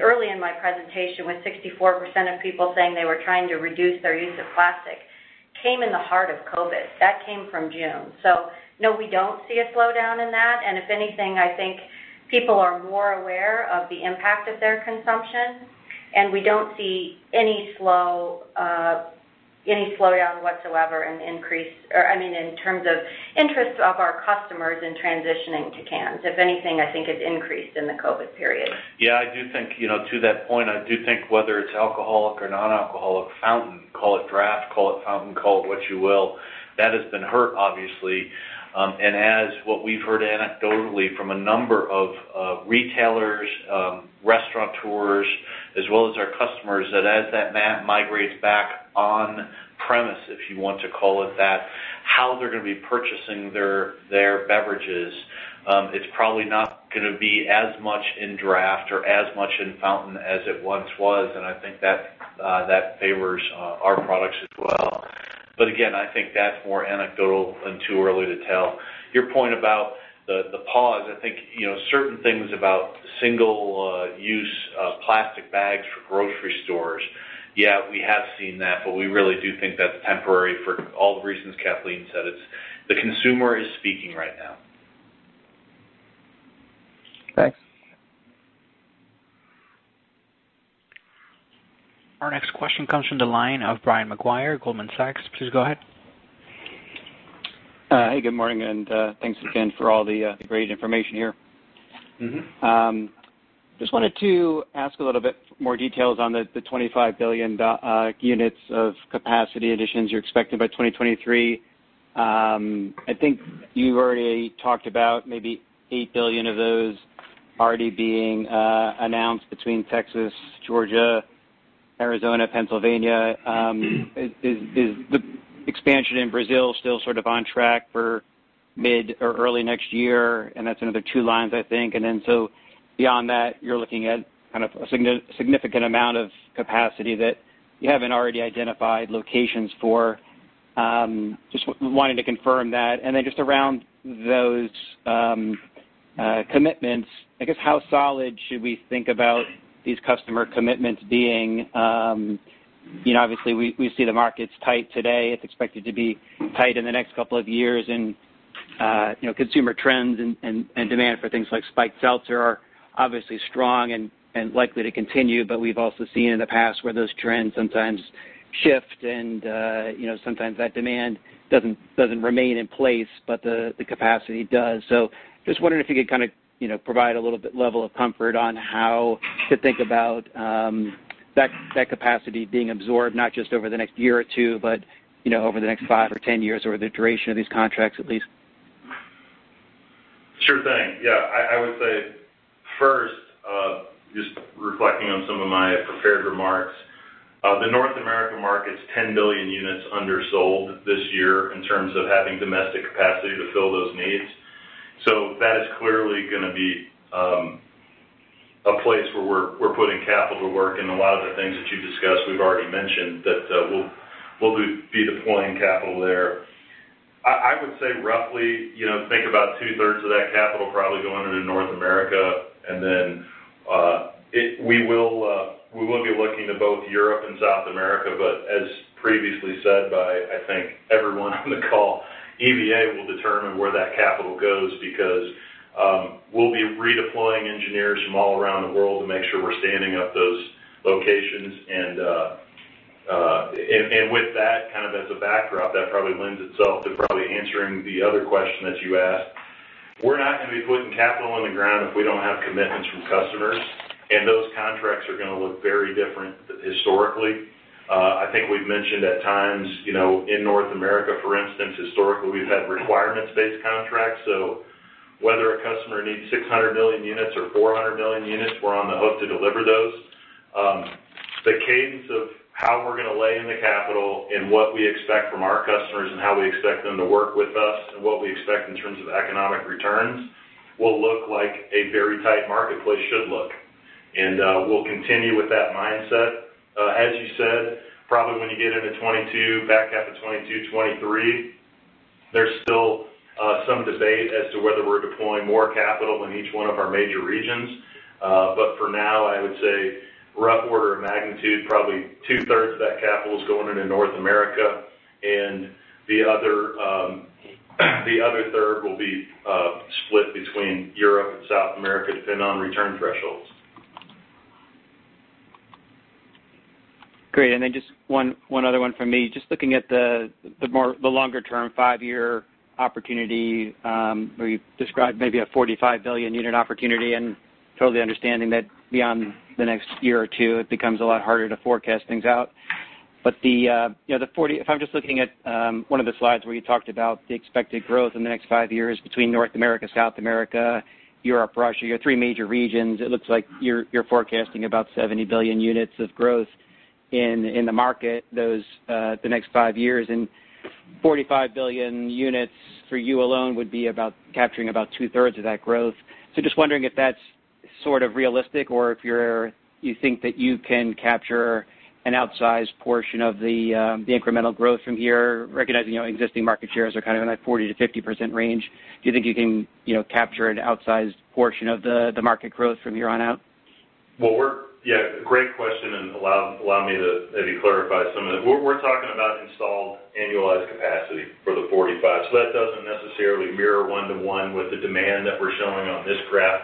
S3: early in my presentation with 64% of people saying they were trying to reduce their use of plastic came in the heart of COVID. That came from June. No, we don't see a slowdown in that. If anything, I think people are more aware of the impact of their consumption. We don't see any slowdown whatsoever in terms of interest of our customers in transitioning to cans. If anything, I think it's increased in the COVID period.
S2: To that point, I do think whether it's alcoholic or non-alcoholic, fountain, call it draft, call it fountain, call it what you will, that has been hurt obviously. As what we've heard anecdotally from a number of retailers, restaurateurs, as well as our customers, that as that migrates back on premise, if you want to call it that, how they're going to be purchasing their beverages, it's probably not going to be as much in draft or as much in fountain as it once was, and I think that favors our products as well. Again, I think that's more anecdotal and too early to tell. Your point about the pause, I think certain things about single-use plastic bags for grocery stores, we have seen that, but we really do think that's temporary for all the reasons Kathleen said. The consumer is speaking right now.
S10: Thanks.
S1: Our next question comes from the line of Brian Maguire, Goldman Sachs. Please go ahead.
S14: Hey, good morning, thanks again for all the great information here. Just wanted to ask a little bit more details on the 25 billion units of capacity additions you're expecting by 2023. I think you've already talked about maybe eight billion of those already being announced between Texas, Georgia, Arizona, Pennsylvania. Is the expansion in Brazil still sort of on track for mid or early next year? That's another two lines, I think. Beyond that, you're looking at kind of a significant amount of capacity that you haven't already identified locations for. Just wanting to confirm that. Around those commitments, I guess, how solid should we think about these customer commitments being? Obviously, we see the market's tight today. It's expected to be tight in the next couple of years. Consumer trends and demand for things like spiked seltzer are obviously strong and likely to continue. We've also seen in the past where those trends sometimes shift and sometimes that demand doesn't remain in place, but the capacity does. Just wondering if you could kind of provide a little bit level of comfort on how to think about that capacity being absorbed, not just over the next year or two, but over the next five or 10 years or the duration of these contracts, at least.
S4: Sure thing. Yeah. I would say first, just reflecting on some of my prepared remarks, the North America market's 10 billion units undersold this year in terms of having domestic capacity to fill those needs. That is clearly going to be a place where we're putting capital to work. A lot of the things that you discussed, we've already mentioned that we'll be deploying capital there. I would say roughly, think about two-thirds of that capital probably going into North America. We will be looking to both Europe and South America, but as previously said by, I think, everyone on the call, EVA will determine where that capital goes because we'll be redeploying engineers from all around the world to make sure we're standing up those locations. With that kind of as a backdrop, that probably lends itself to probably answering the other question that you asked. We're not going to be putting capital on the ground if we don't have commitments from customers, and those contracts are going to look very different historically. I think we've mentioned at times, in North America, for instance, historically, we've had requirements-based contracts. Whether a customer needs 600 million units or 400 million units, we're on the hook to deliver those. The cadence of how we're going to lay in the capital and what we expect from our customers and how we expect them to work with us and what we expect in terms of economic returns will look like a very tight marketplace should look. We'll continue with that mindset. As you said, probably when you get into 2022, back half of 2022, 2023, there's still some debate as to whether we're deploying more capital in each one of our major regions. For now, I would say rough order of magnitude, probably two-thirds of that capital is going into North America. The other third will be split between Europe and South America, depending on return thresholds.
S14: Great. Then just one other one from me. Just looking at the longer term, five-year opportunity where you described maybe a 45 billion unit opportunity and totally understanding that beyond the next year or two, it becomes a lot harder to forecast things out. If I'm just looking at one of the slides where you talked about the expected growth in the next five years between North America, South America, Europe, Russia, your three major regions, it looks like you're forecasting about 70 billion units of growth in the market the next five years. 45 billion units for you alone would be about capturing about two-thirds of that growth. Just wondering if that's sort of realistic or if you think that you can capture an outsized portion of the incremental growth from here, recognizing existing market shares are kind of in that 40%-50% range. Do you think you can capture an outsized portion of the market growth from here on out?
S4: Great question, allow me to maybe clarify some of that. We're talking about installed annualized capacity for the 45. That doesn't necessarily mirror one-to-one with the demand that we're showing on this graph.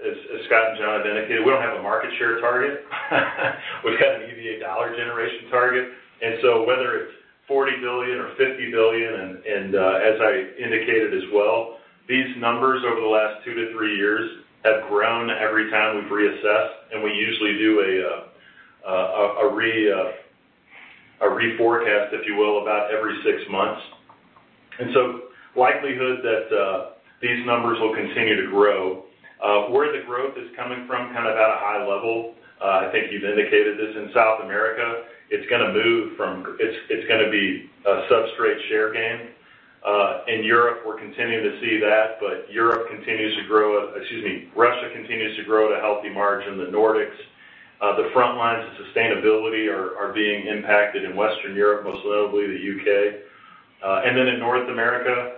S4: As Scott and John indicated, we don't have a market share target. We've got an EVA dollar generation target. Whether it's $40 billion or $50 billion, and as I indicated as well, these numbers over the last two to three years have grown every time we've reassessed. We usually do a reforecast, if you will, about every six months. Likelihood that these numbers will continue to grow. Where the growth is coming from, kind of at a high level, I think you've indicated this in South America, it's going to be a substrate share gain. In Europe, we're continuing to see that, Russia continues to grow at a healthy margin. The Nordics, the front lines of sustainability are being impacted in Western Europe, most notably the U.K. In North America,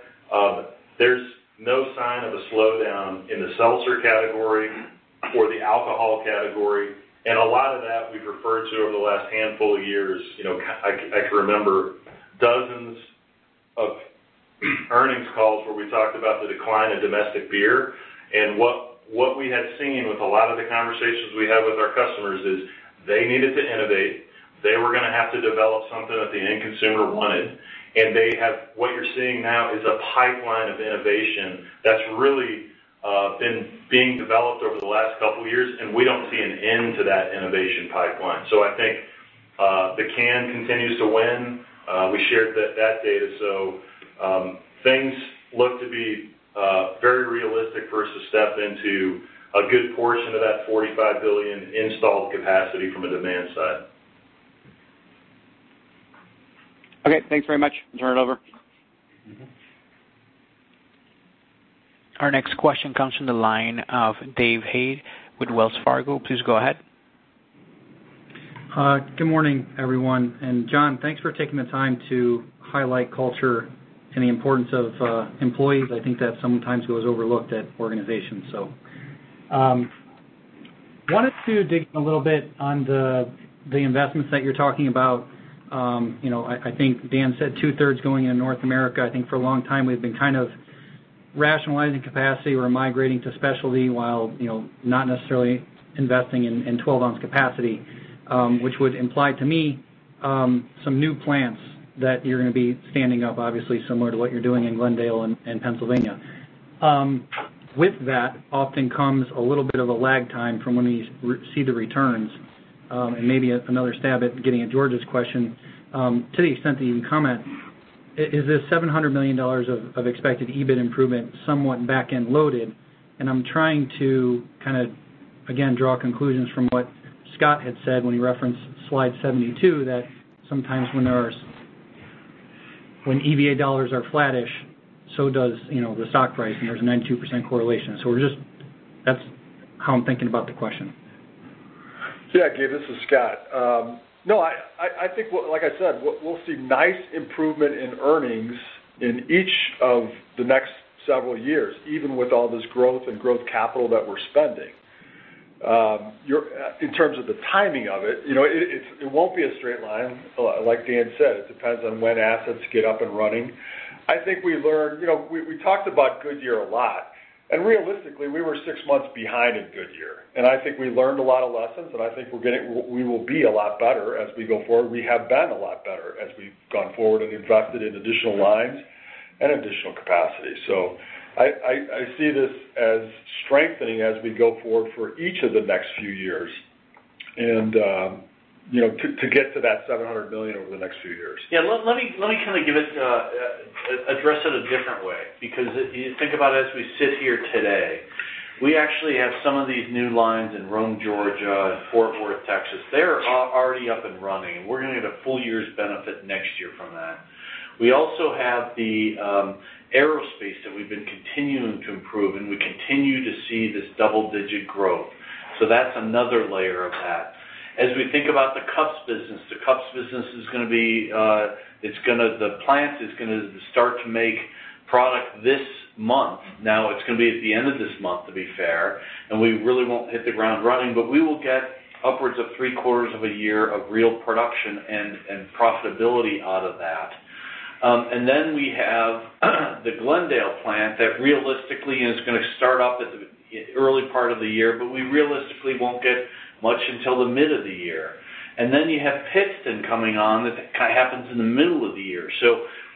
S4: there's no sign of a slowdown in the seltzer category or the alcohol category. A lot of that we've referred to over the last handful of years. I can remember dozens of earnings calls where we talked about the decline of domestic beer. What we had seen with a lot of the conversations we had with our customers is they needed to innovate. They were going to have to develop something that the end consumer wanted. What you're seeing now is a pipeline of innovation that's really being developed over the last couple of years. We don't see an end to that innovation pipeline. I think the can continues to win. We shared that data. Things look to be very realistic for us to step into a good portion of that 45 billion installed capacity from a demand side.
S14: Okay. Thanks very much. Turn it over.
S1: Our next question comes from the line of Gabe Hajde with Wells Fargo. Please go ahead.
S15: Hi. Good morning, everyone. John, thanks for taking the time to highlight culture and the importance of employees. I think that sometimes goes overlooked at organizations. Wanted to dig a little bit on the investments that you're talking about. I think Dan said two-thirds going into North America. I think for a long time, we've been kind of rationalizing capacity. We're migrating to specialty while, not necessarily investing in 12-ounce capacity, which would imply to me some new plants that you're going to be standing up, obviously similar to what you're doing in Glendale and Pennsylvania. With that often comes a little bit of a lag time from when we see the returns. Maybe another stab at getting at George's question, to the extent that you can comment, is this $700 million of expected EBIT improvement somewhat back-end loaded? I'm trying to kind of, again, draw conclusions from what Scott had said when he referenced slide 72, that sometimes when EVA dollars are flattish, so does the stock price, and there's a 92% correlation. That's how I'm thinking about the question.
S6: Yeah, Gabe, this is Scott. I think like I said, we'll see nice improvement in earnings in each of the next several years, even with all this growth and growth capital that we're spending. In terms of the timing of it won't be a straight line. Dan said, it depends on when assets get up and running. I think we learned, we talked about Goodyear a lot. Realistically, we were six months behind at Goodyear, and I think we learned a lot of lessons. I think we will be a lot better as we go forward. We have been a lot better as we've gone forward and invested in additional lines and additional capacity. I see this as strengthening as we go forward for each of the next few years and to get to that $700 million over the next few years.
S2: Yeah. Let me kind of address it a different way. If you think about it as we sit here today, we actually have some of these new lines in Rome, Georgia and Fort Worth, Texas. They are already up and running, and we're going to get a full year's benefit next year from that. We also have the Aerospace that we've been continuing to improve, and we continue to see this double-digit growth. That's another layer of that. As we think about the cups business, the plant is going to start to make product this month. Now, it's going to be at the end of this month, to be fair, and we really won't hit the ground running, but we will get upwards of three quarters of a year of real production and profitability out of that. We have the Glendale plant that realistically is going to start up at the early part of the year, but we realistically won't get much until the mid of the year. You have Pittston coming on. That kind of happens in the middle of the year.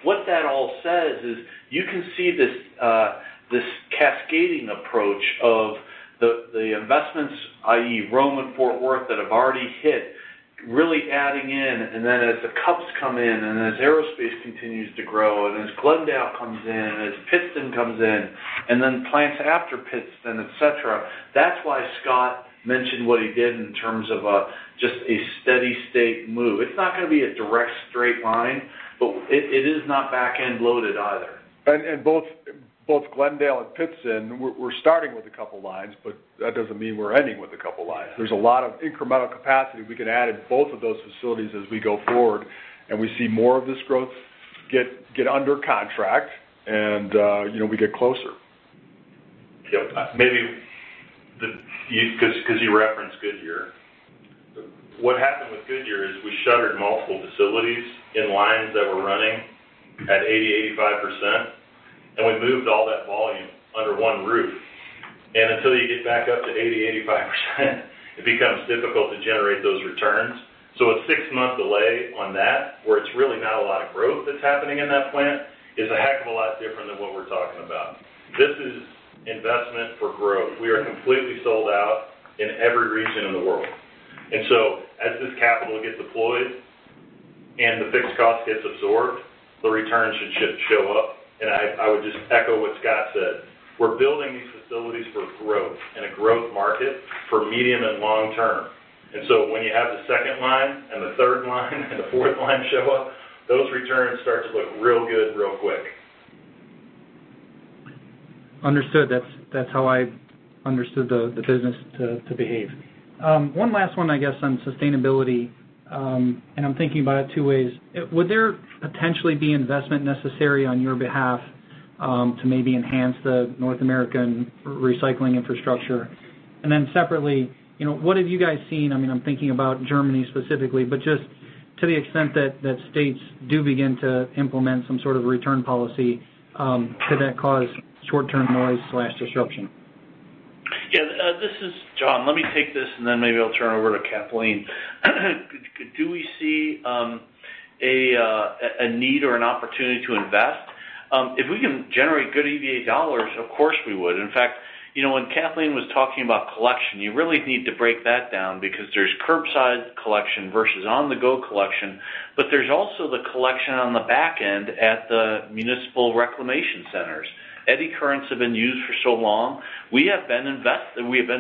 S2: What that all says is you can see this cascading approach of the investments, i.e. Rome and Fort Worth, that have already hit, really adding in, and then as the cups come in and as aerospace continues to grow and as Glendale comes in, as Pittston comes in, and then plants after Pittston, et cetera. That's why Scott mentioned what he did in terms of just a steady state move. It's not going to be a direct straight line, but it is not back-end loaded either.
S6: Both Glendale and Pittston, we're starting with a couple lines, but that doesn't mean we're ending with a couple lines. There's a lot of incremental capacity we could add at both of those facilities as we go forward and we see more of this growth get under contract and we get closer.
S4: Yeah. Maybe because you referenced Goodyear. What happened with Goodyear is we shuttered multiple facilities in lines that were running at 80%, 85%, and we moved all that volume under one roof. Until you get back up to 80%, 85%, it becomes difficult to generate those returns. A six-month delay on that, where it's really not a lot of growth that's happening in that plant, is a heck of a lot different than what we're talking about. This is investment for growth. We are completely sold out in every region in the world. As this capital gets deployed and the fixed cost gets absorbed, the returns should show up. I would just echo what Scott said. We're building these facilities for growth in a growth market for medium and long term. When you have the second line and the third line and the fourth line show up, those returns start to look real good real quick.
S15: Understood. That's how I understood the business to behave. One last one, I guess, on sustainability. I'm thinking about it two ways. Would there potentially be investment necessary on your behalf to maybe enhance the North American recycling infrastructure. Separately, what have you guys seen, I'm thinking about Germany specifically, but just to the extent that states do begin to implement some sort of return policy, could that cause short-term noise/disruption?
S2: Yeah. This is John. Let me take this, then maybe I'll turn it over to Kathleen. Do we see a need or an opportunity to invest? If we can generate good EVA dollars, of course, we would. In fact, when Kathleen was talking about collection, you really need to break that down because there's curbside collection versus on-the-go collection, but there's also the collection on the back end at the municipal reclamation centers. eddy currents have been used for so long. We have been investigating,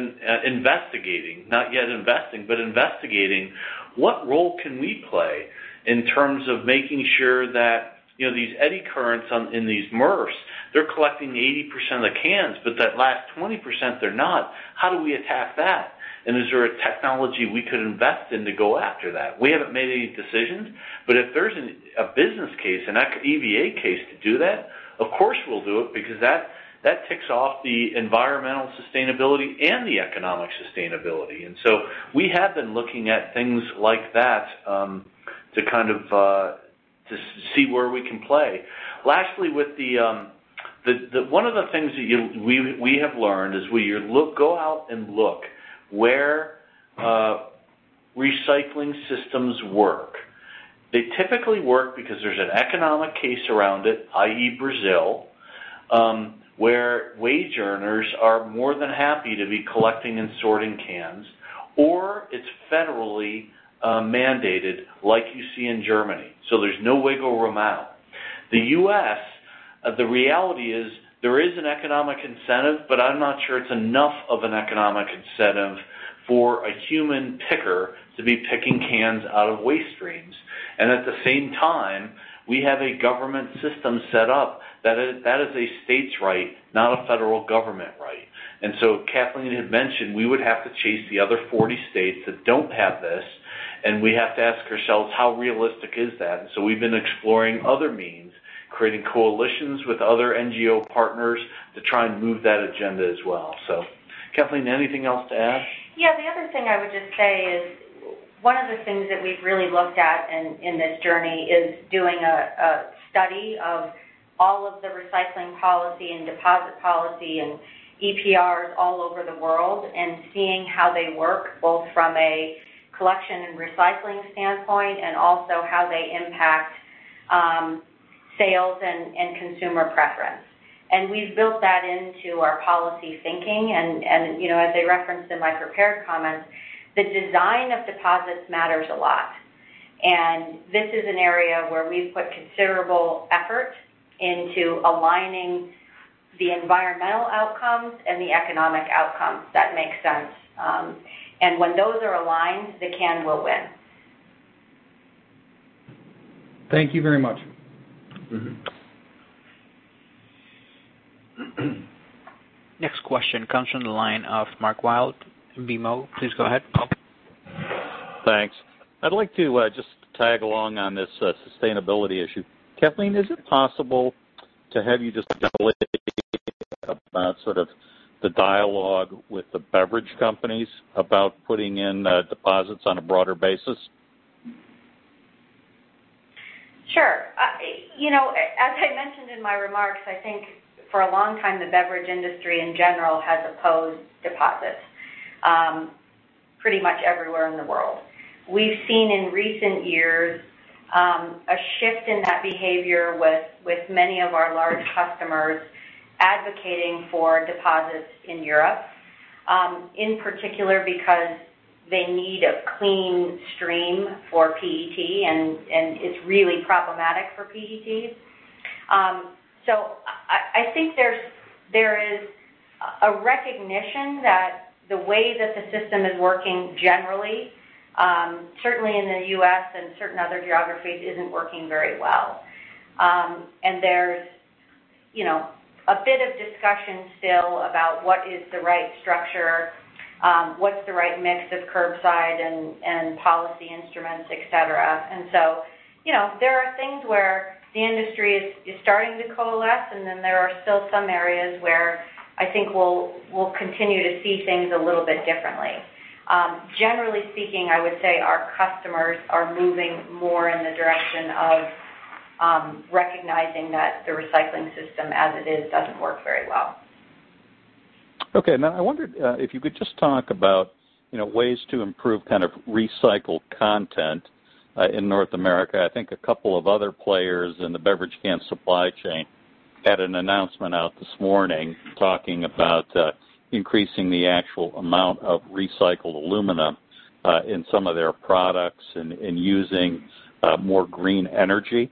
S2: not yet investing, but investigating what role can we play in terms of making sure that these eddy currents in these MRFs, they're collecting 80% of the cans, but that last 20%, they're not. How do we attack that? Is there a technology we could invest in to go after that? We haven't made any decisions, but if there's a business case, an EVA case to do that, of course, we'll do it because that ticks off the environmental sustainability and the economic sustainability. We have been looking at things like that to see where we can play. Lastly, one of the things that we have learned is we go out and look where recycling systems work. They typically work because there's an economic case around it, i.e., Brazil, where wage earners are more than happy to be collecting and sorting cans, or it's federally mandated like you see in Germany, so there's no wiggle room out. The U.S., the reality is there is an economic incentive, but I'm not sure it's enough of an economic incentive for a human picker to be picking cans out of waste streams. At the same time, we have a government system set up that is a state's right, not a federal government right. Kathleen had mentioned we would have to chase the other 40 states that don't have this, and we have to ask ourselves how realistic is that? We've been exploring other means, creating coalitions with other NGO partners to try and move that agenda as well. Kathleen, anything else to add?
S3: Yeah. The other thing I would just say is one of the things that we've really looked at in this journey is doing a study of all of the recycling policy and deposit policy and EPRs all over the world, and seeing how they work, both from a collection and recycling standpoint, and also how they impact sales and consumer preference. We've built that into our policy thinking. As I referenced in my prepared comments, the design of deposits matters a lot. This is an area where we've put considerable effort into aligning the environmental outcomes and the economic outcomes that make sense. When those are aligned, the can will win.
S15: Thank you very much.
S1: Next question comes from the line of Mark Wilde, BMO. Please go ahead, Mark.
S16: Thanks. I'd like to just tag along on this sustainability issue. Kathleen, is it possible to have you just elaborate about sort of the dialogue with the beverage companies about putting in deposits on a broader basis?
S3: Sure. As I mentioned in my remarks, I think for a long time, the beverage industry in general has opposed deposits pretty much everywhere in the world. We've seen in recent years, a shift in that behavior with many of our large customers advocating for deposits in Europe, in particular because they need a clean stream for PET, and it's really problematic for PETs. I think there is a recognition that the way that the system is working generally, certainly in the U.S. and certain other geographies, isn't working very well. There's a bit of discussion still about what is the right structure, what's the right mix of curbside and policy instruments, et cetera. There are things where the industry is starting to coalesce, and then there are still some areas where I think we'll continue to see things a little bit differently. Generally speaking, I would say our customers are moving more in the direction of recognizing that the recycling system as it is doesn't work very well.
S16: Okay. Now, I wondered if you could just talk about ways to improve recycled content in North America. I think a couple of other players in the beverage can supply chain had an announcement out this morning talking about increasing the actual amount of recycled aluminum in some of their products and using more green energy.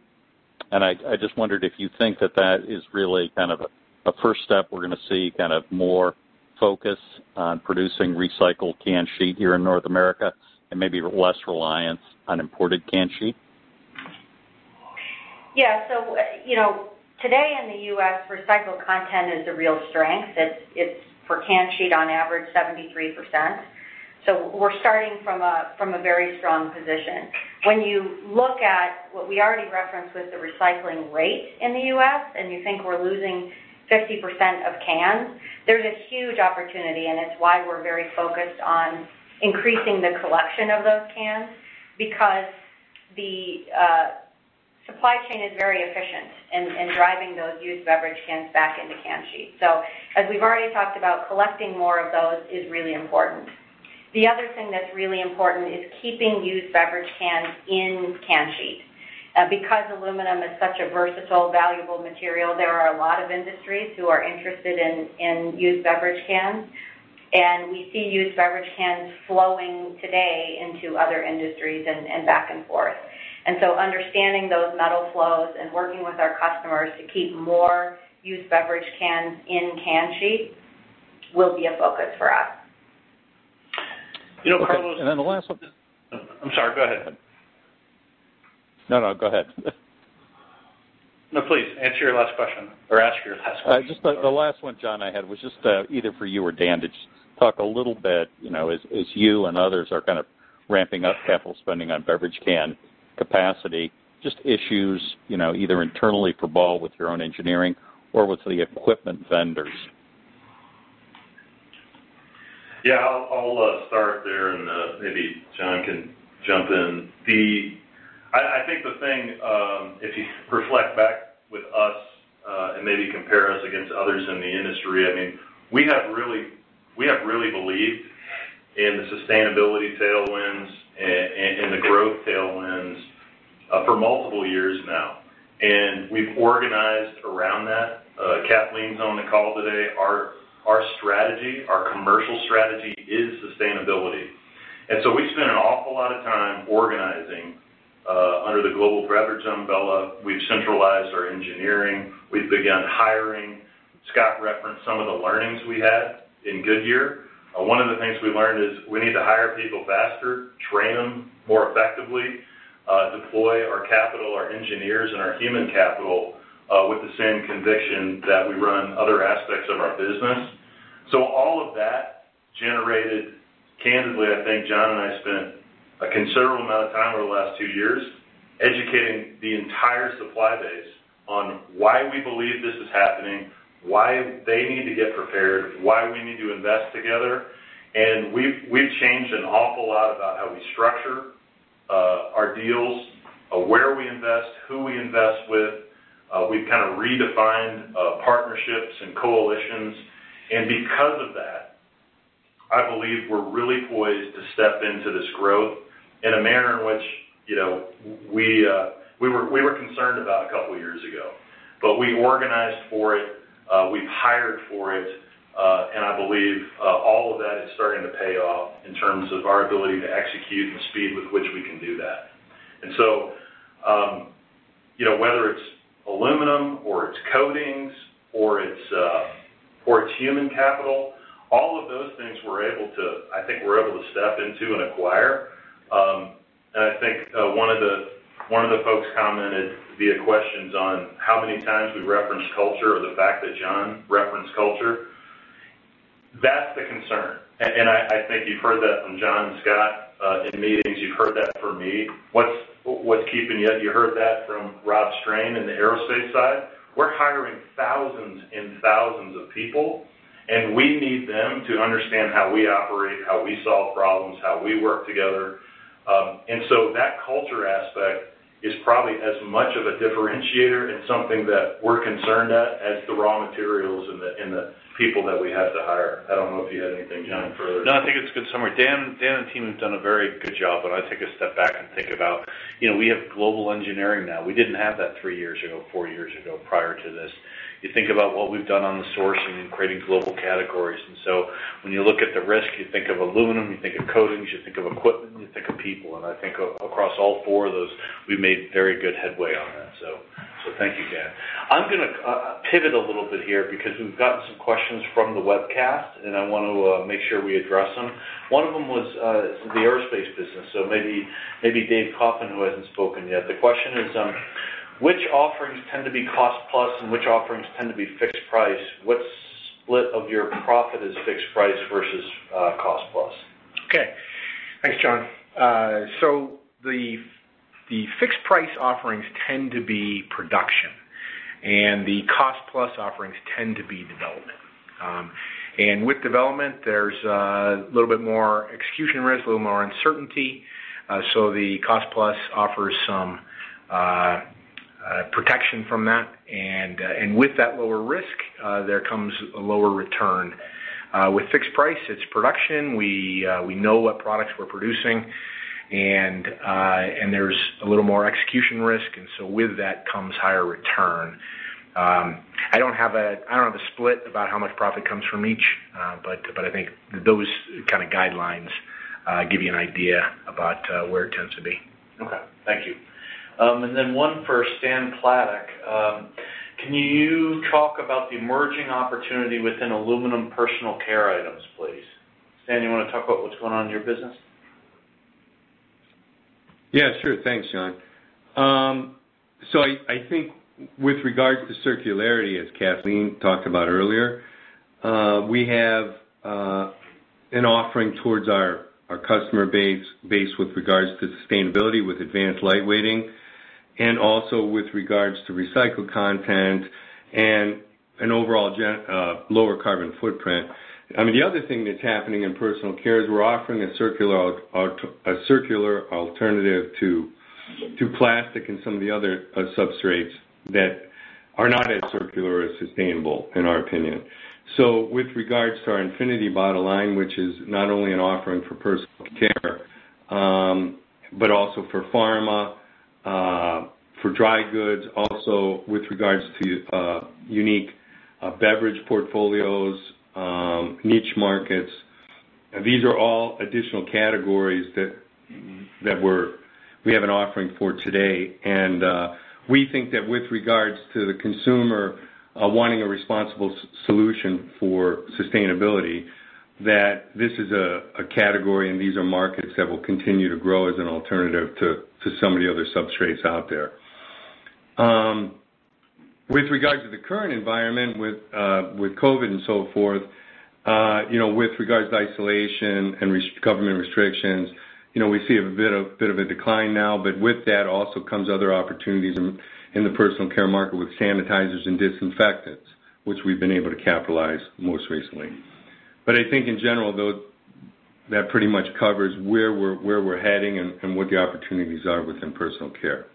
S16: I just wondered if you think that that is really kind of a first step we're going to see more focus on producing recycled can sheet here in North America and maybe less reliance on imported can sheet?
S3: Yeah. Today in the U.S., recycled content is a real strength. It's, for can sheet, on average, 73%. We're starting from a very strong position. When you look at what we already referenced with the recycling rate in the U.S., and you think we're losing 50% of cans, there's a huge opportunity, and it's why we're very focused on increasing the collection of those cans, because the supply chain is very efficient in driving those used beverage cans back into can sheet. As we've already talked about, collecting more of those is really important. The other thing that's really important is keeping used beverage cans in can sheet. Because aluminum is such a versatile, valuable material, there are a lot of industries who are interested in used beverage cans, and we see used beverage cans flowing today into other industries and back and forth. Understanding those metal flows and working with our customers to keep more used beverage cans in can sheet will be a focus for us.
S2: You know, Carlos I'm sorry, go ahead.
S16: No, no. Go ahead.
S2: No, please. Answer your last question or ask your last question.
S16: Just the last one, John, I had was just either for you or Dan, to just talk a little bit, as you and others are kind of ramping up capital spending on beverage can capacity, just issues either internally for Ball with your own engineering or with the equipment vendors.
S4: Yeah. I'll start there and maybe John can jump in. I think the thing, if you reflect back with us, and maybe compare us against others in the industry, we have really believed in the sustainability tailwinds and the growth tailwinds for multiple years now. We've organized around that. Kathleen's on the call today. Our commercial strategy is sustainability. So we've spent an awful lot of time organizing, under the global beverage umbrella. We've centralized our engineering. We've begun hiring. Scott referenced some of the learnings we had in Goodyear. One of the things we learned is we need to hire people faster, train them more effectively, deploy our capital, our engineers, and our human capital, with the same conviction that we run other aspects of our business. Candidly, I think John and I spent a considerable amount of time over the last two years educating the entire supply base on why we believe this is happening, why they need to get prepared, why we need to invest together. We've changed an awful lot about how we structure our deals, where we invest, who we invest with. We've kind of redefined partnerships and coalitions. Because of that, I believe we're really poised to step into this growth in a manner in which we were concerned about a couple of years ago. We organized for it, we've hired for it, and I believe all of that is starting to pay off in terms of our ability to execute and the speed with which we can do that. Whether it's aluminum or it's coatings or it's human capital, all of those things I think we're able to step into and acquire. I think one of the folks commented via questions on how many times we referenced culture or the fact that John referenced culture. That's the concern. I think you've heard that from John and Scott in meetings. You've heard that from me. You heard that from Rob Strain in the Ball Aerospace side. We're hiring thousands and thousands of people, and we need them to understand how we operate, how we solve problems, how we work together. That culture aspect is probably as much of a differentiator and something that we're concerned at as the raw materials and the people that we have to hire. I don't know if you had anything, John, further to.
S2: I think it's a good summary. Dan and team have done a very good job. I take a step back and think about, we have global engineering now. We didn't have that three years ago, four years ago, prior to this. You think about what we've done on the sourcing and creating global categories. When you look at the risk, you think of aluminum, you think of coatings, you think of equipment, and you think of people. I think across all four of those, we've made very good headway on that. Thank you, Dan. I'm going to pivot a little bit here because we've gotten some questions from the webcast, and I want to make sure we address them. One of them was the aerospace business. Maybe Dave Kaufman, who hasn't spoken yet. The question is, "Which offerings tend to be cost plus and which offerings tend to be fixed price? What split of your profit is fixed price versus cost plus?
S17: Okay. Thanks, John. The fixed price offerings tend to be production and the cost plus offerings tend to be development. With development, there's a little bit more execution risk, a little more uncertainty. The cost plus offers some protection from that. With that lower risk, there comes a lower return. With fixed price, it's production. We know what products we're producing, and there's a little more execution risk. With that comes higher return. I don't have a split about how much profit comes from each, but I think those kind of guidelines give you an idea about where it tends to be.
S2: Okay. Thank you. One for Stan Platek. Can you talk about the emerging opportunity within aluminum personal care items, please? Stan, you want to talk about what's going on in your business?
S18: Yeah, sure. Thanks, John. I think with regard to circularity, as Kathleen talked about earlier, we have an offering towards our customer base with regards to sustainability, with advanced lightweighting, and also with regards to recycled content and an overall lower carbon footprint. The other thing that's happening in personal care is we're offering a circular alternative to plastic and some of the other substrates that are not as circular or sustainable, in our opinion. With regards to our Infinity bottle line, which is not only an offering for personal care, but also for pharma, for dry goods, also with regards to unique beverage portfolios, niche markets. These are all additional categories that we have an offering for today. We think that with regards to the consumer wanting a responsible solution for sustainability, that this is a category, and these are markets that will continue to grow as an alternative to some of the other substrates out there. With regards to the current environment, with COVID and so forth, with regards to isolation and government restrictions, we see a bit of a decline now, but with that also comes other opportunities in the personal care market with sanitizers and disinfectants, which we've been able to capitalize most recently. I think in general, that pretty much covers where we're heading and what the opportunities are within personal care.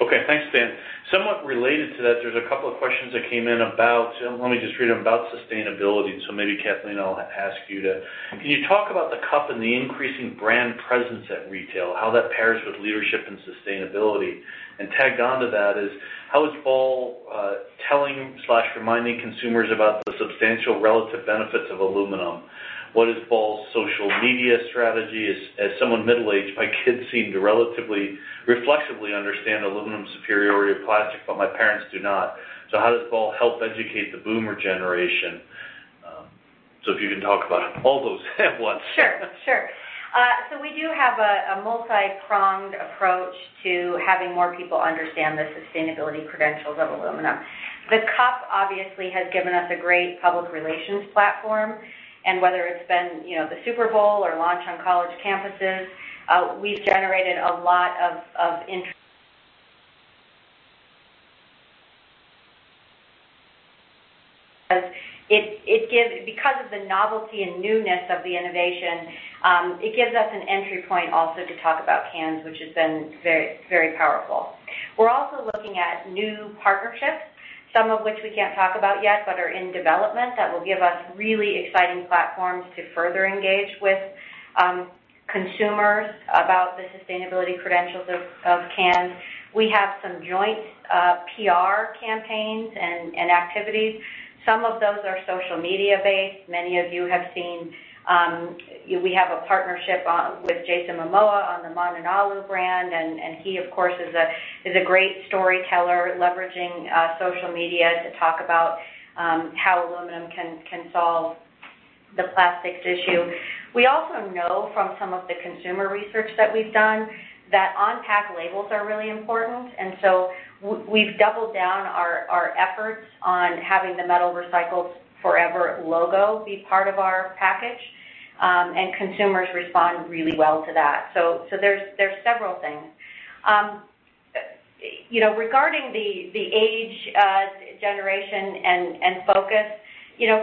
S2: Okay. Thanks, Stan. Somewhat related to that, there's a couple of questions that came in about sustainability. Maybe, Kathleen, I'll ask you to Can you talk about the cup and the increasing brand presence at retail, how that pairs with leadership and sustainability? Tagged onto that is, how is Ball telling/reminding consumers about the substantial relative benefits of aluminum? What is Ball's social media strategy? As someone middle-aged, my kids seem to relatively reflexively understand aluminum's superiority of plastic, but my parents do not. How does Ball help educate the boomer generation? If you can talk about all those at once.
S3: Sure. We do have a multi-pronged approach to having more people understand the sustainability credentials of aluminum. The cup obviously has given us a great public relations platform, and whether it's been the Super Bowl or launch on college campuses, we've generated a lot of interest. Because of the novelty and newness of the innovation, it gives us an entry point also to talk about cans, which has been very powerful. We're also looking at new partnerships, some of which we can't talk about yet, but are in development, that will give us really exciting platforms to further engage with consumers about the sustainability credentials of cans. We have some joint PR campaigns and activities. Some of those are social media-based. Many of you have seen we have a partnership with Jason Momoa on the Mananalu brand, and he, of course, is a great storyteller, leveraging social media to talk about how aluminum can solve the plastics issue. We also know from some of the consumer research that we've done that on-pack labels are really important, and so we've doubled down our efforts on having the Metal Recycles Forever logo be part of our package, and consumers respond really well to that. There's several things. Regarding the age generation and focus,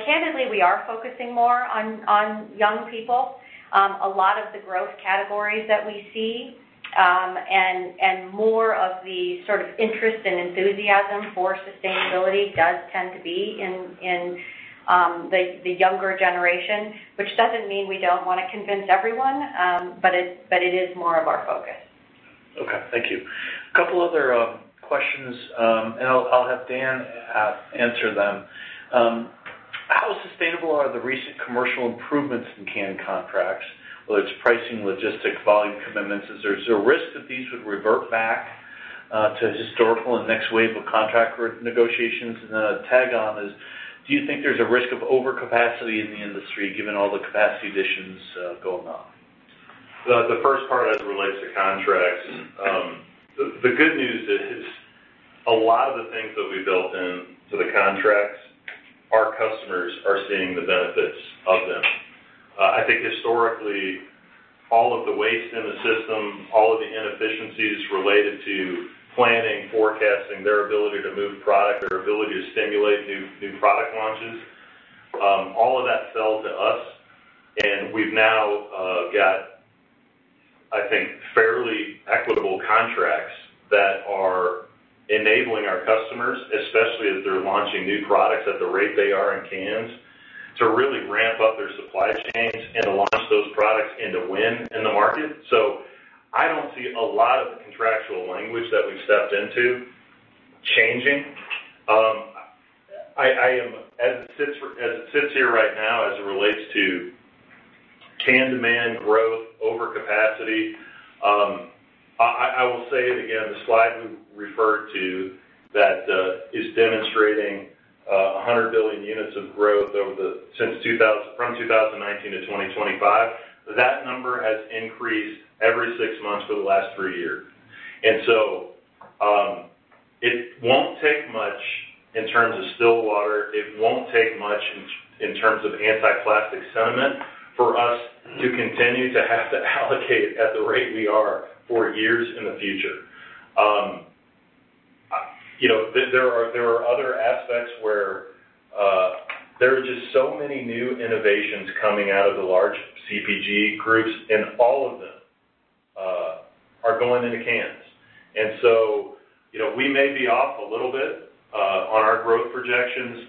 S3: candidly, we are focusing more on young people. A lot of the growth categories that we see and more of the sort of interest and enthusiasm for sustainability does tend to be in the younger generation, which doesn't mean we don't want to convince everyone, but it is more of our focus.
S2: Okay. Thank you. A couple other questions, I'll have Dan answer them. How sustainable are the recent commercial improvements in can contracts, whether it's pricing, logistics, volume commitments? Is there a risk that these would revert back to historical and next wave of contract negotiations? A tag-on is, do you think there's a risk of overcapacity in the industry given all the capacity additions going on?
S4: The first part, as it relates to contracts, the good news is a lot of the things that we built into the contracts, our customers are seeing the benefits of them. I think historically, all of the waste in the system, all of the inefficiencies related to planning, forecasting, their ability to move product, their ability to stimulate new product launches, all of that fell to us, and we've now got, I think, fairly equitable contracts that are enabling our customers, especially as they're launching new products at the rate they are in cans, to really ramp up their supply chains and launch those products and to win in the market. I don't see a lot of the contractual language that we've stepped into changing. As it sits here right now, as it relates to can demand growth over capacity. I will say it again, the slide we referred to that is demonstrating 100 billion units of growth from 2019 to 2025. That number has increased every six months for the last three years. It won't take much in terms of still water, it won't take much in terms of anti-plastic sentiment for us to continue to have to allocate at the rate we are for years in the future. There are other aspects where there are just so many new innovations coming out of the large CPG groups, and all of them are going into cans. We may be off a little bit on our growth projections,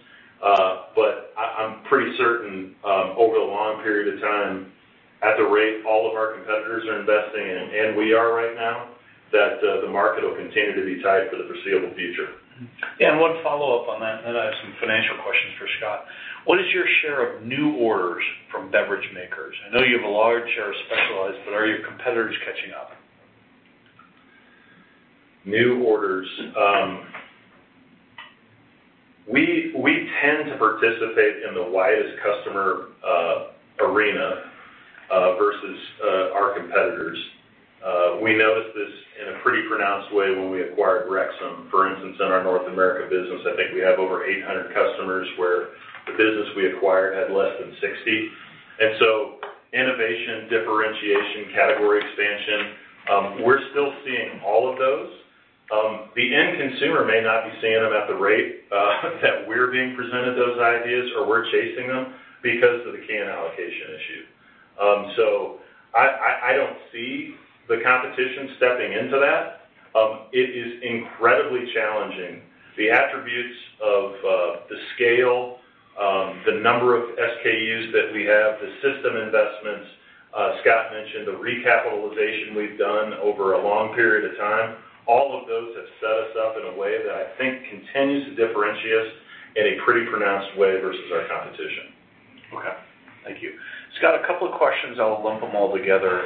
S4: but I'm pretty certain, over the long period of time, at the rate all of our competitors are investing and we are right now, that the market will continue to be tight for the foreseeable future.
S2: Yeah. One follow-up on that, then I have some financial questions for Scott. What is your share of new orders from beverage makers? I know you have a large share of specialized, but are your competitors catching up?
S4: New orders. We tend to participate in the widest customer arena versus our competitors. We noticed this in a pretty pronounced way when we acquired Rexam, for instance, in our North America business, I think we have over 800 customers, where the business we acquired had less than 60. Innovation, differentiation, category expansion, we're still seeing all of those. The end consumer may not be seeing them at the rate that we're being presented those ideas or we're chasing them because of the can allocation issue. I don't see the competition stepping into that. It is incredibly challenging. The attributes of the scale, the number of SKUs that we have, the system investments, Scott mentioned the recapitalization we've done over a long period of time. All of those have set us up in a way that I think continues to differentiate us in a pretty pronounced way versus our competition.
S2: Okay. Thank you. Scott, a couple of questions. I'll lump them all together.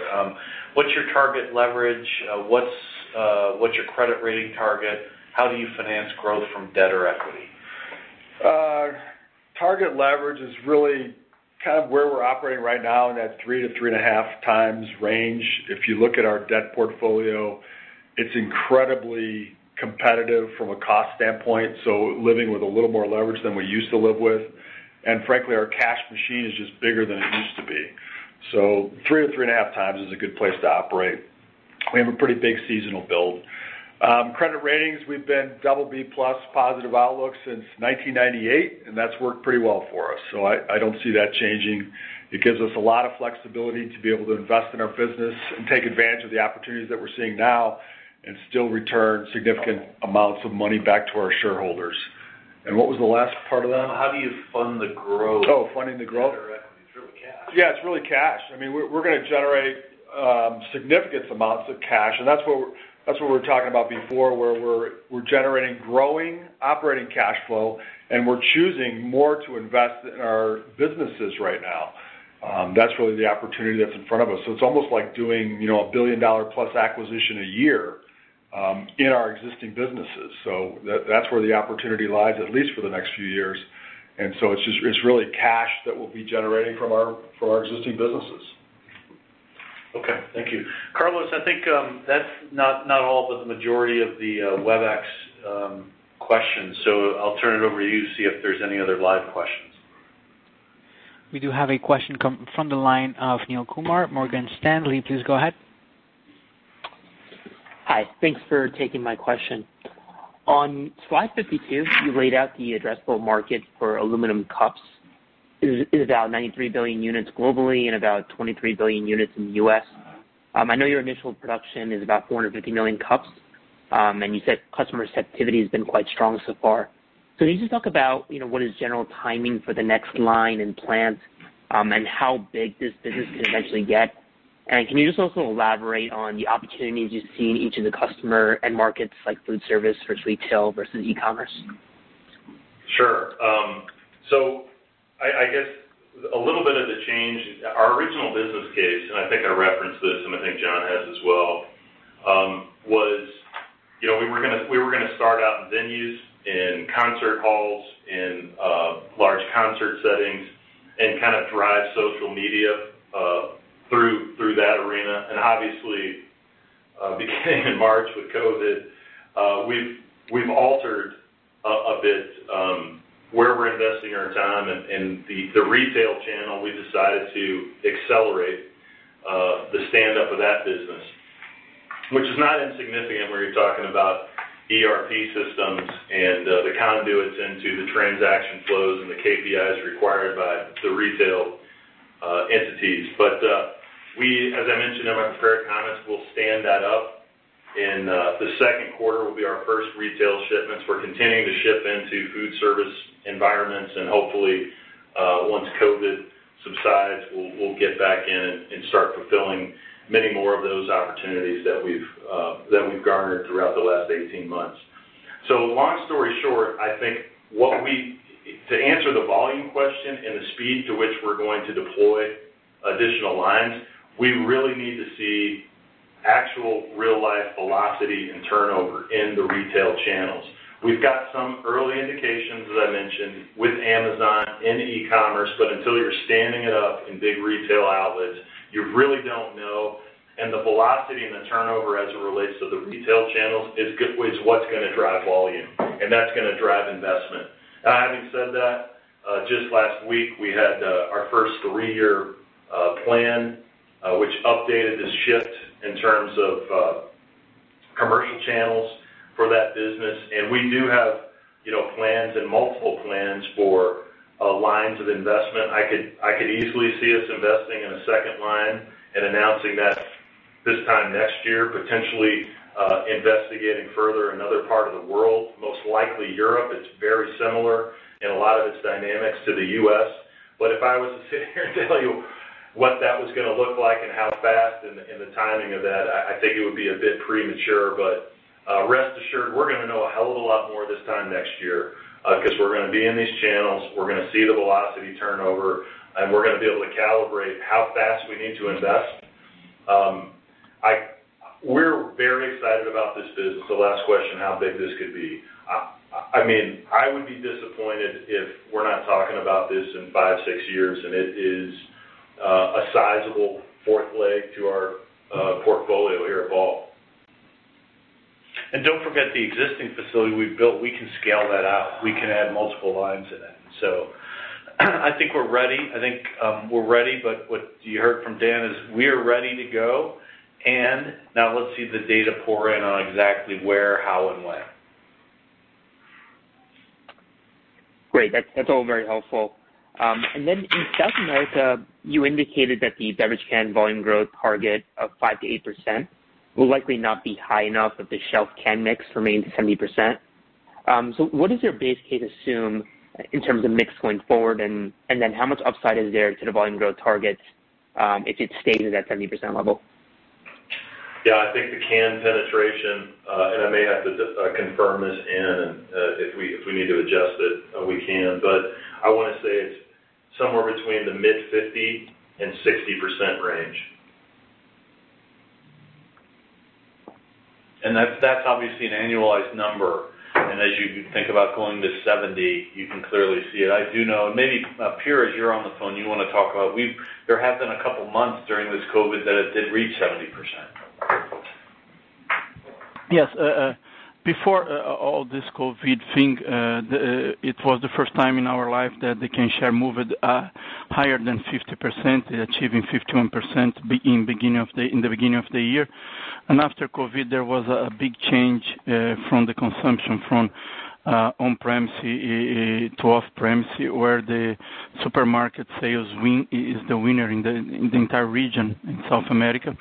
S2: What's your target leverage? What's your credit rating target? How do you finance growth from debt or equity?
S6: Target leverage is really where we're operating right now in that 3-3.5 times range. If you look at our debt portfolio, it's incredibly competitive from a cost standpoint, so living with a little more leverage than we used to live with. Frankly, our cash machine is just bigger than it used to be. 3-3.5 times is a good place to operate. We have a pretty big seasonal build. Credit ratings, we've been BB+ positive outlook since 1998, that's worked pretty well for us, I don't see that changing. It gives us a lot of flexibility to be able to invest in our business and take advantage of the opportunities that we're seeing now and still return significant amounts of money back to our shareholders. What was the last part of that?
S2: How do you fund the growth?
S6: Oh, funding the growth.
S2: Debt or equity. It's really cash.
S6: Yeah, it's really cash. We're going to generate significant amounts of cash, and that's what we were talking about before, where we're generating growing operating cash flow, and we're choosing more to invest in our businesses right now. That's really the opportunity that's in front of us. It's almost like doing a billion-dollar plus acquisition a year in our existing businesses. That's where the opportunity lies, at least for the next few years. It's really cash that we'll be generating from our existing businesses.
S2: Okay. Thank you. Carlos, I think that's not all, but the majority of the Webex questions. I'll turn it over to you to see if there's any other live questions.
S1: We do have a question come from the line of Neel Kumar, Morgan Stanley. Please go ahead.
S19: Hi. Thanks for taking my question. On slide 52, you laid out the addressable market for aluminum cups is about 93 billion units globally and about 23 billion units in the U.S. I know your initial production is about 450 million cups. You said customer activity has been quite strong so far. Can you just talk about what is general timing for the next line and plant? How big this business can eventually get? Can you just also elaborate on the opportunities you see in each of the customer end markets, like food service versus retail versus e-commerce?
S4: Sure. I guess a little bit of the change, our original business case, and I think I referenced this and I think John has as well, was we were going to start out in venues and concert halls and large concert settings and kind of drive social media through that arena. Obviously, beginning in March with COVID, we've altered a bit where we're investing our time. In the retail channel, we decided to accelerate the stand-up of that business, which is not insignificant when you're talking about ERP systems and the conduits into the transaction flows and the KPIs required by the retail entities. We, as I mentioned in my prepared comments, will stand that up in the second quarter, will be our first retail shipments. We're continuing to ship into food service environments, and hopefully, once COVID subsides, we'll get back in and start fulfilling many more of those opportunities that we've garnered throughout the last 18 months. Long story short, I think to answer the volume question and the speed to which we're going to deploy additional lines, we really need to see actual real-life velocity and turnover in the retail channels. We've got some early indications, as I mentioned, with Amazon and e-commerce, but until you're standing it up in big retail outlets, you really don't know. The velocity and the turnover as it relates to the retail channels is good ways what's going to drive volume, and that's going to drive investment. Now, having said that, just last week, we had our first three-year plan, which updated this shift in terms of commercial channels for that business. We do have plans and multiple plans for lines of investment. I could easily see us investing in a second line and announcing that this time next year, potentially investigating further another part of the world, most likely Europe. It's very similar in a lot of its dynamics to the U.S. If I was to sit here and tell you what that was going to look like and how fast and the timing of that, I think it would be a bit premature, but rest assured, we're going to know a hell of a lot more this time next year, because we're going to be in these channels, we're going to see the velocity turnover, and we're going to be able to calibrate how fast we need to invest. We're very excited about this business. The last question, how big this could be. I would be disappointed if we're not talking about this in five, six years, and it is a sizable fourth leg to our portfolio here at Ball.
S2: Don't forget the existing facility we've built, we can scale that out. We can add multiple lines in it. I think we're ready. I think we're ready, but what you heard from Dan is we're ready to go, and now let's see the data pour in on exactly where, how, and when.
S19: Great. That's all very helpful. In South America, you indicated that the beverage can volume growth target of 5%-8% will likely not be high enough if the shelf can mix remains 70%. What does your base case assume in terms of mix going forward, and then how much upside is there to the volume growth targets if it stays at that 70% level?
S4: Yeah, I think the can penetration, and I may have to confirm this end, if we need to adjust it, we can, but I want to say it's somewhere between the mid 50% and 60% range.
S2: That's obviously an annualized number. As you think about going to 70%, you can clearly see it. I do know, and maybe, Pires, as you're on the phone, you want to talk about, there have been a couple of months during this COVID that it did reach 70%.
S1: Yes. Before all this COVID thing, it was the first time in our life that the can share moved higher than 50%, achieving 51% in the beginning of the year. After COVID, there was a big change from the consumption from on-premise to off-premise, where the supermarket sales is the winner in the entire region in South America.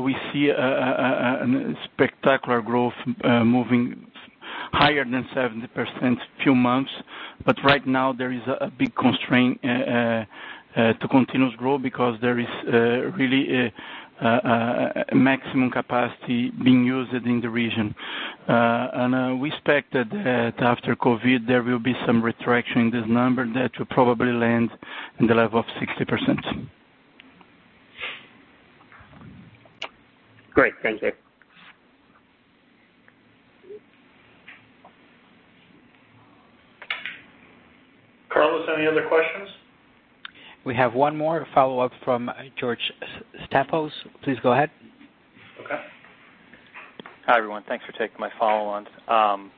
S1: We see a spectacular growth moving higher than 70% few months. Right now, there is a big constraint to continuous growth because there is really a maximum capacity being used in the region. We expect that after COVID, there will be some retraction in this number that will probably land in the level of 60%.
S19: Great. Thanks, Pires.
S2: Carlos, any other questions?
S1: We have one more follow-up from George Staphos. Please go ahead.
S2: Okay.
S7: Hi, everyone. Thanks for taking my follow on.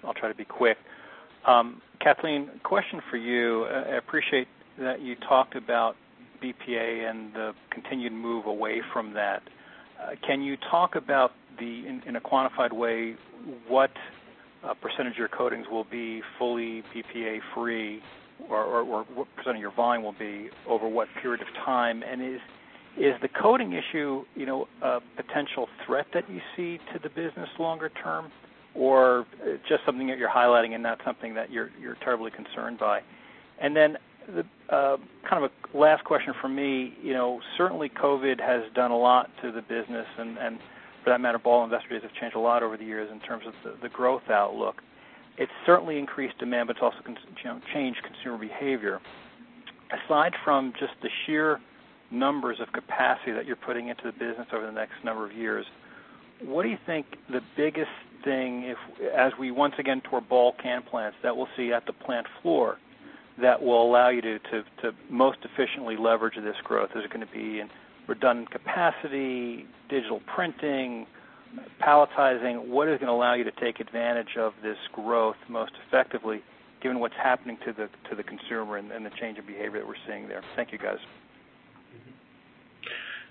S7: I'll try to be quick. Kathleen, question for you. I appreciate that you talked about BPA and the continued move away from that. Can you talk about, in a quantified way, what percentage of your coatings will be fully BPA free, or what percentage of your volume will be over what period of time? Is the coating issue a potential threat that you see to the business longer term, or just something that you're highlighting and not something that you're terribly concerned by? Kind of a last question from me. Certainly, COVID has done a lot to the business, and for that matter, Ball Investors have changed a lot over the years in terms of the growth outlook. It's certainly increased demand, but it's also changed consumer behavior. Aside from just the sheer numbers of capacity that you're putting into the business over the next number of years, what do you think the biggest thing, as we once again tour Ball can plants, that we'll see at the plant floor that will allow you to most efficiently leverage this growth? Is it going to be in redundant capacity, digital printing, palletizing? What is going to allow you to take advantage of this growth most effectively given what's happening to the consumer and the change of behavior that we're seeing there? Thank you, guys.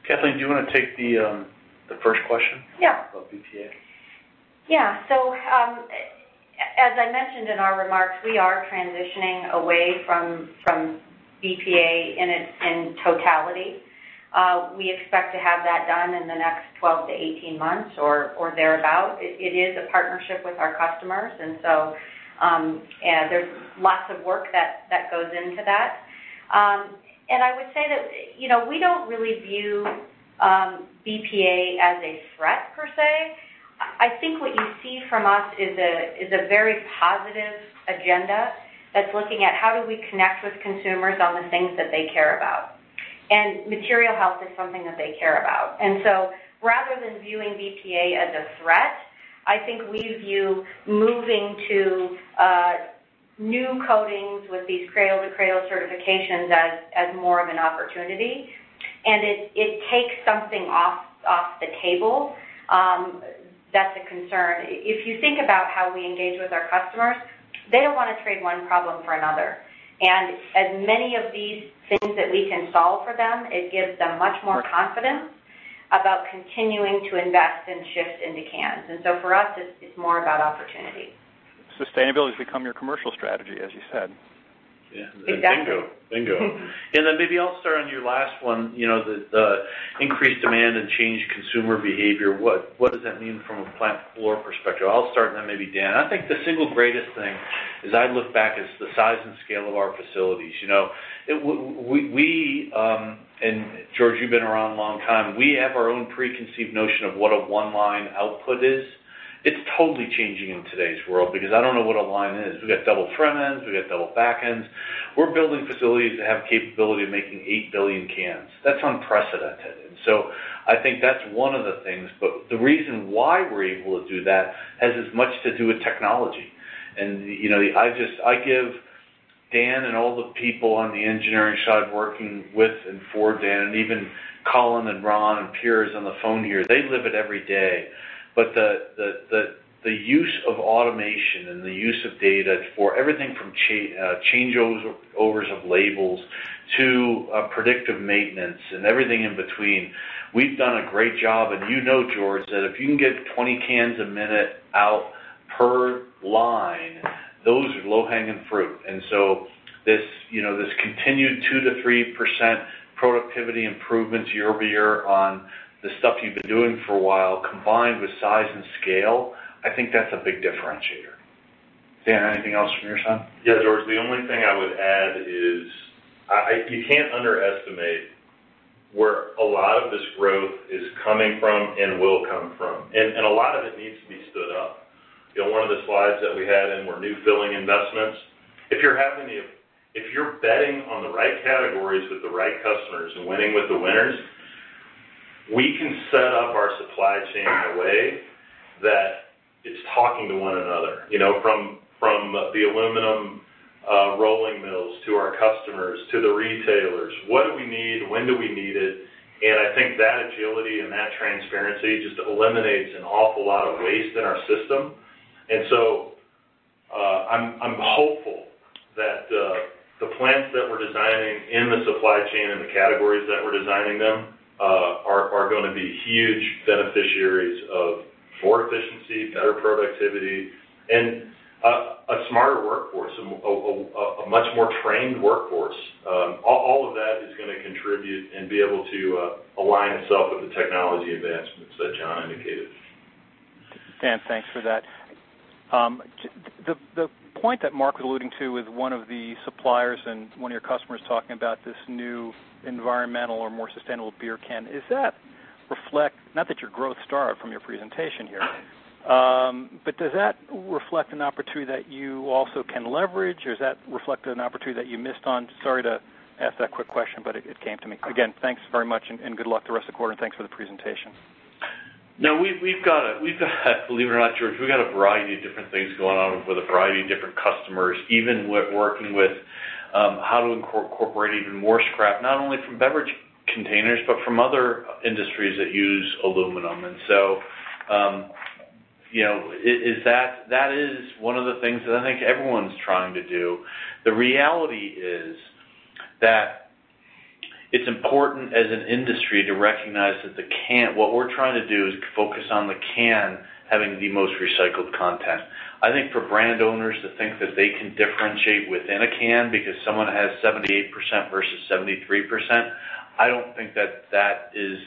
S2: Kathleen, do you want to take the first question?
S3: Yeah
S2: about BPA?
S3: Yeah. As I mentioned in our remarks, we are transitioning away from BPA in totality. We expect to have that done in the next 12-18 months or thereabout. It is a partnership with our customers, and there's lots of work that goes into that. I would say that we don't really view BPA as a threat per se. I think what you see from us is a very positive agenda that's looking at how do we connect with consumers on the things that they care about. Material health is something that they care about. Rather than viewing BPA as a threat, I think we view moving to new coatings with these Cradle to Cradle certifications as more of an opportunity. It takes something off the table that's a concern. If you think about how we engage with our customers, they don't want to trade one problem for another. As many of these things that we can solve for them, it gives them much more confidence about continuing to invest and shift into cans. For us, it's more about opportunity.
S7: Sustainability has become your commercial strategy, as you said.
S3: Exactly.
S2: Yeah. Bingo. Maybe I'll start on your last one, the increased demand and changed consumer behavior. What does that mean from a plant floor perspective? I'll start and then maybe Dan. I think the single greatest thing, as I look back, is the size and scale of our facilities. George, you've been around a long time. We have our own preconceived notion of what a one line output is. It's totally changing in today's world because I don't know what a line is. We've got double front ends. We've got double back ends. We're building facilities that have capability of making eight billion cans. That's unprecedented. I think that's one of the things. The reason why we're able to do that has as much to do with technology. I give Dan and all the people on the engineering side working with and for Dan, and even Colin and Ron and Pires on the phone here, they live it every day. The use of automation and the use of data for everything from changeovers of labels to predictive maintenance and everything in between, we've done a great job. You know, George, that if you can get 20 cans a minute out per line, those are low-hanging fruit. This continued 2%-3% productivity improvements year-over-year on the stuff you've been doing for a while, combined with size and scale, I think that's a big differentiator. Dan, anything else from your side?
S4: Yeah, George, the only thing I would add is you can't underestimate where a lot of this growth is coming from and will come from. A lot of it needs to be stood up. One of the slides that we had in were new filling investments. If you're betting on the right categories with the right customers and winning with the winners, we can set up our supply chain in a way that it's talking to one another. From the aluminum rolling mills to our customers, to the retailers, what do we need? When do we need it? I think that agility and that transparency just eliminates an awful lot of waste in our system. I'm hopeful that the plants that we're designing in the supply chain and the categories that we're designing them, are going to be huge beneficiaries of more efficiency, better productivity, and a smarter workforce, a much more trained workforce. All of that is going to contribute and be able to align itself with the technology advancements that John indicated.
S7: Dan, thanks for that. The point that Mark was alluding to with one of the suppliers and one of your customers talking about this new environmental or more sustainable beer can, not that you're growth starved from your presentation here, but does that reflect an opportunity that you also can leverage or does that reflect an opportunity that you missed on? Sorry to ask that quick question, but it came to me. Again, thanks very much and good luck the rest of the quarter, and thanks for the presentation.
S2: Believe it or not, George, we've got a variety of different things going on with a variety of different customers, even working with how to incorporate even more scrap, not only from beverage containers, but from other industries that use aluminum. That is one of the things that I think everyone's trying to do. The reality is that it's important as an industry to recognize that what we're trying to do is focus on the can having the most recycled content. I think for brand owners to think that they can differentiate within a can because someone has 78% versus 73%, I don't think that that is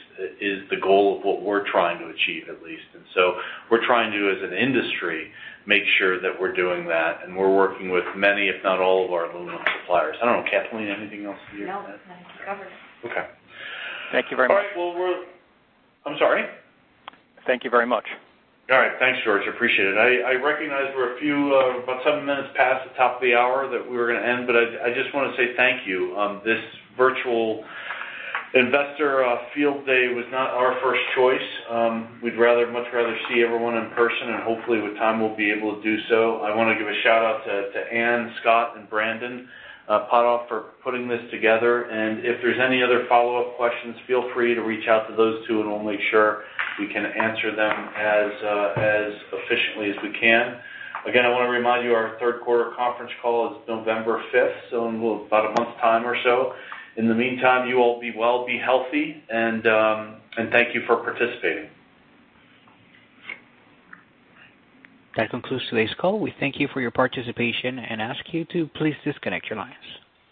S2: the goal of what we're trying to achieve, at least. We're trying to, as an industry, make sure that we're doing that, and we're working with many, if not all, of our aluminum suppliers. I don't know, Kathleen, anything else for you?
S3: No, I think you covered it.
S2: Okay.
S7: Thank you very much.
S2: All right. Well, I'm sorry?
S7: Thank you very much.
S2: All right. Thanks, George. Appreciate it. I recognize we're about seven minutes past the top of the hour that we were going to end, but I just want to say thank you. This virtual investor field day was not our first choice. We'd much rather see everyone in person, and hopefully with time, we'll be able to do so. I want to give a shout-out to Anne, Scott, and Brandon Potthoff for putting this together. If there's any other follow-up questions, feel free to reach out to those two, and we'll make sure we can answer them as efficiently as we can. Again, I want to remind you our third quarter conference call is November 5th, so in about one month time or so. In the meantime, you all be well, be healthy, and thank you for participating.
S1: That concludes today's call. We thank you for your participation and ask you to please disconnect your lines.